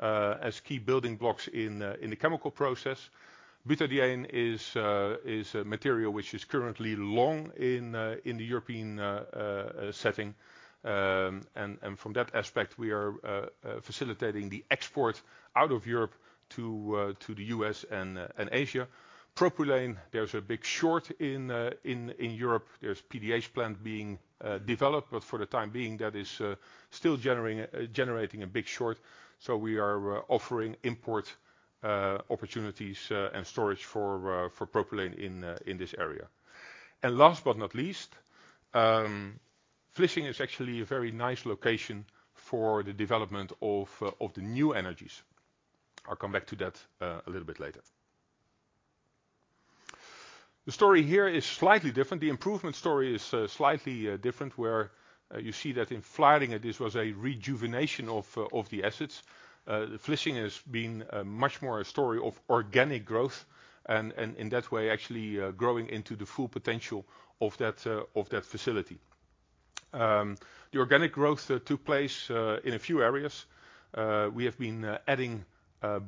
as key building blocks in the chemical process. Butadiene is a material which is currently long in the European setting. From that aspect, we are facilitating the export out of Europe to the U.S. and Asia. Propylene, there's a big short in Europe. There's a PDH plant being developed, but for the time being, that is still generating a big short. We are offering import opportunities and storage for propylene in this area. Last but not least, Vlissingen is actually a very nice location for the development of the new energies. I'll come back to that a little bit later. The story here is slightly different. The improvement story is slightly different, where you see that in Vlaardingen this was a rejuvenation of the assets. Vlissingen has been much more a story of organic growth and in that way, actually, growing into the full potential of that facility. The organic growth took place in a few areas. We have been adding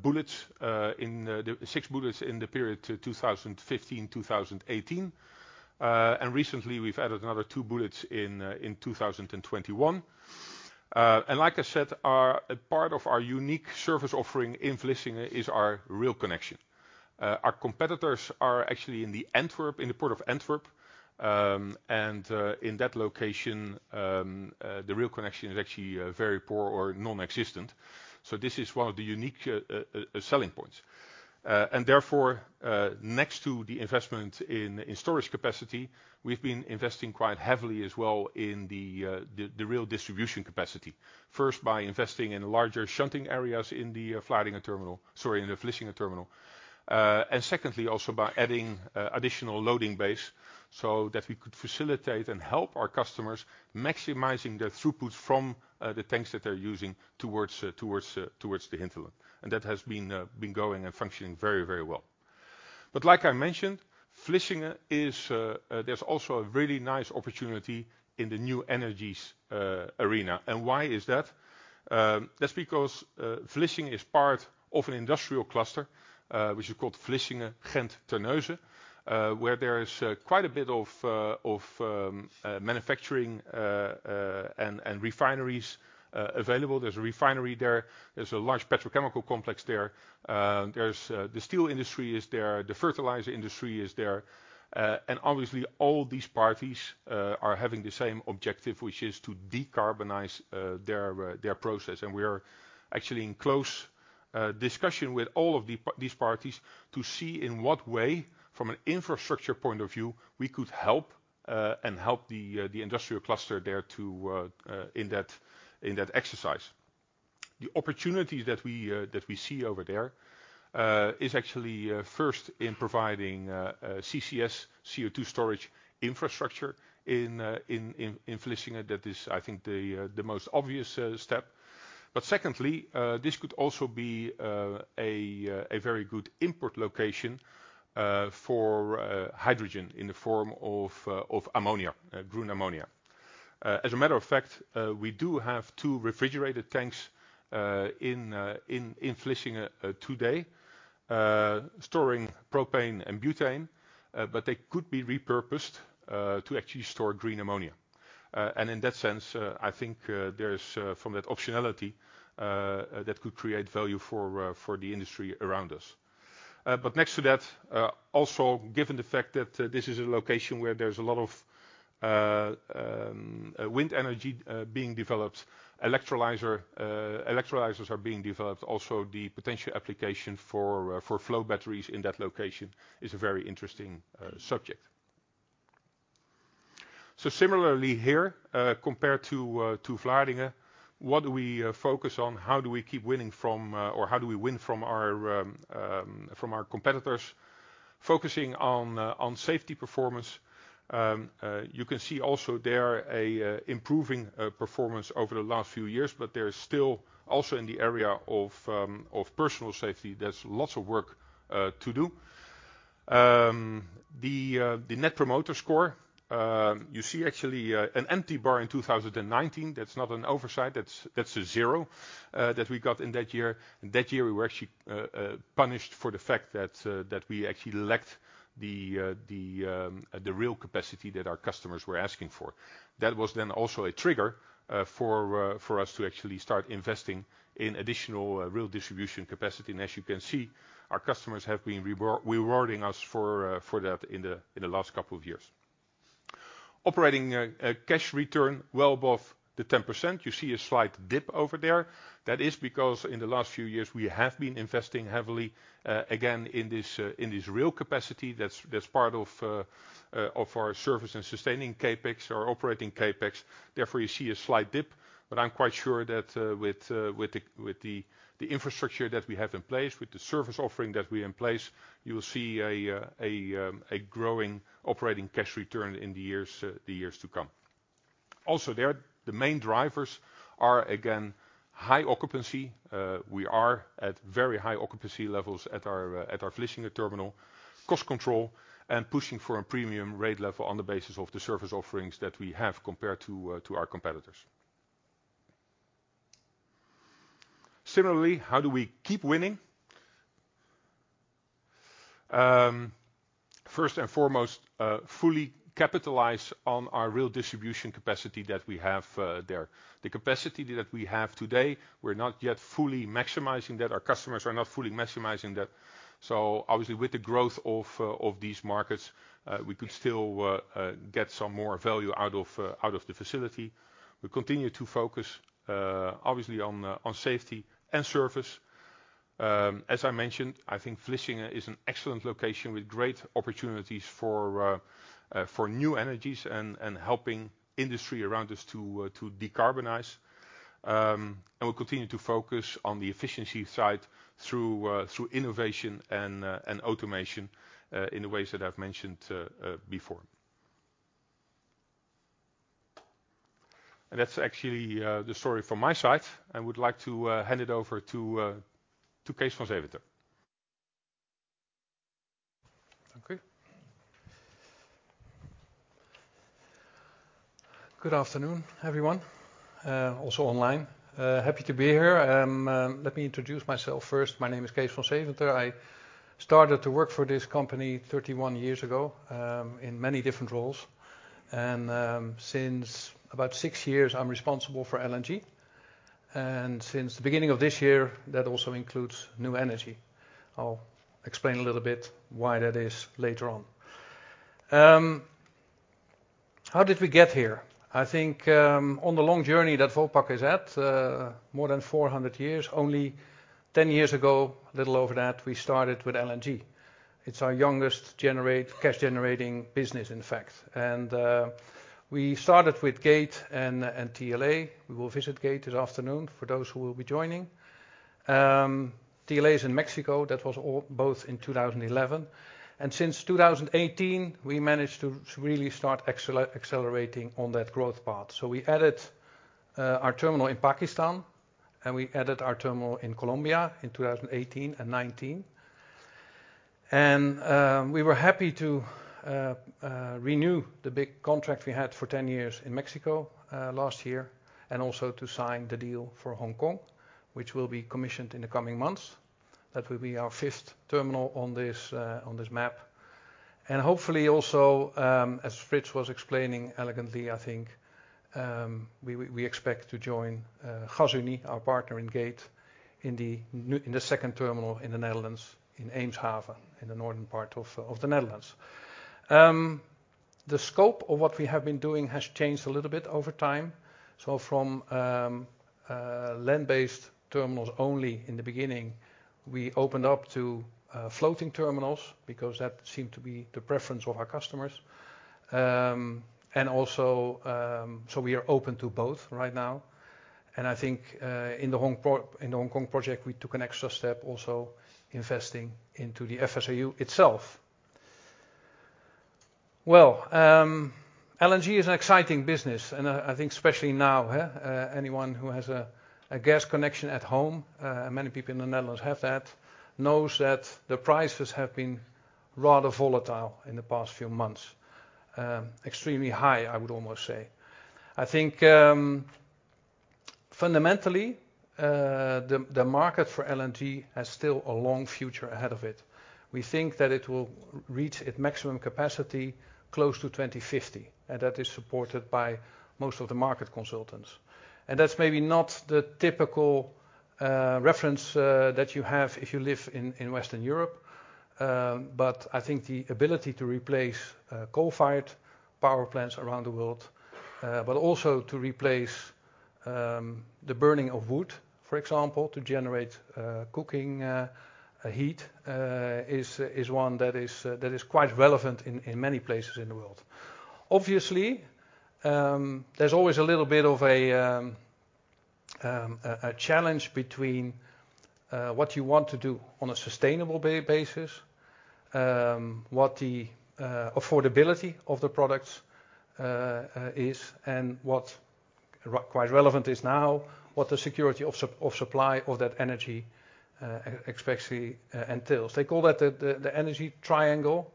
bullets. 6 bullets in the period, 2015 to 2018. Recently we've added another 2 bullets in 2021. Like I said, a part of our unique service offering in Vlissingen is our rail connection. Our competitors are actually in Antwerp, in the Port of Antwerp, and in that location, the rail connection is actually very poor or non-existent. This is one of the unique selling points. Therefore, next to the investment in storage capacity, we've been investing quite heavily as well in the rail distribution capacity. First, by investing in larger shunting areas in the Vlaardingen terminal. Sorry, in the Vlissingen terminal. Secondly, also by adding additional loading base so that we could facilitate and help our customers maximizing their throughput from the tanks that they're using towards the hinterland. That has been going and functioning very, very well. Like I mentioned, there's also a really nice opportunity in the new energies arena. Why is that? That's because Vlissingen is part of an industrial cluster, which is called Vlissingen Gent-Terneuzen, where there is quite a bit of manufacturing and refineries available. There's a refinery there. There's a large petrochemical complex there. There's the steel industry there. The fertilizer industry is there. Obviously, all these parties are having the same objective, which is to decarbonize their process. We are actually in close discussion with all of these parties to see in what way, from an infrastructure point of view, we could help and help the industrial cluster there in that exercise. The opportunities that we see over there is actually first in providing CCS CO2 storage infrastructure in Vlissingen. That is, I think, the most obvious step. Secondly, this could also be a very good import location for hydrogen in the form of ammonia, green ammonia. As a matter of fact, we do have two refrigerated tanks in Vlissingen today storing propane and butane, but they could be repurposed to actually store green ammonia. In that sense, I think there's from that optionality that could create value for the industry around us. Next to that, also given the fact that this is a location where there's a lot of wind energy being developed, electrolyzers are being developed. Also, the potential application for flow batteries in that location is a very interesting subject. Similarly here, compared to Vlaardingen, what do we focus on? How do we keep winning from, or how do we win from our competitors? Focusing on safety performance. You can see also there an improving performance over the last few years, but there is still, also in the area of personal safety, there's lots of work to do. The Net Promoter Score, you see actually, an empty bar in 2019. That's not an oversight. That's a zero that we got in that year. In that year, we were actually punished for the fact that we actually lacked the real capacity that our customers were asking for. That was then also a trigger for us to actually start investing in additional real distribution capacity. As you can see, our customers have been rewarding us for that in the last couple of years. Operating Cash Return well above 10%. You see a slight dip over there. That is because in the last few years we have been investing heavily, again, in this real capacity that's part of our service and sustaining CapEx or operating CapEx. Therefore, you see a slight dip. I'm quite sure that with the infrastructure that we have in place, with the service offering that we have in place, you will see a growing Operating Cash Return in the years to come. Also, there the main drivers are, again, high occupancy. We are at very high occupancy levels at our Vlissingen terminal. Cost control and pushing for a premium rate level on the basis of the service offerings that we have compared to our competitors. Similarly, how do we keep winning? First and foremost, fully capitalize on our real distribution capacity that we have there. The capacity that we have today, we're not yet fully maximizing that. Our customers are not fully maximizing that. Obviously with the growth of these markets, we could still get some more value out of the facility. We continue to focus obviously on safety and service. As I mentioned, I think Vlissingen is an excellent location with great opportunities for new energies and helping industry around us to decarbonize. We'll continue to focus on the efficiency side through innovation and automation in the ways that I've mentioned before. That's actually the story from my side. I would like to hand it over to Kees van Seventer. Okay. Good afternoon, everyone, also online. Happy to be here. Let me introduce myself first. My name is Kees van Seventer. I started to work for this company 31 years ago, in many different roles. Since about six years, I'm responsible for LNG. Since the beginning of this year, that also includes new energy. I'll explain a little bit why that is later on. How did we get here? I think, on the long journey that Vopak is at, more than 400 years, only 10 years ago, a little over that, we started with LNG. It's our youngest cash-generating business, in fact. We started with Gate and TLA. We will visit Gate this afternoon for those who will be joining. TLA is in Mexico. That was all both in 2011. Since 2018, we managed to really start accelerating on that growth path. We added our terminal in Pakistan, and we added our terminal in Colombia in 2018 and 2019. We were happy to renew the big contract we had for 10 years in Mexico last year, and also to sign the deal for Hong Kong, which will be commissioned in the coming months. That will be our fifth terminal on this map. Hopefully also, as Frits was explaining elegantly, I think, we expect to join Gasunie, our partner in Gate, in the second terminal in the Netherlands, in Eemshaven, in the northern part of the Netherlands. The scope of what we have been doing has changed a little bit over time. From land-based terminals only in the beginning, we opened up to floating terminals because that seemed to be the preference of our customers. We are open to both right now. I think in the Hong Kong project, we took an extra step also investing into the FSRU itself. LNG is an exciting business, and I think especially now, anyone who has a gas connection at home, many people in the Netherlands have that, knows that the prices have been rather volatile in the past few months. Extremely high, I would almost say. I think fundamentally, the market for LNG has still a long future ahead of it. We think that it will reach its maximum capacity close to 2050, and that is supported by most of the market consultants. That's maybe not the typical reference that you have if you live in Western Europe. I think the ability to replace coal-fired power plants around the world, but also to replace the burning of wood, for example, to generate cooking heat, is one that is quite relevant in many places in the world. Obviously, there's always a little bit of a challenge between what you want to do on a sustainable basis, what the affordability of the products is, and what is quite relevant now, what the security of supply of that energy especially entails. They call that the energy triangle.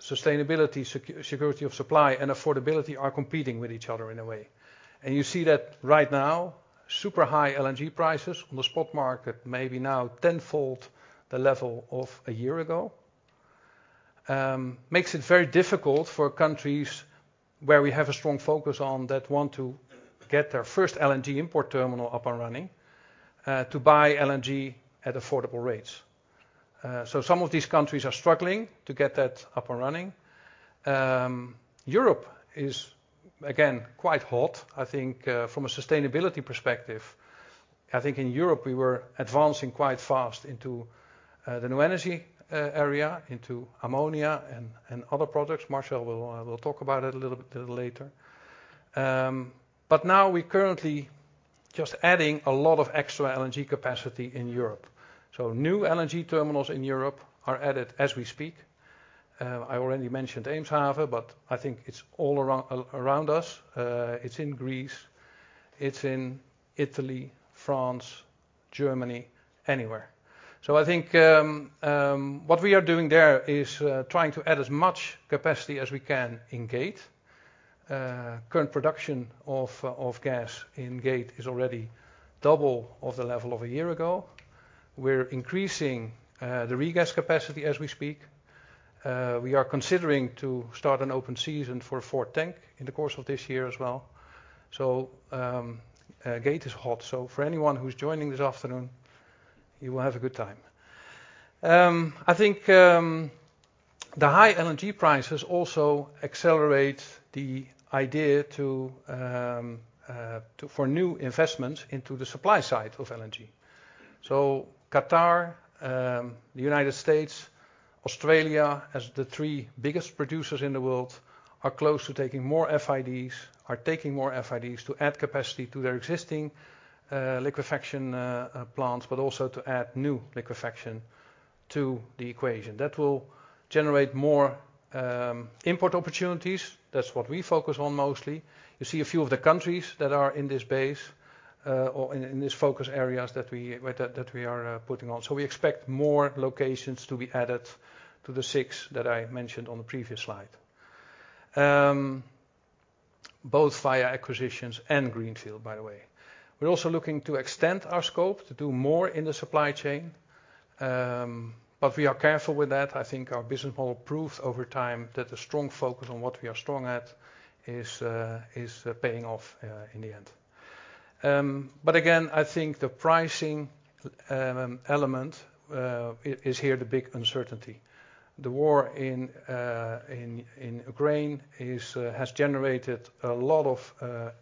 Sustainability, security of supply, and affordability are competing with each other in a way. You see that right now, super high LNG prices on the spot market maybe now tenfold the level of a year ago. It makes it very difficult for countries where we have a strong focus on that one to get their first LNG import terminal up and running to buy LNG at affordable rates. Some of these countries are struggling to get that up and running. Europe is again quite hot. I think from a sustainability perspective, I think in Europe we were advancing quite fast into the new energy area, into ammonia and other products. Marcel will talk about it a little bit later. Now we currently just adding a lot of extra LNG capacity in Europe. New LNG terminals in Europe are added as we speak. I already mentioned Eemshaven, but I think it's all around us. It's in Greece, it's in Italy, France, Germany, anywhere. I think what we are doing there is trying to add as much capacity as we can in Gate. Current production of gas in Gate is already double of the level of a year ago. We're increasing the regas capacity as we speak. We are considering to start an open season for fourth tank in the course of this year as well. Gate is hot, so for anyone who's joining this afternoon, you will have a good time. I think the high LNG prices also accelerate the idea for new investments into the supply side of LNG. Qatar, the United States, Australia, as the three biggest producers in the world, are taking more FIDs to add capacity to their existing liquefaction plants, but also to add new liquefaction to the equation. That will generate more import opportunities. That's what we focus on mostly. You see a few of the countries that are in this space or in this focus areas that we are focusing on. We expect more locations to be added to the six that I mentioned on the previous slide, both via acquisitions and greenfield, by the way. We're also looking to extend our scope to do more in the supply chain, but we are careful with that. I think our business model proves over time that a strong focus on what we are strong at is paying off in the end. Again, I think the pricing element is here the big uncertainty. The war in Ukraine has generated a lot of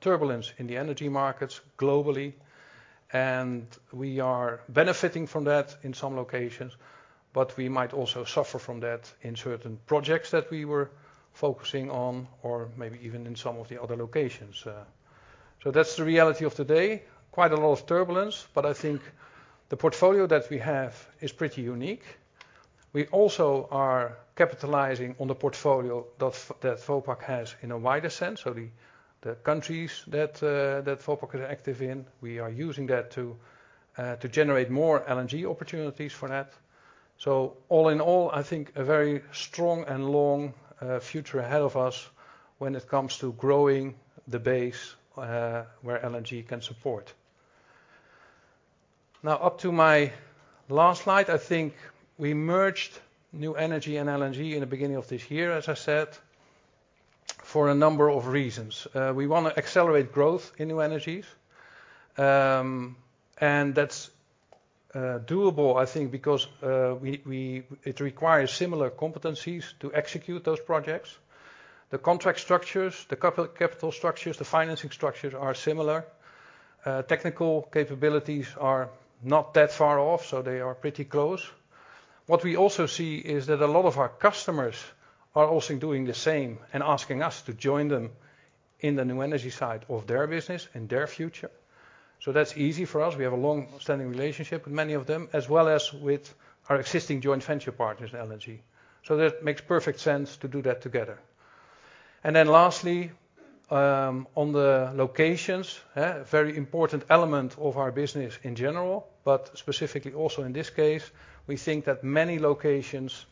turbulence in the energy markets globally, and we are benefiting from that in some locations, but we might also suffer from that in certain projects that we were focusing on, or maybe even in some of the other locations. That's the reality of today. Quite a lot of turbulence, but I think the portfolio that we have is pretty unique. We also are capitalizing on the portfolio that that Vopak has in a wider sense, so the countries that Vopak is active in, we are using that to generate more LNG opportunities for that. All in all, I think a very strong and long future ahead of us when it comes to growing the base where LNG can support. Now up to my last slide, I think we merged new energy and LNG in the beginning of this year, as I said, for a number of reasons. We wanna accelerate growth in new energies, and that's doable I think because it requires similar competencies to execute those projects. The contract structures, the capital structures, the financing structures are similar. Technical capabilities are not that far off, so they are pretty close. What we also see is that a lot of our customers are also doing the same and asking us to join them in the new energy side of their business and their future. That's easy for us. We have a long-standing relationship with many of them, as well as with our existing joint venture partners in LNG. That makes perfect sense to do that together. Lastly, on the locations, very important element of our business in general, but specifically also in this case, we think that many locations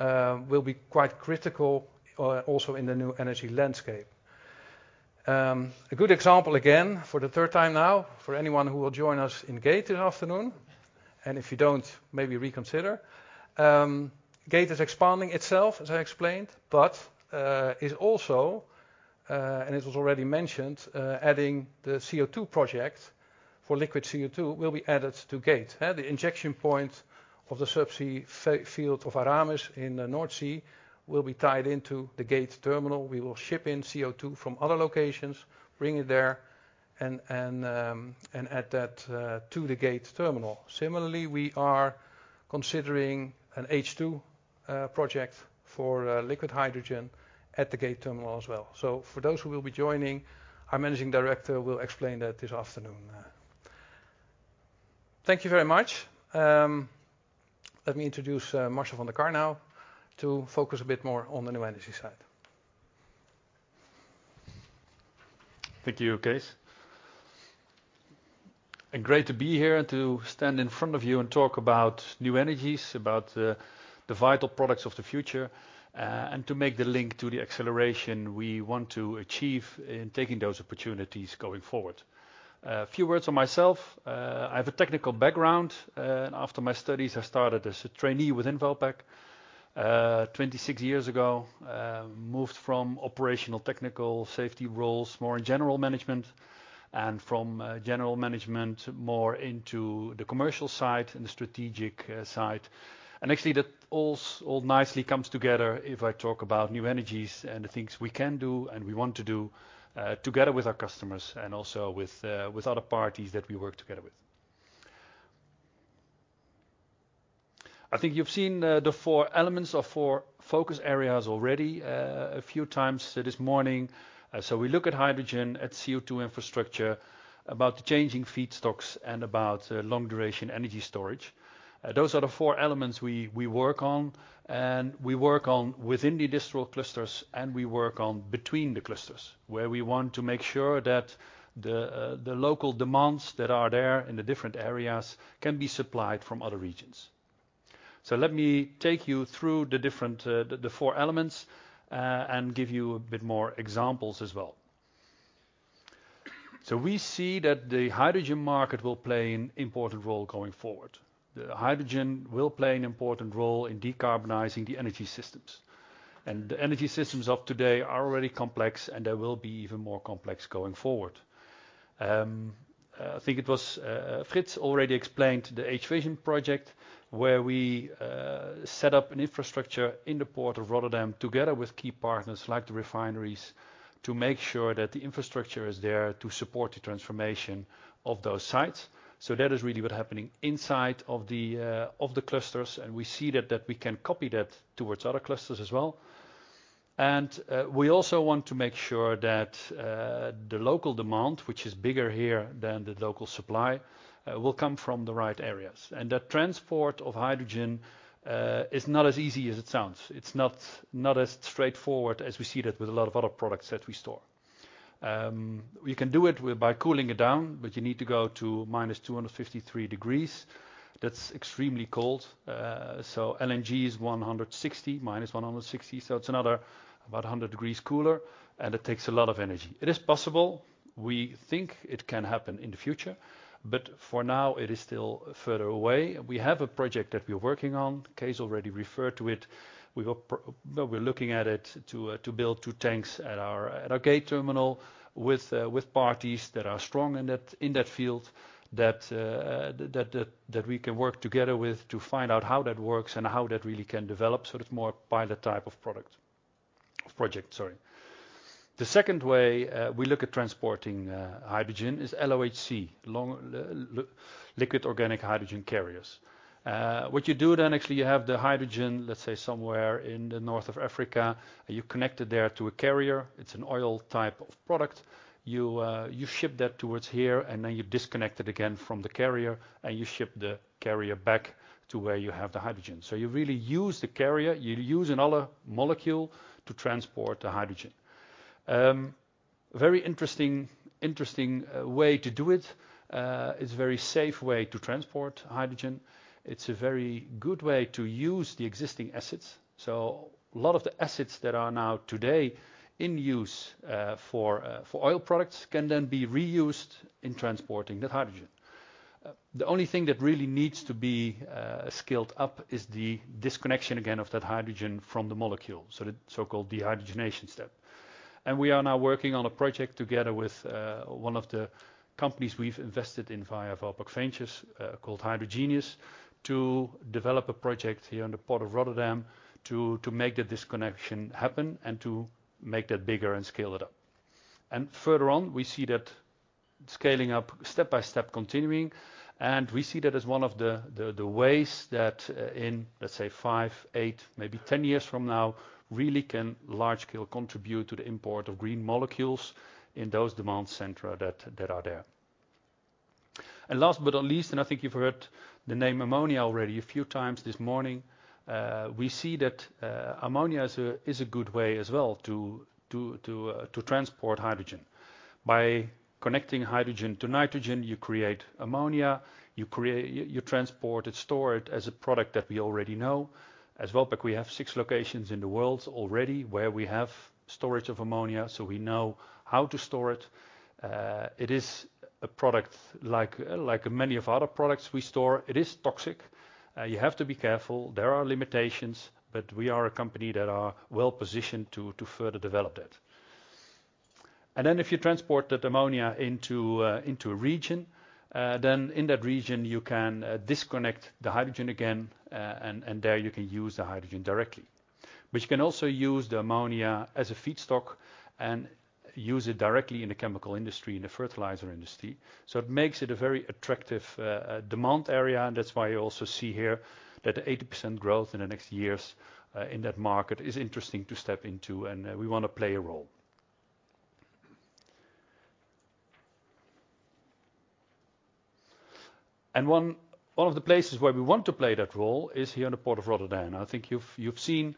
will be quite critical, also in the new energy landscape. A good example again, for the third time now, for anyone who will join us in Gate this afternoon, and if you don't, maybe reconsider. Gate is expanding itself, as I explained, but is also, and it was already mentioned, adding the CO2 project for liquid CO2 will be added to Gate. The injection point of the subsea gas field of Aramis in the North Sea will be tied into the Gate terminal. We will ship in CO2 from other locations, bring it there and add that to the Gate terminal. Similarly, we are considering an H2 project for liquid hydrogen at the Gate terminal as well. For those who will be joining, our managing director will explain that this afternoon. Thank you very much. Let me introduce Marcel van der Kar now to focus a bit more on the new energy side. Thank you, Kees. Great to be here and to stand in front of you and talk about new energies, about the vital products of the future, and to make the link to the acceleration we want to achieve in taking those opportunities going forward. A few words on myself. I have a technical background, and after my studies, I started as a trainee with INEOS Olefins, 26 years ago. Moved from operational technical safety roles, more in general management, and from general management more into the commercial side and the strategic side. Actually that all nicely comes together if I talk about new energies and the things we can do and we want to do, together with our customers and also with other parties that we work together with. I think you've seen the four elements or four focus areas already a few times this morning. We look at hydrogen, at CO2 infrastructure, about the changing feedstocks and about long-duration energy storage. Those are the four elements we work on within the industrial clusters, and we work on between the clusters, where we want to make sure that the local demands that are there in the different areas can be supplied from other regions. Let me take you through the different four elements and give you a bit more examples as well. We see that the hydrogen market will play an important role going forward. The hydrogen will play an important role in decarbonizing the energy systems. The energy systems of today are already complex, and they will be even more complex going forward. I think it was Frits already explained the H-vision project, where we set up an infrastructure in the port of Rotterdam together with key partners like the refineries, to make sure that the infrastructure is there to support the transformation of those sites. That is really what's happening inside of the clusters, and we see that we can copy that towards other clusters as well. We also want to make sure that the local demand, which is bigger here than the local supply, will come from the right areas. That transport of hydrogen is not as easy as it sounds. It's not as straightforward as we see that with a lot of other products that we store. We can do it by cooling it down, but you need to go to minus 253 degrees. That's extremely cold. LNG is 160, minus 160, so it's another about 100 degrees cooler, and it takes a lot of energy. It is possible. We think it can happen in the future, but for now it is still further away. We have a project that we're working on. Kees already referred to it. We're looking at it to build two tanks at our Gate terminal with parties that are strong in that field that we can work together with to find out how that works and how that really can develop. It's more pilot type of project. The second way we look at transporting hydrogen is LOHC, liquid organic hydrogen carriers. What you do then, actually, you have the hydrogen, let's say, somewhere in the north of Africa. You connect it there to a carrier. It's an oil type of product. You ship that towards here, and then you disconnect it again from the carrier, and you ship the carrier back to where you have the hydrogen. You really use the carrier, you use another molecule to transport the hydrogen. Very interesting way to do it. It's very safe way to transport hydrogen. It's a very good way to use the existing assets. A lot of the assets that are now today in use for oil products can then be reused in transporting that hydrogen. The only thing that really needs to be scaled up is the disconnection again of that hydrogen from the molecule, so the so-called dehydrogenation step. We are now working on a project together with one of the companies we've invested in via Vopak Ventures, called Hydrogenious, to develop a project here in the port of Rotterdam to make the disconnection happen and to make that bigger and scale it up. Further on, we see that scaling up step by step continuing, and we see that as one of the ways that, in, let's say, five, eight, maybe 10 years from now, really can large scale contribute to the import of green molecules in those demand center that are there. Last but not least, I think you've heard the name ammonia already a few times this morning, we see that, ammonia is a good way as well to transport hydrogen. By connecting hydrogen to nitrogen, you create ammonia. You transport it, store it as a product that we already know. As well, Vopak, we have 6 locations in the world already where we have storage of ammonia, so we know how to store it. It is a product like many of other products we store. It is toxic. You have to be careful. There are limitations, but we are a company that are well-positioned to further develop that. If you transport that ammonia into a region, then in that region, you can disconnect the hydrogen again, and there you can use the hydrogen directly. You can also use the ammonia as a feedstock and use it directly in the chemical industry and the fertilizer industry. It makes it a very attractive demand area, and that's why you also see here that 80% growth in the next years in that market is interesting to step into, and we wanna play a role. One of the places where we want to play that role is here in the port of Rotterdam. I think you've seen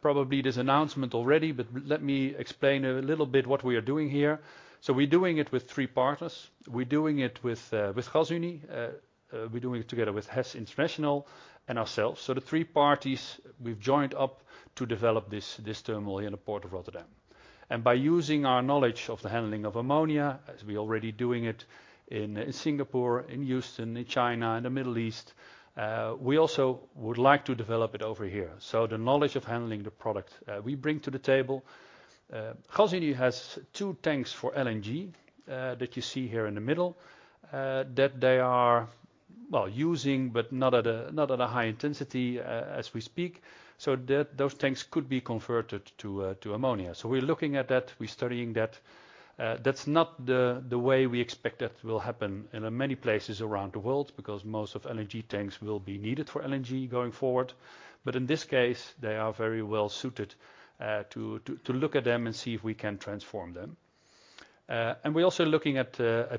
probably this announcement already, but let me explain a little bit what we are doing here. We're doing it with three partners. We're doing it with Gasunie, we're doing it together with HES International and ourselves. The three parties, we've joined up to develop this terminal here in the port of Rotterdam. By using our knowledge of the handling of ammonia, as we already doing it in Singapore, in Houston, in China, in the Middle East, we also would like to develop it over here. The knowledge of handling the product, we bring to the table. Gasunie has two tanks for LNG that you see here in the middle that they are, well, using, but not at a high intensity as we speak, so that those tanks could be converted to ammonia. We're looking at that. We're studying that. That's not the way we expect that will happen in many places around the world because most of LNG tanks will be needed for LNG going forward. In this case, they are very well suited to look at them and see if we can transform them. We're also looking at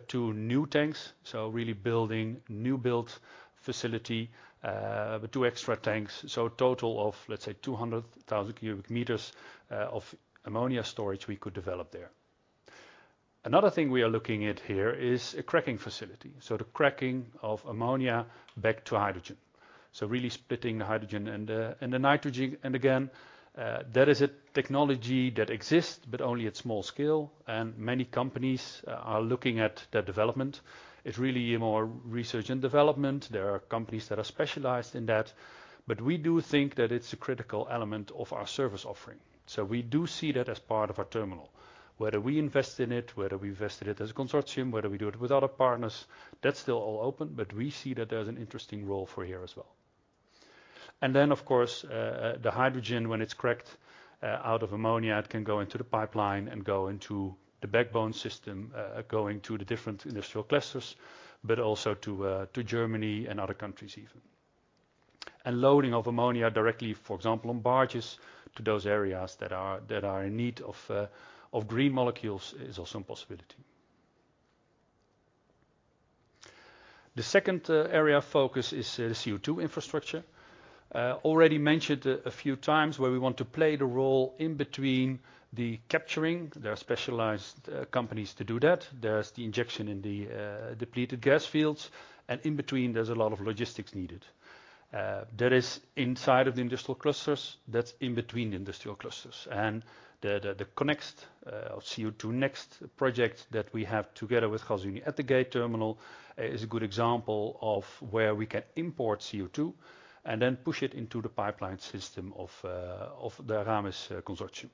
two new tanks, so really building new build facility, but two extra tanks, so a total of, let's say, 200,000 cubic meters of ammonia storage we could develop there. Another thing we are looking at here is a cracking facility, so the cracking of ammonia back to hydrogen. Really splitting the hydrogen and the nitrogen. Again, that is a technology that exists but only at small scale, and many companies are looking at the development. It's really more research and development. There are companies that are specialized in that. We do think that it's a critical element of our service offering. We do see that as part of our terminal. Whether we invest in it as a consortium, whether we do it with other partners, that's still all open, but we see that there's an interesting role for here as well. Of course, the hydrogen, when it's cracked out of ammonia, it can go into the pipeline and go into the backbone system, going to the different industrial clusters, but also to Germany and other countries even. Loading of ammonia directly, for example, on barges to those areas that are in need of green molecules is also a possibility. The second area of focus is the CO2 infrastructure. Already mentioned a few times where we want to play the role in between the capturing. There are specialized companies to do that. There's the injection in the depleted gas fields, and in between, there's a lot of logistics needed. That is inside of the industrial clusters, that's in between industrial clusters. The CO2next project that we have together with Gasunie at the Gate terminal is a good example of where we can import CO2 and then push it into the pipeline system of the Aramis consortium.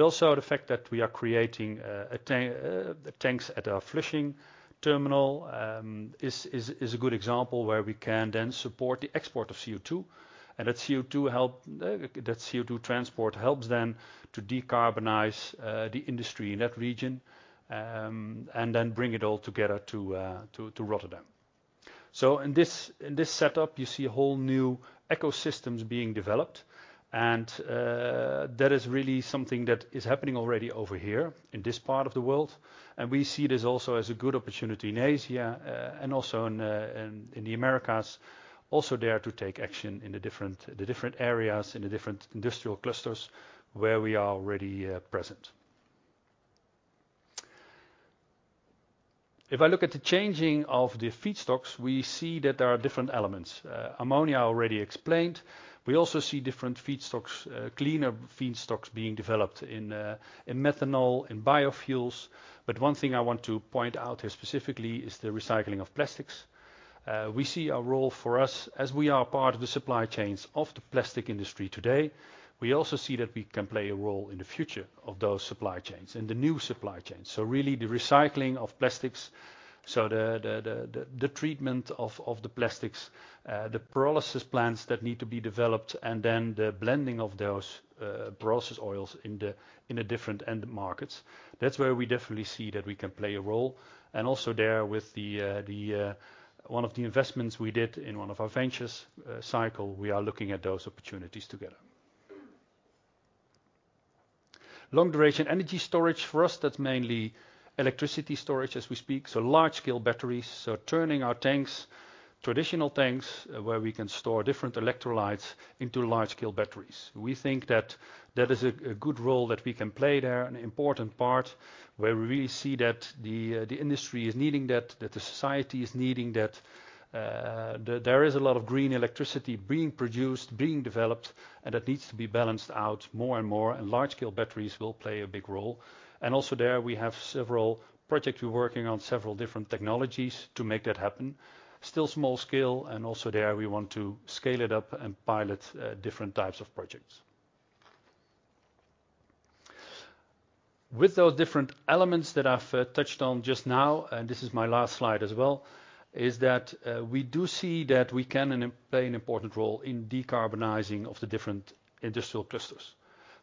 Also the fact that we are creating the tanks at our Flushing terminal is a good example where we can then support the export of CO2, and that CO2 transport helps then to decarbonize the industry in that region, and then bring it all together to Rotterdam. In this setup, you see whole new ecosystems being developed, and that is really something that is happening already over here in this part of the world. We see this also as a good opportunity in Asia, and also in the Americas, also there to take action in the different areas, in the different industrial clusters where we are already present. If I look at the changing of the feedstocks, we see that there are different elements. Ammonia already explained. We also see different feedstocks, cleaner feedstocks being developed in methanol, in biofuels. But one thing I want to point out here specifically is the recycling of plastics. We see a role for us as we are part of the supply chains of the plastic industry today. We also see that we can play a role in the future of those supply chains and the new supply chains. Really the recycling of plastics, the treatment of the plastics, the pyrolysis plants that need to be developed, and then the blending of those pyrolysis oils in the different end markets, that's where we definitely see that we can play a role. Also there with the one of the investments we did in one of our ventures, Xycle, we are looking at those opportunities together. Long-duration energy storage. For us, that's mainly electricity storage as we speak, so large scale batteries, so turning our tanks, traditional tanks, where we can store different electrolytes into large scale batteries. We think that is a good role that we can play there, an important part where we really see that the industry is needing that, the society is needing that, there is a lot of green electricity being produced, being developed, and that needs to be balanced out more and more, and large scale batteries will play a big role. Also there, we have several projects. We're working on several different technologies to make that happen. Still small scale, and also there we want to scale it up and pilot different types of projects. With those different elements that I've touched on just now, and this is my last slide as well, is that we do see that we can play an important role in decarbonizing of the different industrial clusters.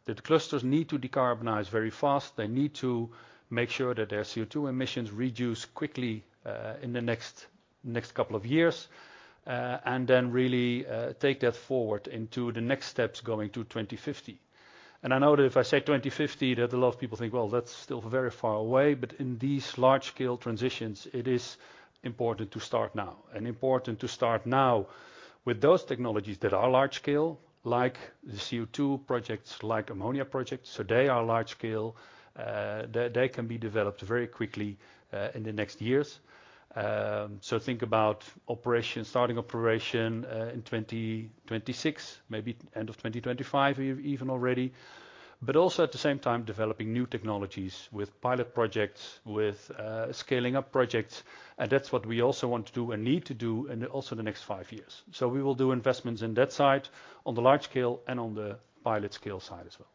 That clusters need to decarbonize very fast. They need to make sure that their CO2 emissions reduce quickly in the next couple of years. Take that forward into the next steps going to 2050. I know that if I say 2050, that a lot of people think, "Well, that's still very far away," but in these large-scale transitions, it is important to start now, and important to start now with those technologies that are large scale, like the CO2 projects, like ammonia projects. They are large scale. They can be developed very quickly in the next years. Think about operation, starting operation in 2026, maybe end of 2025 even already. Also at the same time, developing new technologies with pilot projects, with scaling up projects, and that's what we also want to do and need to do in also the next five years. We will do investments in that side, on the large scale and on the pilot scale side as well.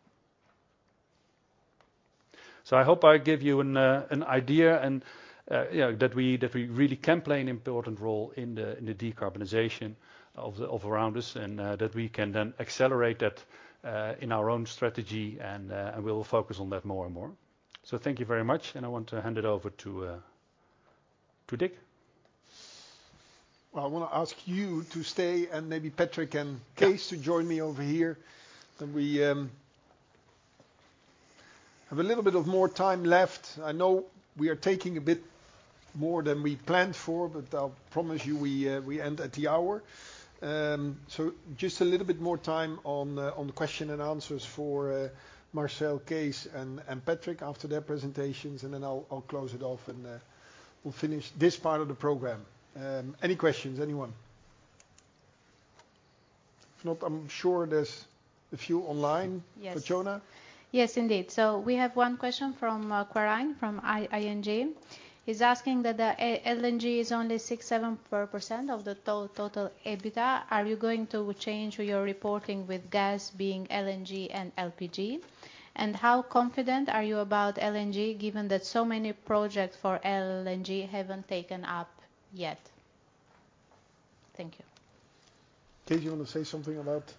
I hope I give you an idea and that we really can play an important role in the decarbonization of around us and that we can then accelerate that in our own strategy and we'll focus on that more and more. Thank you very much and I want to hand it over to Dick. Well, I wanna ask you to stay, and maybe Patrick and Yeah Kees to join me over here. We have a little bit more time left. I know we are taking a bit more than we planned for, but I'll promise you, we end at the hour. Just a little bit more time on the question and answers for Marcel, Kees and Patrick after their presentations, and then I'll close it off and we'll finish this part of the program. Any questions, anyone? If not, I'm sure there's a few online. Yes. Petrona? Yes, indeed. We have one question from Quirijn from ING. He's asking that the LNG is only 6-7% of the total EBITDA. Are you going to change your reporting with gas being LNG and LPG? And how confident are you about LNG, given that so many projects for LNG haven't taken up yet? Thank you. Kees, you want to say something about.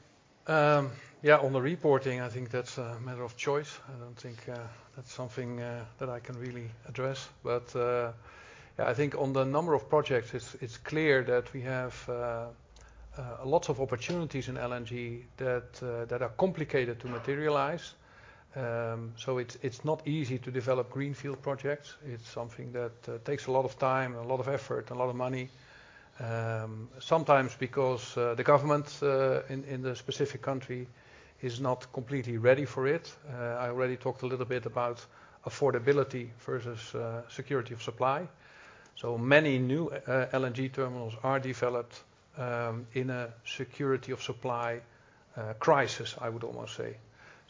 Yeah. On the reporting, I think that's a matter of choice. I don't think that's something that I can really address. Yeah, I think on the number of projects, it's clear that we have lots of opportunities in LNG that are complicated to materialize. It's not easy to develop greenfield projects. It's something that takes a lot of time and a lot of effort, a lot of money. Sometimes because the government in the specific country is not completely ready for it. I already talked a little bit about affordability versus security of supply. Many new LNG terminals are developed in a security of supply crisis, I would almost say.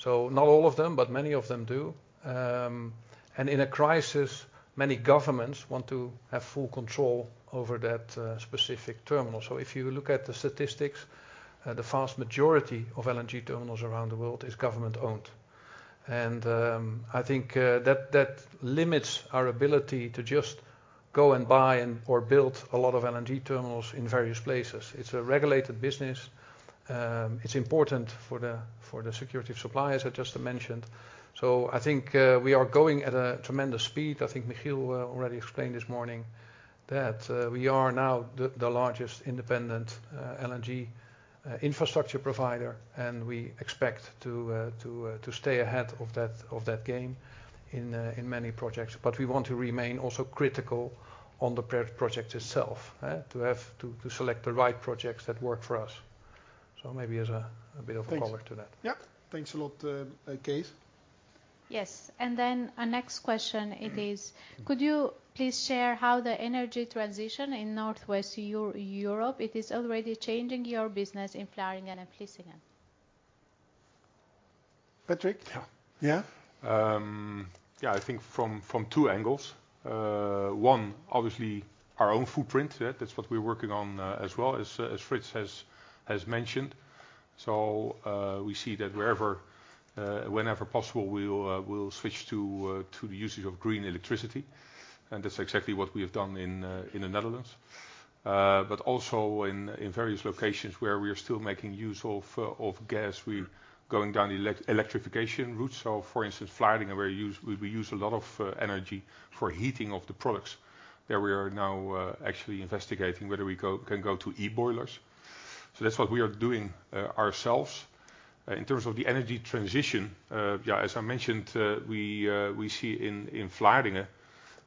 Not all of them, but many of them do. In a crisis, many governments want to have full control over that specific terminal. If you look at the statistics, the vast majority of LNG terminals around the world is government-owned. I think that limits our ability to just go and buy and or build a lot of LNG terminals in various places. It's a regulated business. It's important for the security of supply, as I just mentioned. I think we are going at a tremendous speed. I think Michiel already explained this morning that we are now the largest independent LNG infrastructure provider, and we expect to stay ahead of that game in many projects. We want to remain also critical on the per project itself. To have to select the right projects that work for us. Maybe as a bit of a cover to that. Thanks. Yeah. Thanks a lot, Kees. Yes. Our next question it is: Could you please share how the energy transition in Northwest Europe is already changing your business in Vlaardingen and Vlissingen? Patrick? Yeah. Yeah. Yeah. I think from two angles. One, obviously our own footprint, yeah. That's what we're working on, as well as Frits has mentioned. We see that wherever, whenever possible, we'll switch to the usage of green electricity, and that's exactly what we have done in the Netherlands. Also in various locations where we are still making use of gas, we're going down electrification routes. For instance, Vlaardingen, where we use a lot of energy for heating of the products. There we are now actually investigating whether we can go to e-boilers. That's what we are doing ourselves. In terms of the energy transition, yeah, as I mentioned, we see in Vlaardingen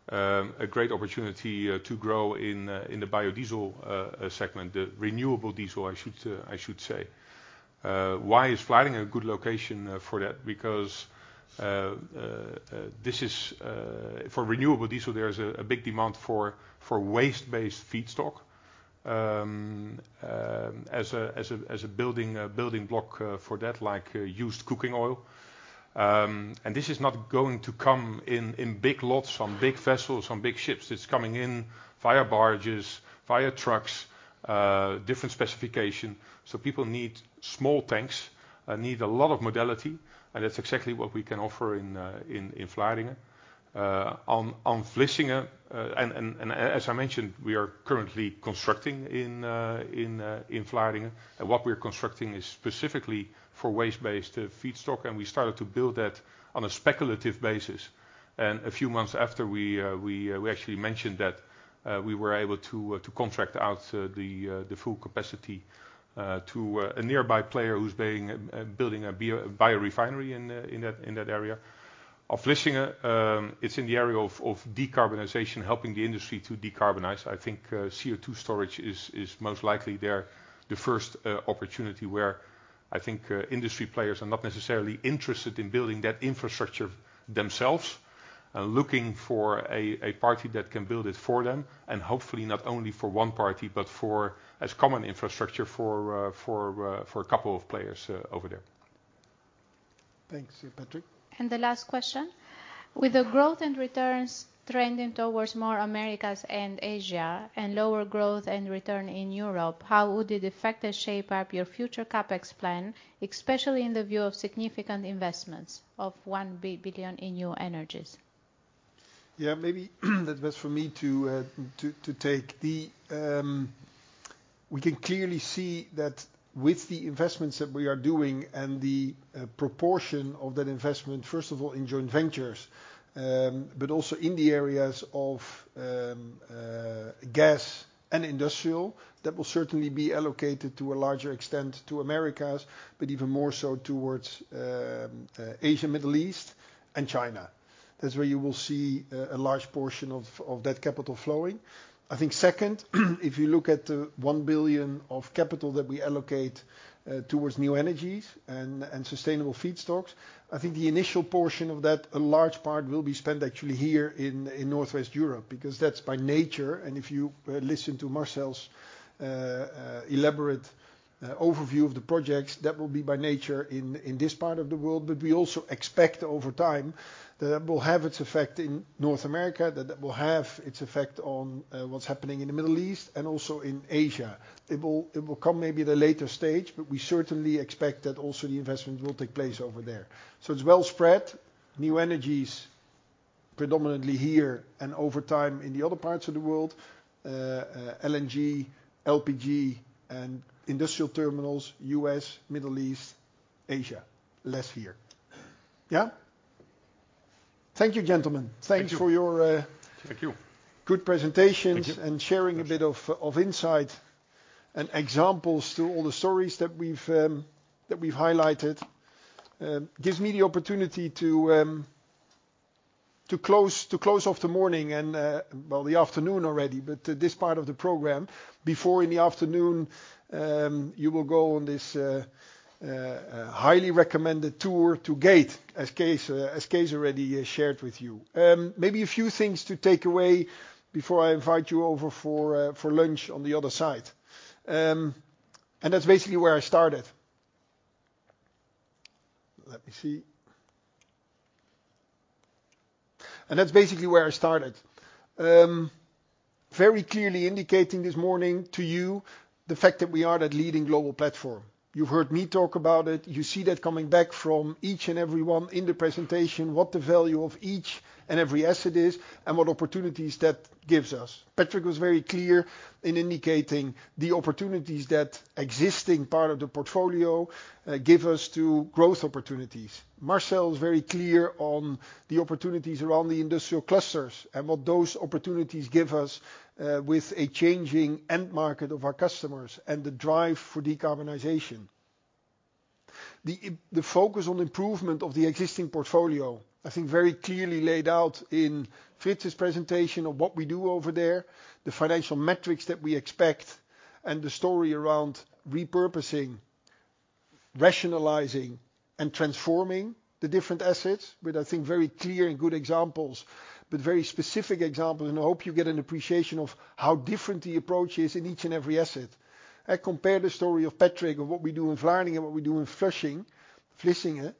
a great opportunity to grow in the biodiesel segment. The renewable diesel, I should say. Why is Vlaardingen a good location for that? Because this is for renewable diesel, there's a big demand for waste-based feedstock as a building block for that, like used cooking oil. This is not going to come in big lots on big vessels on big ships. It's coming in via barges via trucks, different specification. So people need small tanks, need a lot of modality, and that's exactly what we can offer in Vlaardingen. On Vlissingen and as I mentioned, we are currently constructing in Vlaardingen, and what we're constructing is specifically for waste-based feedstock, and we started to build that on a speculative basis. A few months after we actually mentioned that, we were able to contract out the full capacity to a nearby player who's building a biorefinery in that area of Vlissingen. It's in the area of decarbonization, helping the industry to decarbonize. I think CO2 storage is most likely there. The first opportunity where I think industry players are not necessarily interested in building that infrastructure themselves are looking for a party that can build it for them, and hopefully not only for one party, but as common infrastructure for a couple of players over there. Thanks. Patrick? The last question: With the growth in returns trending towards more Americas and Asia and lower growth and return in Europe, how would it affect and shape up your future CapEx plan, especially in the view of significant investments of 1 billion in new energies? Yeah. Maybe that's best for me to take. We can clearly see that with the investments that we are doing and the proportion of that investment, first of all, in joint ventures, but also in the areas of gas and industrial, that will certainly be allocated to a larger extent to Americas, but even more so towards Asia, Middle East, and China. That's where you will see a large portion of that capital flowing. I think second, if you look at the 1 billion of capital that we allocate towards new energies and sustainable feedstocks, I think the initial portion of that, a large part will be spent actually here in Northwest Europe, because that's by nature. If you listen to Marcel's elaborate overview of the projects, that will be by nature in this part of the world. But we also expect over time that that will have its effect in North America, that that will have its effect on what's happening in the Middle East and also in Asia. It will come maybe at a later stage, but we certainly expect that also the investments will take place over there. So it's well spread. New energies predominantly here and over time in the other parts of the world. LNG, LPG and industrial terminals, U.S., Middle East, Asia. Less here. Yeah? Thank you, gentlemen. Thank you. Thanks for your Thank you. Good presentations. Thank you and sharing a bit of insight and examples to all the stories that we've highlighted. Gives me the opportunity to close off the morning and, well, the afternoon already, but this part of the program before in the afternoon you will go on this highly recommended tour to Gate, as Kees already shared with you. Maybe a few things to take away before I invite you over for lunch on the other side. That's basically where I started. Let me see. That's basically where I started. Very clearly indicating this morning to you the fact that we are that leading global platform. You've heard me talk about it. You see that coming back from each and every one in the presentation, what the value of each and every asset is and what opportunities that gives us. Patrick was very clear in indicating the opportunities that existing part of the portfolio give us to growth opportunities. Marcel was very clear on the opportunities around the industrial clusters and what those opportunities give us with a changing end market of our customers and the drive for decarbonization. The focus on improvement of the existing portfolio, I think very clearly laid out in Frits' presentation of what we do over there, the financial metrics that we expect and the story around repurposing, rationalizing and transforming the different assets with, I think, very clear and good examples, but very specific examples, and I hope you get an appreciation of how different the approach is in each and every asset. I compare the story of Patrick, of what we do in Vlaardingen and what we do in Vlissingen.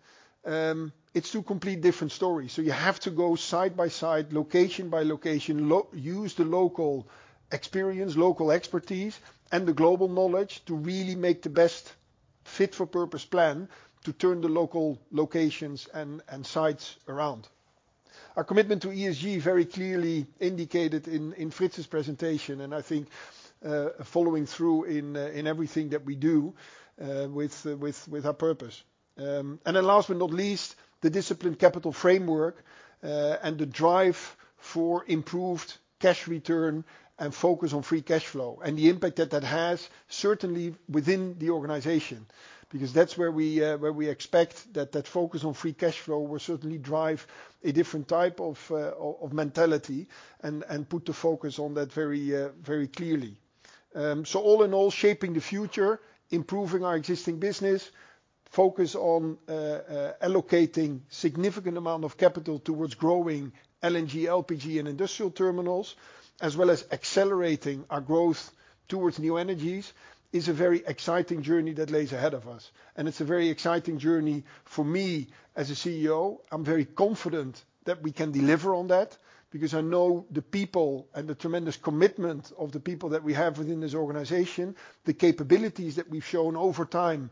It's two complete different stories. You have to go side by side, location by location, use the local experience, local expertise and the global knowledge to really make the best fit for purpose plan to turn the local locations and sites around. Our commitment to ESG is very clearly indicated in Frits' presentation, and I think following through in everything that we do with our purpose. Last but not least, the disciplined capital framework and the drive for improved cash return and focus on free cash flow and the impact that has certainly within the organization, because that's where we expect that focus on free cash flow will certainly drive a different type of mentality and put the focus on that very clearly. All in all, shaping the future, improving our existing business, focus on allocating significant amount of capital towards growing LNG, LPG and industrial terminals, as well as accelerating our growth towards new energies, is a very exciting journey that lies ahead of us. It's a very exciting journey for me as a CEO. I'm very confident that we can deliver on that because I know the people and the tremendous commitment of the people that we have within this organization, the capabilities that we've shown over time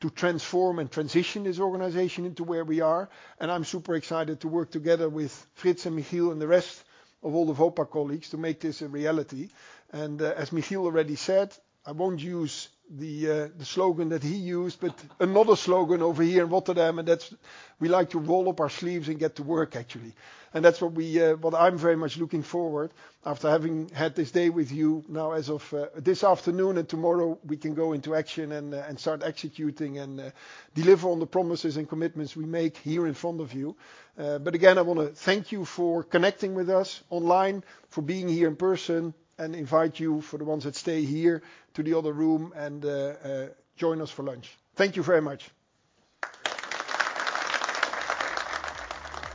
to transform and transition this organization into where we are. I'm super excited to work together with Frits and Michiel and the rest of all the Vopak colleagues to make this a reality. As Michiel already said, I won't use the slogan that he used, but another slogan over here in Rotterdam, and that's we like to roll up our sleeves and get to work actually. That's what I'm very much looking forward after having had this day with you now as of this afternoon and tomorrow we can go into action and start executing and deliver on the promises and commitments we make here in front of you. Again, I wanna thank you for connecting with us online, for being here in person and invite you, for the ones that stay here, to the other room and join us for lunch. Thank you very much.